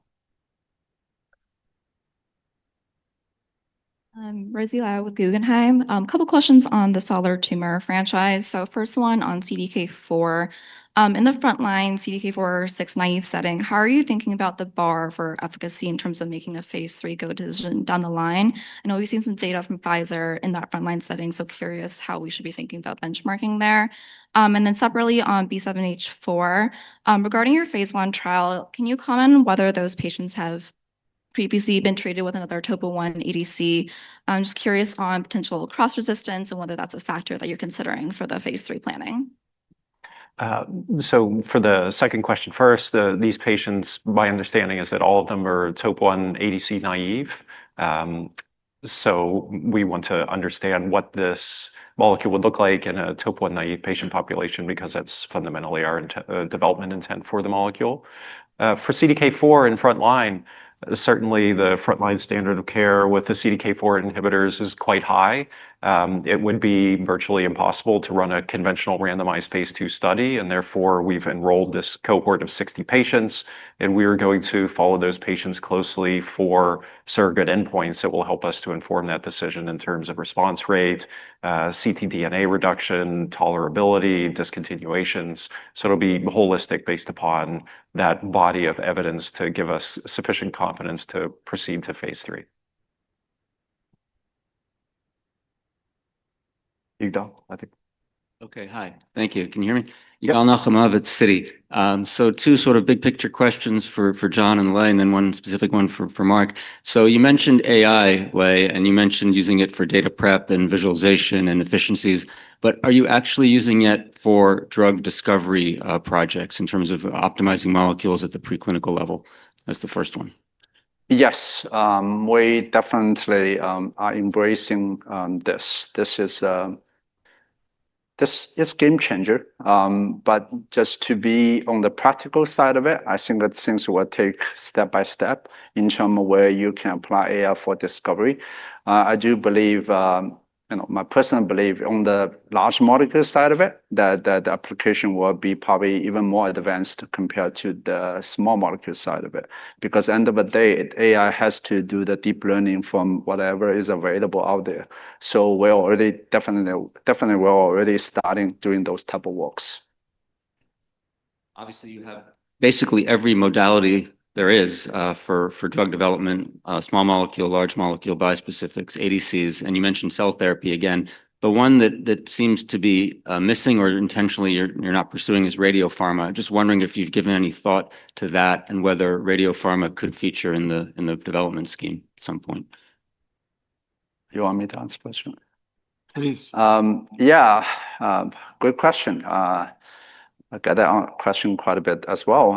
Rosy Liao with Guggenheim. A couple of questions on the solid tumor franchise. First one on CDK4. In the frontline, CDK4 or 6 naive setting, how are you thinking about the bar for efficacy in terms of making a phase three go decision down the line? I know we've seen some data from Pfizer in that frontline setting, so curious how we should be thinking about benchmarking there. Then separately on B7-H4, regarding your phase one trial, can you comment on whether those patients have previously been treated with another topo 1 ADC? I'm just curious on potential cross-resistance and whether that's a factor that you're considering for the phase three planning. For the second question first, these patients, my understanding is that all of them are topo 1 ADC naive. We want to understand what this molecule would look like in a topo 1 naive patient population because that's fundamentally our development intent for the molecule. For CDK4 in frontline, certainly the frontline standard of care with the CDK4 inhibitors is quite high. It would be virtually impossible to run a conventional randomized phase two study. Therefore, we've enrolled this cohort of 60 patients. We are going to follow those patients closely for surrogate endpoints that will help us to inform that decision in terms of response rate, CT DNA reduction, tolerability, discontinuations. It will be holistic based upon that body of evidence to give us sufficient confidence to proceed to phase three. You're done, I think. Okay, hi. Thank you. Can you hear me? Yigal Dov Nochomovitz here. Two sort of big picture questions for John and Lai, and then one specific one for Mark. You mentioned AI, Lai, and you mentioned using it for data prep and visualization and efficiencies. Are you actually using it for drug discovery projects in terms of optimizing molecules at the preclinical level? That's the first one. Yes, we definitely are embracing this. This is a game changer. Just to be on the practical side of it, I think that things will take step by step in terms of where you can apply AI for discovery. I do believe, my personal belief on the large molecule side of it, that the application will be probably even more advanced compared to the small molecule side of it. Because at the end of the day, AI has to do the deep learning from whatever is available out there. We're already definitely starting doing those types of works. Obviously, you have basically every modality there is for drug development, small molecule, large molecule, biospecifics, ADCs. You mentioned cell therapy again. The one that seems to be missing or intentionally you're not pursuing is radiopharma. Just wondering if you've given any thought to that and whether radiopharma could feature in the development scheme at some point? You want me to answer the question? Please. Yeah, good question. I get that question quite a bit as well.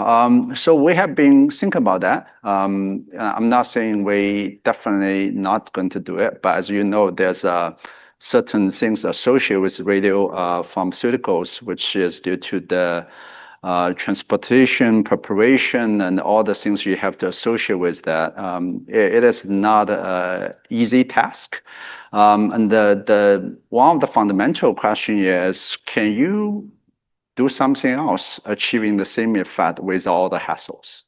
We have been thinking about that. I'm not saying we're definitely not going to do it. As you know, there are certain things associated with radiopharmaceuticals, which is due to the transportation, preparation, and all the things you have to associate with that. It is not an easy task. One of the fundamental questions is, can you do something else achieving the same effect with all the hassles?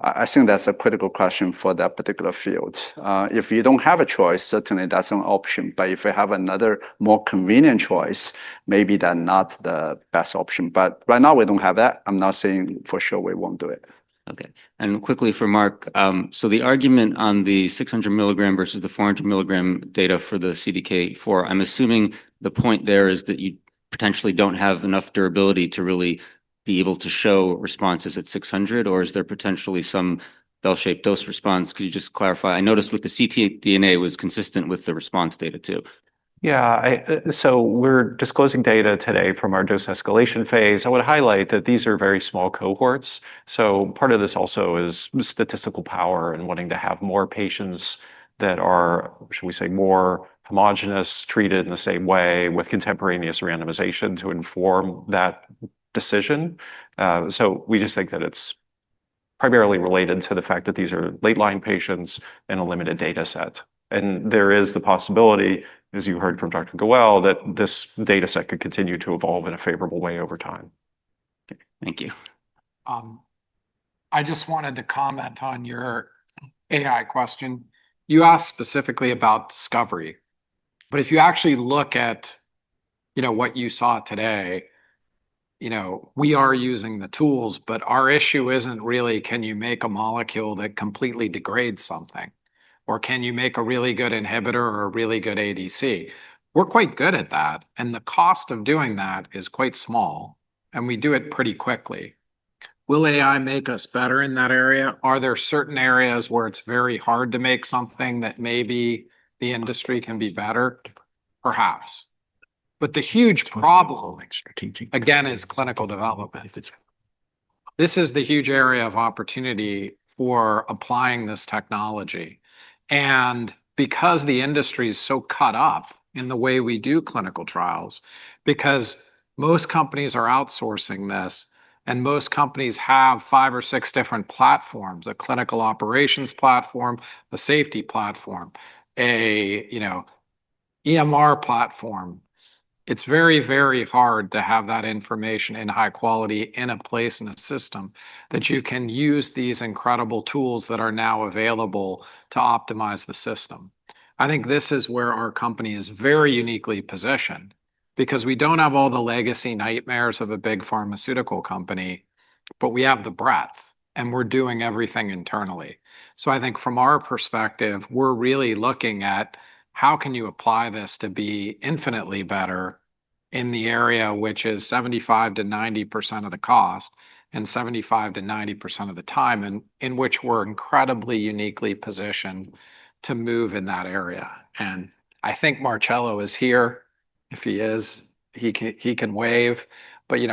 I think that's a critical question for that particular field. If you do not have a choice, certainly that's an option. If you have another more convenient choice, maybe that's not the best option. Right now, we do not have that. I'm not saying for sure we will not do it. Okay. Quickly for Mark, the argument on the 600 milligram versus the 400 milligram data for the CDK4, I'm assuming the point there is that you potentially do not have enough durability to really be able to show responses at 600, or is there potentially some bell-shaped dose response? Could you just clarify? I noticed with the CT DNA was consistent with the response data too. Yeah, we are disclosing data today from our dose escalation phase. I would highlight that these are very small cohorts. Part of this also is statistical power and wanting to have more patients that are, shall we say, more homogenous, treated in the same way with contemporaneous randomization to inform that decision. We just think that it is primarily related to the fact that these are late-line patients in a limited data set. There is the possibility, as you heard from Dr. Goel, that this data set could continue to evolve in a favorable way over time. Thank you. I just wanted to comment on your AI question. You asked specifically about discovery. If you actually look at what you saw today, we are using the tools, but our issue is not really, can you make a molecule that completely degrades something? Or can you make a really good inhibitor or a really good ADC? We are quite good at that. The cost of doing that is quite small, and we do it pretty quickly. Will AI make us better in that area? Are there certain areas where it is very hard to make something that maybe the industry can be better? Perhaps. The huge problem, again, is clinical development. This is the huge area of opportunity for applying this technology. Because the industry is so cut up in the way we do clinical trials, because most companies are outsourcing this, and most companies have five or six different platforms, a clinical operations platform, a safety platform, an EMR platform, it's very, very hard to have that information in high quality in a place in a system that you can use these incredible tools that are now available to optimize the system. I think this is where our company is very uniquely positioned because we don't have all the legacy nightmares of a big pharmaceutical company, but we have the breadth, and we're doing everything internally. I think from our perspective, we're really looking at how can you apply this to be infinitely better in the area, which is 75%-90% of the cost and 75%-90% of the time, and in which we're incredibly uniquely positioned to move in that area. I think Markello is here. If he is, he can wave.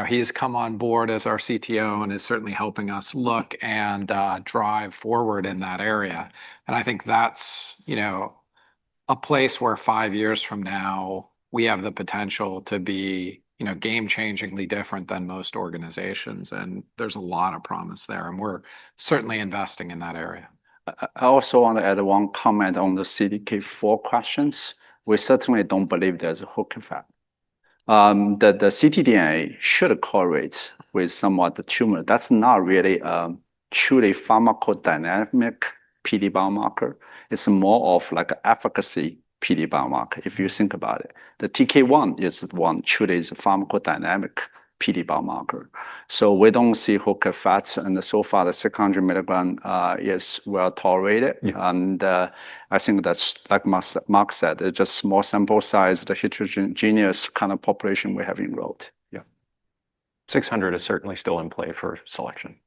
He's come on board as our CTO and is certainly helping us look and drive forward in that area. I think that's a place where five years from now, we have the potential to be game-changingly different than most organizations. There's a lot of promise there. We're certainly investing in that area. I also want to add one comment on the CDK4 questions. We certainly don't believe there's a hook effect. The CT DNA should correlate with somewhat the tumor. That's not really a truly pharmacodynamic PD biomarker. It's more of like an efficacy PD biomarker if you think about it. The TK1 is one truly pharmacodynamic PD biomarker. We don't see hook effects. So far, the 600 milligram is well tolerated. I think that's, like Mark said, it's just small sample size, the heterogeneous kind of population we have enrolled. Yeah. 600 is certainly still in play for selection.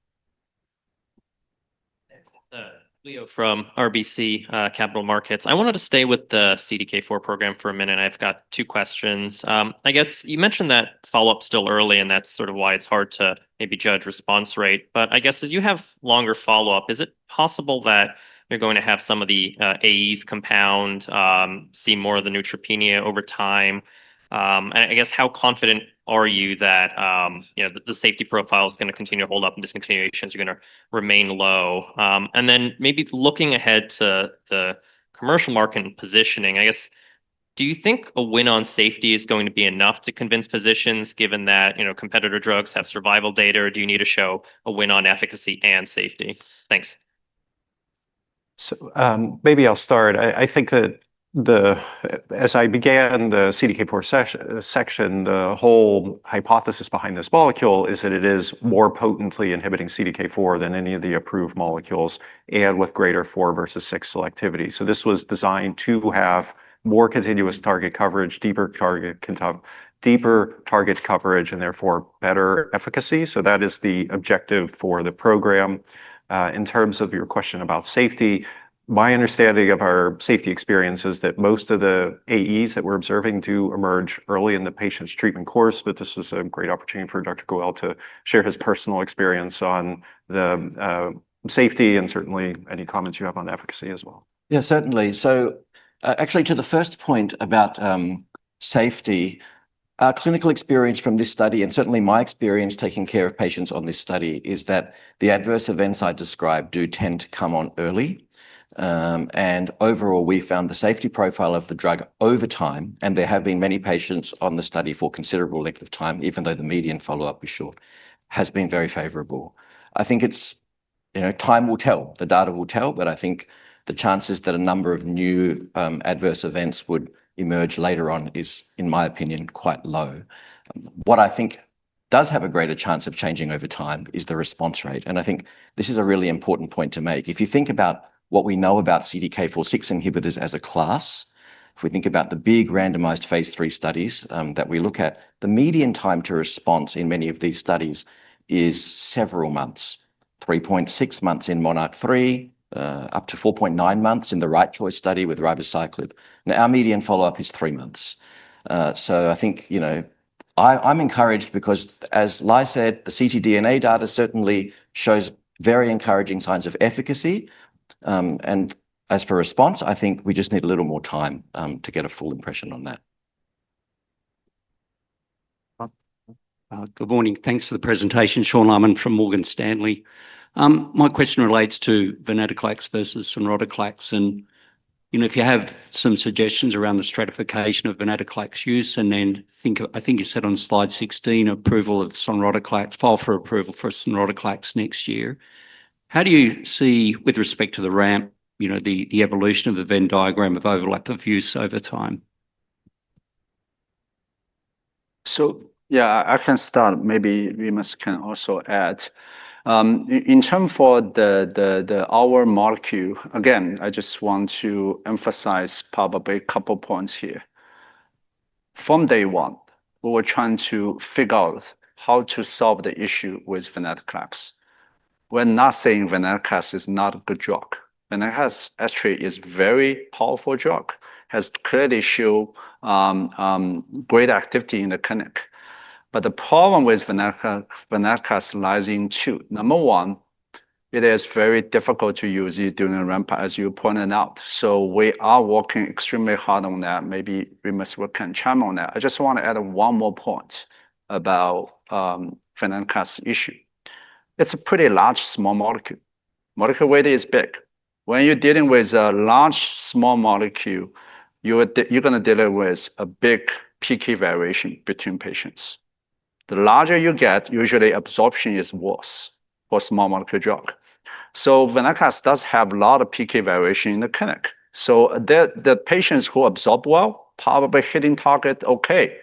Leo from RBC Capital Markets. I wanted to stay with the CDK4 program for a minute. I've got two questions. I guess you mentioned that follow-up's still early, and that's sort of why it's hard to maybe judge response rate. I guess as you have longer follow-up, is it possible that you're going to have some of the AEs compound, see more of the neutropenia over time? I guess how confident are you that the safety profile is going to continue to hold up and discontinuations are going to remain low? Maybe looking ahead to the commercial market and positioning, I guess, do you think a win on safety is going to be enough to convince physicians given that competitor drugs have survival data? Or do you need to show a win on efficacy and safety? Thanks. Maybe I'll start. I think that as I began the CDK4 section, the whole hypothesis behind this molecule is that it is more potently inhibiting CDK4 than any of the approved molecules and with greater 4 versus 6 selectivity. This was designed to have more continuous target coverage, deeper target coverage, and therefore better efficacy. That is the objective for the program. In terms of your question about safety, my understanding of our safety experience is that most of the AEs that we're observing do emerge early in the patient's treatment course. This is a great opportunity for Dr. Goel to share his personal experience on the safety and certainly any comments you have on efficacy as well. Yeah, certainly. Actually, to the first point about safety, our clinical experience from this study, and certainly my experience taking care of patients on this study, is that the adverse events I described do tend to come on early. Overall, we found the safety profile of the drug over time, and there have been many patients on the study for a considerable length of time, even though the median follow-up was short, has been very favorable. I think time will tell. The data will tell. I think the chances that a number of new adverse events would emerge later on is, in my opinion, quite low. What I think does have a greater chance of changing over time is the response rate. I think this is a really important point to make. If you think about what we know about CDK4/6 inhibitors as a class, if we think about the big randomized phase three studies that we look at, the median time to response in many of these studies is several months, 3.6 months in MONARCH 3, up to 4.9 months in the RIGHT Choice study with ribociclib. Now, our median follow-up is three months. I think I'm encouraged because, as Lai said, the CT DNA data certainly shows very encouraging signs of efficacy. As for response, I think we just need a little more time to get a full impression on that. Good morning. Thanks for the presentation. Sean M. Laaman from Morgan Stanley. My question relates to venetoclax versus sonrotoclax. And if you have some suggestions around the stratification of venetoclax use, and then I think you said on slide 16, approval of sonrotoclax, file for approval for sonrotoclax next year. How do you see, with respect to the ramp, the evolution of the Venn diagram of overlap of use over time? Yeah, I can start. Maybe Remus can also add. In terms for our molecule, again, I just want to emphasize probably a couple of points here. From day one, we were trying to figure out how to solve the issue with venetoclax. We're not saying venetoclax is not a good drug. Venetoclax actually is a very powerful drug, has clearly shown great activity in the clinic. The problem with venetoclax lies in two. Number one, it is very difficult to use it during a ramp, as you pointed out. We are working extremely hard on that. Maybe Remus can chime on that. I just want to add one more point about venetoclax issue. It's a pretty large small molecule. Molecule weight is big. When you're dealing with a large small molecule, you're going to deal with a big PK variation between patients. The larger you get, usually absorption is worse for a small molecule drug. Venetoclax does have a lot of PK variation in the clinic. The patients who absorb well, probably hitting target okay.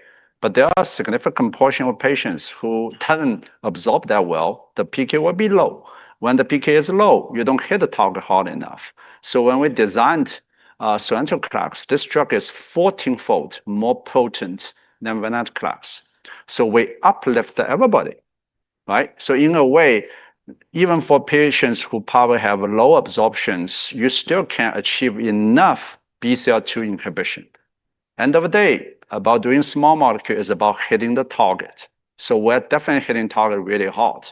There are a significant portion of patients who don't absorb that well. The PK will be low. When the PK is low, you don't hit the target hard enough. When we designed sonrotoclax, this drug is 14-fold more potent than venetoclax. We uplift everybody. In a way, even for patients who probably have low absorptions, you still can achieve enough BCL2 inhibition. End of the day, about doing small molecule is about hitting the target. We're definitely hitting target really hard.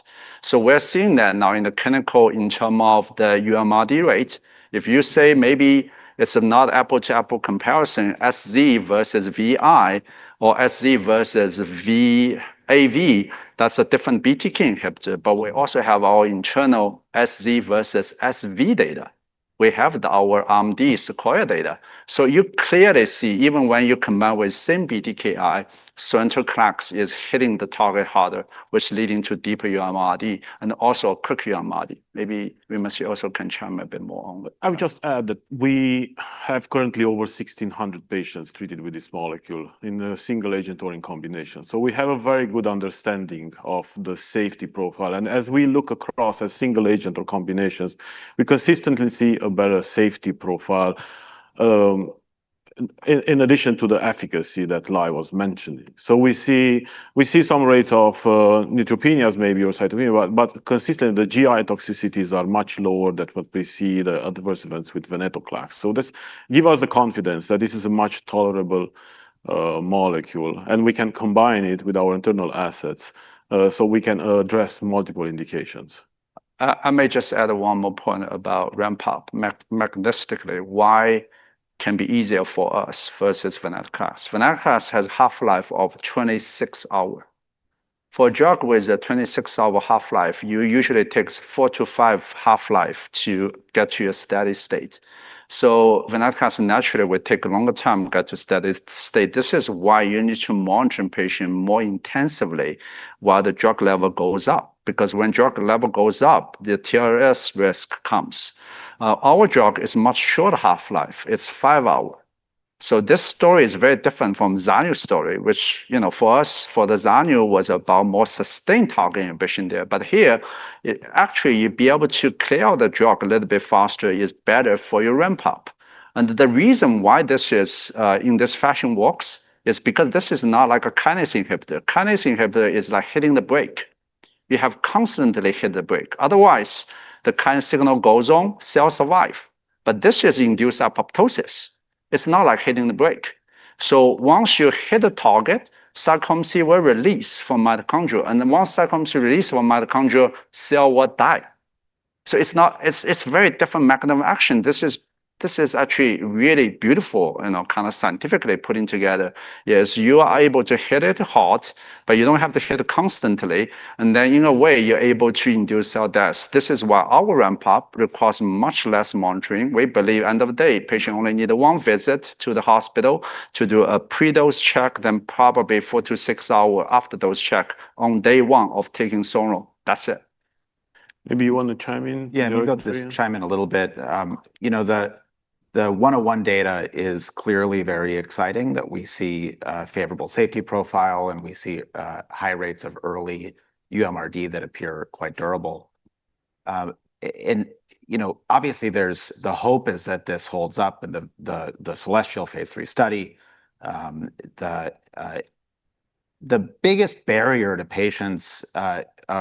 We're seeing that now in the clinical in term of the UMRD rate. If you say maybe it's not apple to apple comparison, SZ versus VI or SZ versus AV, that's a different BTK inhibitor. We also have our internal SZ versus SV data. We have our ARMD Sequoia data. You clearly see, even when you combine with same BTKI, sonrotoclax is hitting the target harder, which is leading to deeper UMRD and also quicker UMRD. Maybe Remus can chime a bit more on that. I would just add that we have currently over 1,600 patients treated with this molecule in a single agent or in combination. We have a very good understanding of the safety profile. As we look across a single agent or combinations, we consistently see a better safety profile in addition to the efficacy that Lai was mentioning. We see some rates of neutropenias, maybe or cytopenias, but consistently, the GI toxicities are much lower than what we see the adverse events with venetoclax. This gives us the confidence that this is a much tolerable molecule. We can combine it with our internal assets so we can address multiple indications. I may just add one more point about ramp-up mechanistically. Why can it be easier for us versus venetoclax? Venetoclax has a half-life of 26 hours. For a drug with a 26-hour half-life, it usually takes four to five half-lives to get to your steady state. So venetoclax naturally will take a longer time to get to steady state. This is why you need to monitor patients more intensively while the drug level goes up. Because when the drug level goes up, the TLS risk comes. Our drug is a much shorter half-life. It's five hours. This story is very different from zanubrutinib's story, which for us, for the zanubrutinib, was about more sustained target inhibition there. Here, actually, you'd be able to clear out the drug a little bit faster. It's better for your ramp-up. The reason why this in this fashion works is because this is not like a kinase inhibitor. Kinase inhibitor is like hitting the brake. You have to constantly hit the brake. Otherwise, the kinase signal goes on, cells survive. This just induces apoptosis. It's not like hitting the brake. Once you hit a target, cytochrome c will release from mitochondria. Once cytochrome c releases from mitochondria, cells will die. It's a very different mechanism of action. This is actually really beautiful, kind of scientifically putting together. Yes, you are able to hit it hard, but you don't have to hit it constantly. In a way, you're able to induce cell death. This is why our ramp-up requires much less monitoring. We believe at the end of the day, patients only need one visit to the hospital to do a pre-dose check, then probably four to six hours after-dose check on day one of taking Sonrotoclax. That's it. Maybe you want to chime in? Yeah, let me just chime in a little bit. The 101 data is clearly very exciting that we see a favorable safety profile, and we see high rates of early uMRD that appear quite durable. Obviously, the hope is that this holds up in the celestial phase three study. The biggest barrier to patients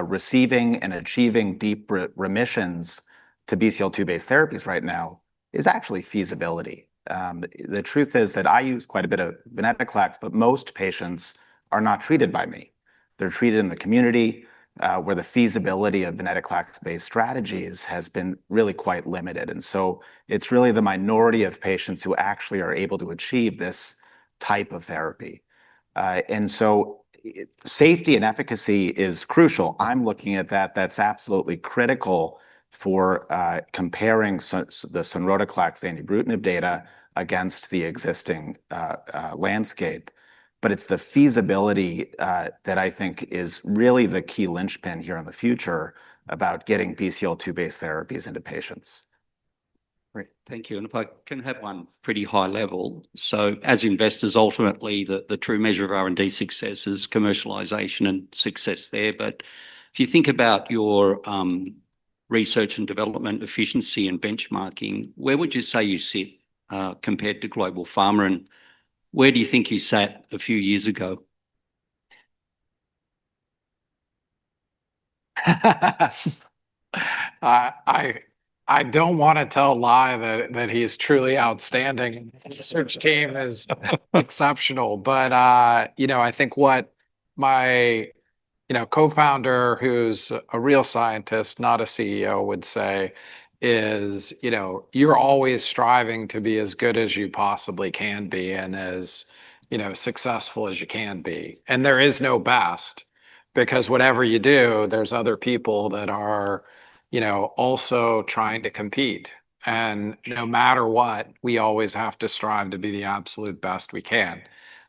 receiving and achieving deep remissions to BCL2-based therapies right now is actually feasibility. The truth is that I use quite a bit of venetoclax, but most patients are not treated by me. They're treated in the community where the feasibility of venetoclax-based strategies has been really quite limited. It is really the minority of patients who actually are able to achieve this type of therapy. Safety and efficacy is crucial. I'm looking at that. That's absolutely critical for comparing the sonrotoclax and ibrutinib data against the existing landscape. It's the feasibility that I think is really the key linchpin here in the future about getting BCL2-based therapies into patients. Great. Thank you. If I can have one pretty high level. As investors, ultimately, the true measure of R&D success is commercialization and success there. If you think about your research and development efficiency and benchmarking, where would you say you sit compared to Global Pharma? Where do you think you sat a few years ago? I do not want to tell Lai that he is truly outstanding. His research team is exceptional. I think what my co-founder, who's a real scientist, not a CEO, would say is you're always striving to be as good as you possibly can be and as successful as you can be. There is no best because whatever you do, there are other people that are also trying to compete. No matter what, we always have to strive to be the absolute best we can.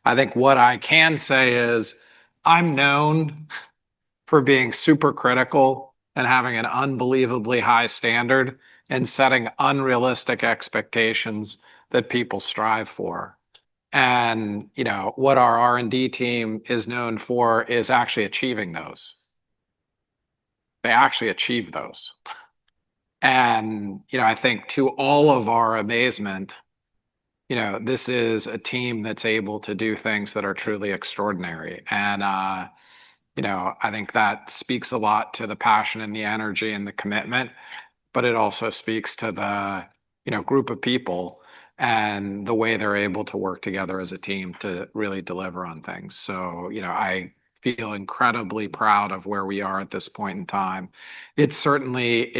I think what I can say is I'm known for being super critical and having an unbelievably high standard and setting unrealistic expectations that people strive for. What our R&D team is known for is actually achieving those. They actually achieve those. I think to all of our amazement, this is a team that's able to do things that are truly extraordinary. I think that speaks a lot to the passion and the energy and the commitment. It also speaks to the group of people and the way they're able to work together as a team to really deliver on things. I feel incredibly proud of where we are at this point in time. It certainly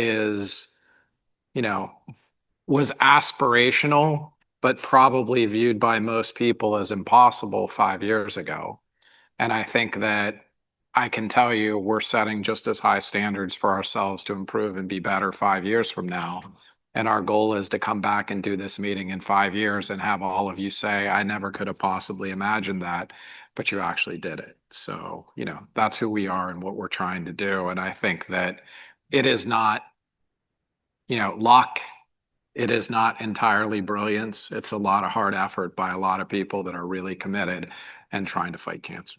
was aspirational, but probably viewed by most people as impossible five years ago. I think that I can tell you we're setting just as high standards for ourselves to improve and be better five years from now. Our goal is to come back and do this meeting in five years and have all of you say, "I never could have possibly imagined that, but you actually did it." That is who we are and what we're trying to do. I think that it is not luck. It is not entirely brilliance. It's a lot of hard effort by a lot of people that are really committed and trying to fight cancer.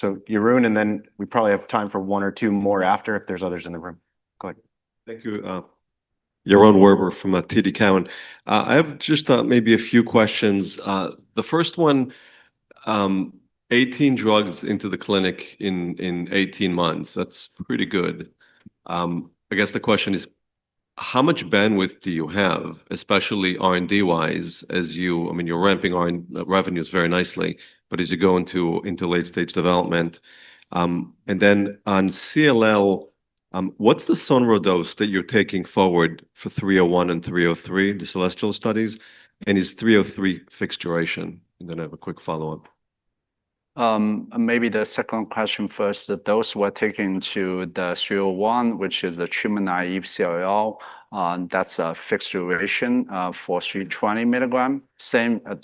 Great. Yarun, and then we probably have time for one or two more after if there's others in the room. Go ahead. Thank you. Yarun Werber from TD Cowen. I have just maybe a few questions. The first one, 18 drugs into the clinic in 18 months. That's pretty good. I guess the question is, how much bandwidth do you have, especially R&D-wise, as you, I mean, you're ramping revenues very nicely, but as you go into late-stage development? And then on CLL, what's the Sunral dose that you're taking forward for 301 and 303, the celestial studies? And is 303 fixed duration? I'm going to have a quick follow-up. Maybe the second question first. The dose we're taking to the 301, which is the treatment naive CLL, that's a fixed duration for 320 milligram.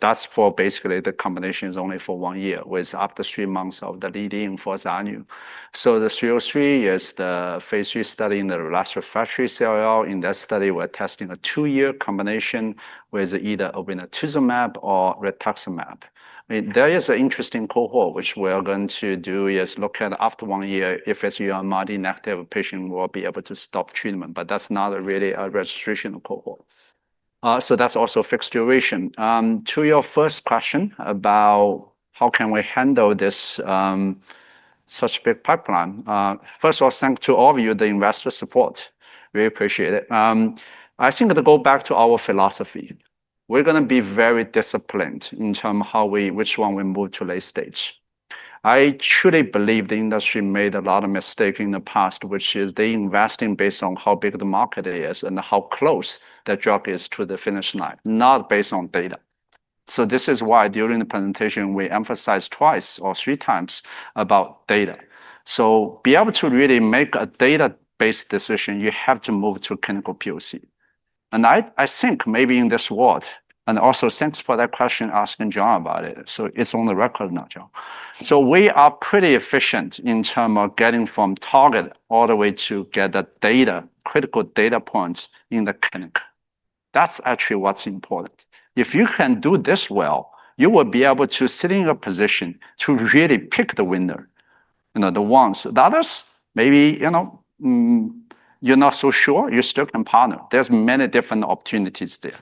That's for basically the combination is only for one year with up to three months of the lead-in for zanubrutinib. So the 303 is the phase three study in the relapsed refractory CLL. In that study, we're testing a two-year combination with either obinutuzumab or rituximab. There is an interesting cohort which we are going to do is look at after one year if it's uMRD negative a patient will be able to stop treatment. That's not really a registration cohort. That's also fixed duration. To your first question about how can we handle such a big pipeline, first of all, thank you to all of you, the investor support. We appreciate it. I think to go back to our philosophy, we're going to be very disciplined in terms of which one we move to late stage. I truly believe the industry made a lot of mistakes in the past, which is they investing based on how big the market is and how close the drug is to the finish line, not based on data. This is why during the presentation, we emphasized twice or three times about data. To be able to really make a database decision, you have to move to clinical POC. I think maybe in this world, and also thanks for that question asking John about it. It is on the record now, John. We are pretty efficient in terms of getting from target all the way to get the critical data points in the clinic. That is actually what is important. If you can do this well, you will be able to sit in a position to really pick the winner, the ones. The others, maybe you are not so sure. You still can partner. There are many different opportunities there.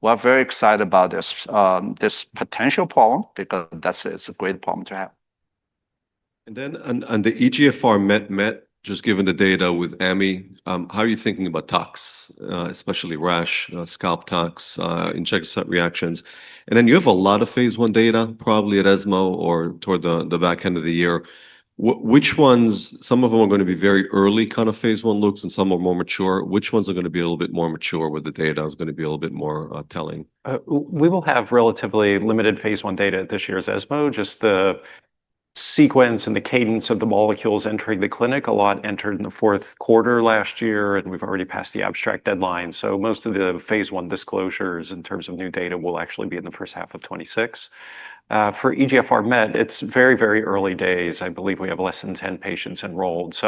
We are very excited about this potential problem because that is a great problem to have. On the EGFR MET, just given the data with Amy, how are you thinking about tox, especially rash, scalp tox, insecticide reactions? You have a lot of phase one data, probably at ESMO or toward the back end of the year. Some of them are going to be v ery early kind of phase one looks, and some are more mature. Which ones are going to be a little bit more mature where the data is going to be a little bit more telling? We will have relatively limited phase one data at this year's ESMO, just the sequence and the cadence of the molecules entering the clinic. A lot entered in the fourth quarter last year, and we've already passed the abstract deadline. Most of the phase one disclosures in terms of new data will actually be in the first half of 2026. For EGFR MET, it's very, very early days. I believe we have fewer than 10 patients enrolled.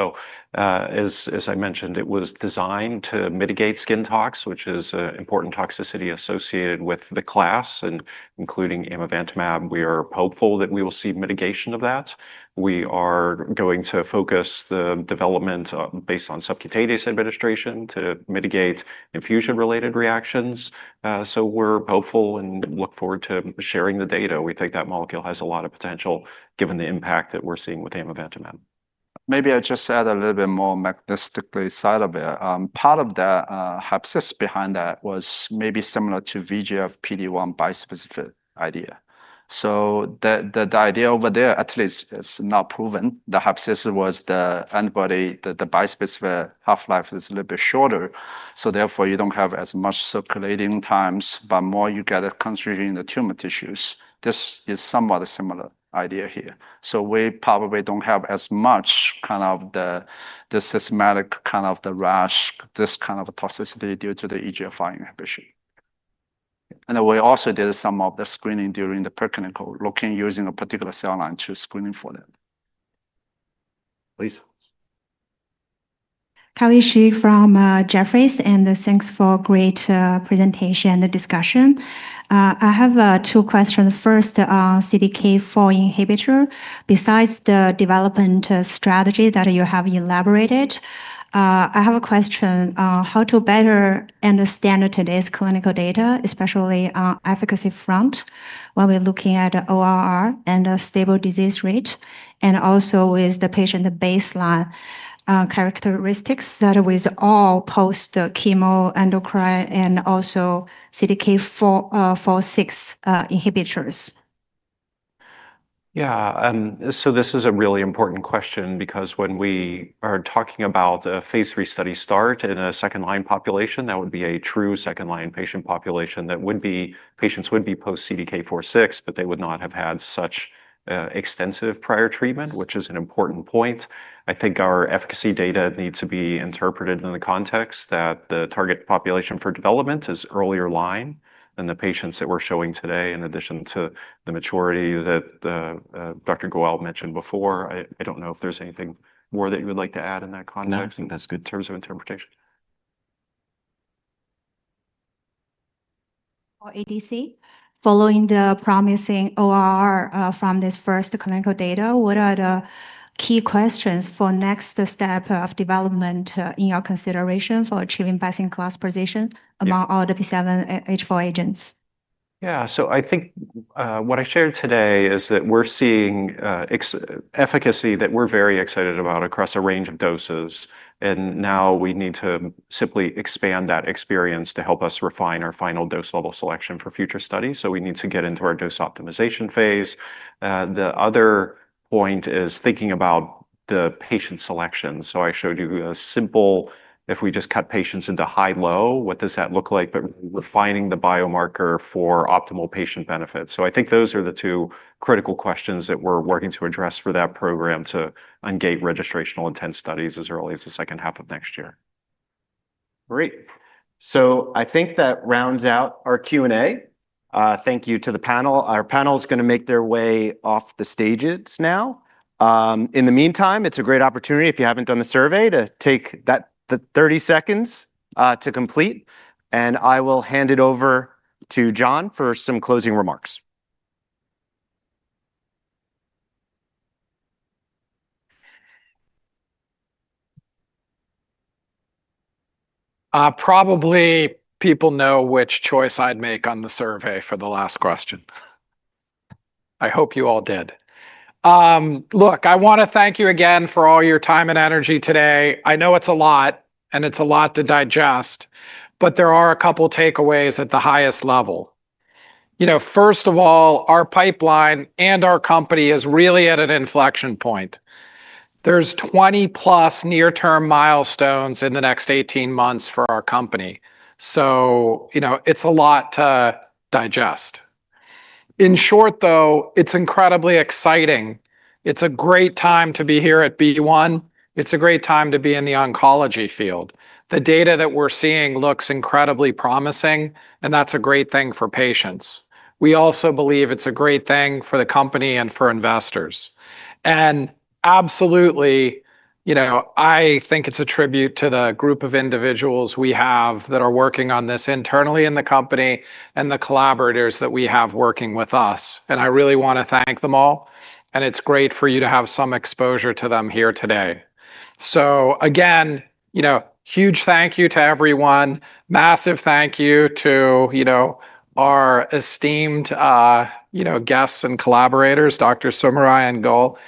As I mentioned, it was designed to mitigate skin tox, which is an important toxicity associated with the class. Including imivantamab, we are hopeful that we will see mitigation of that. We are going to focus the development based on subcutaneous administration to mitigate infusion-related reactions. We are hopeful and look forward to sharing the data. We think that molecule has a lot of potential given the impact that we're seeing with imivantamab. Maybe I just add a little bit more mechanistically side of it. Part of the hypothesis behind that was maybe similar to VGF PD1 bispecific idea. The idea over there, at least, is not proven. The hypothesis was the antibody, the bispecific half-life is a little bit shorter. Therefore, you do not have as much circulating times, but more you get it concentrated in the tumor tissues. This is somewhat a similar idea here. We probably do not have as much kind of the systematic kind of the rash, this kind of toxicity due to the EGFR inhibition. We also did some of the screening during the preclinical looking using a particular cell line to screening for that. Please. Kelly Shi from Jefferies, and thanks for great presentation and the discussion. I have two questions. First, on CDK4 inhibitor, besides the development strategy that you have elaborated, I have a question on how to better understand today's clinical data, especially on efficacy front while we're looking at ORR and stable disease rate, and also with the patient baseline characteristics that are with all post-chemo endocrine and also CDK4/6 inhibitors Yeah. This is a really important question because when we are talking about the phase three study start in a second-line population, that would be a true second-line patient population that would be patients would be post-CDK4/6, but they would not have had such extensive prior treatment, which is an important point. I think our efficacy data need to be interpreted in the context that the target population for development is earlier line than the patients that we're showing today, in addition to the maturity that Dr. Goel mentioned before. I don't know if there's anything more that you would like to add in that context. No, I think that's good in terms of interpretation. For ADC, following the promising ORR from this first clinical data, what are the key questions for next step of development in your consideration for achieving best-in-class position among all the B7-H4 agents? Yeah. I think what I shared today is that we're seeing efficacy that we're very excited about across a range of doses. Now we need to simply expand that experience to help us refine our final dose level selection for future studies. We need to get into our dose optimization phase. The other point is thinking about the patient selection. I showed you a simple, if we just cut patients into high-low, what does that look like? Refining the biomarker for optimal patient benefits. I think those are the two critical questions that we're working to address for that program to engage registrational intent studies as early as the second half of next year. Great. I think that rounds out our Q&A. Thank you to the panel. Ourpanel is going to make their way off the stages now. In the meantime, it's a great opportunity, if you haven't done the survey, to take the 30 seconds to complete. I will hand it over to John for some closing remarks. Probably people know which choice I'd make on the survey for the last question. I hope you all did. Look, I want to thank you again for all your time and energy today. I know it's a lot, and it's a lot to digest, but there are a couple of takeaways at the highest level. First of all, our pipeline and our company is really at an inflection point. There are 20-plus near-term milestones in the next 18 months for our company. It is a lot to digest. In short, though, it is incredibly exciting. It is a great time to be here at B1. It is a great time to be in the oncology field. The data that we are seeing looks incredibly promising, and that is a great thing for patients. We also believe it is a great thing for the company and for investors. Absolutely, I think it is a tribute to the group of individuals we have that are working on this internally in the company and the collaborators that we have working with us. I really want to thank them all. It is great for you to have some exposure to them here today. Again, huge thank you to everyone. Massive thank you to our esteemed guests and collaborators, Dr. Soumerai and Goel.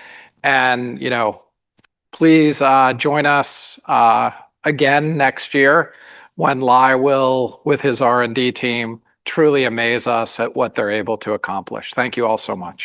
Please join us again next year when Lai will, with his R&D team, truly amaze us at what they're able to accomplish. Thank you all so much.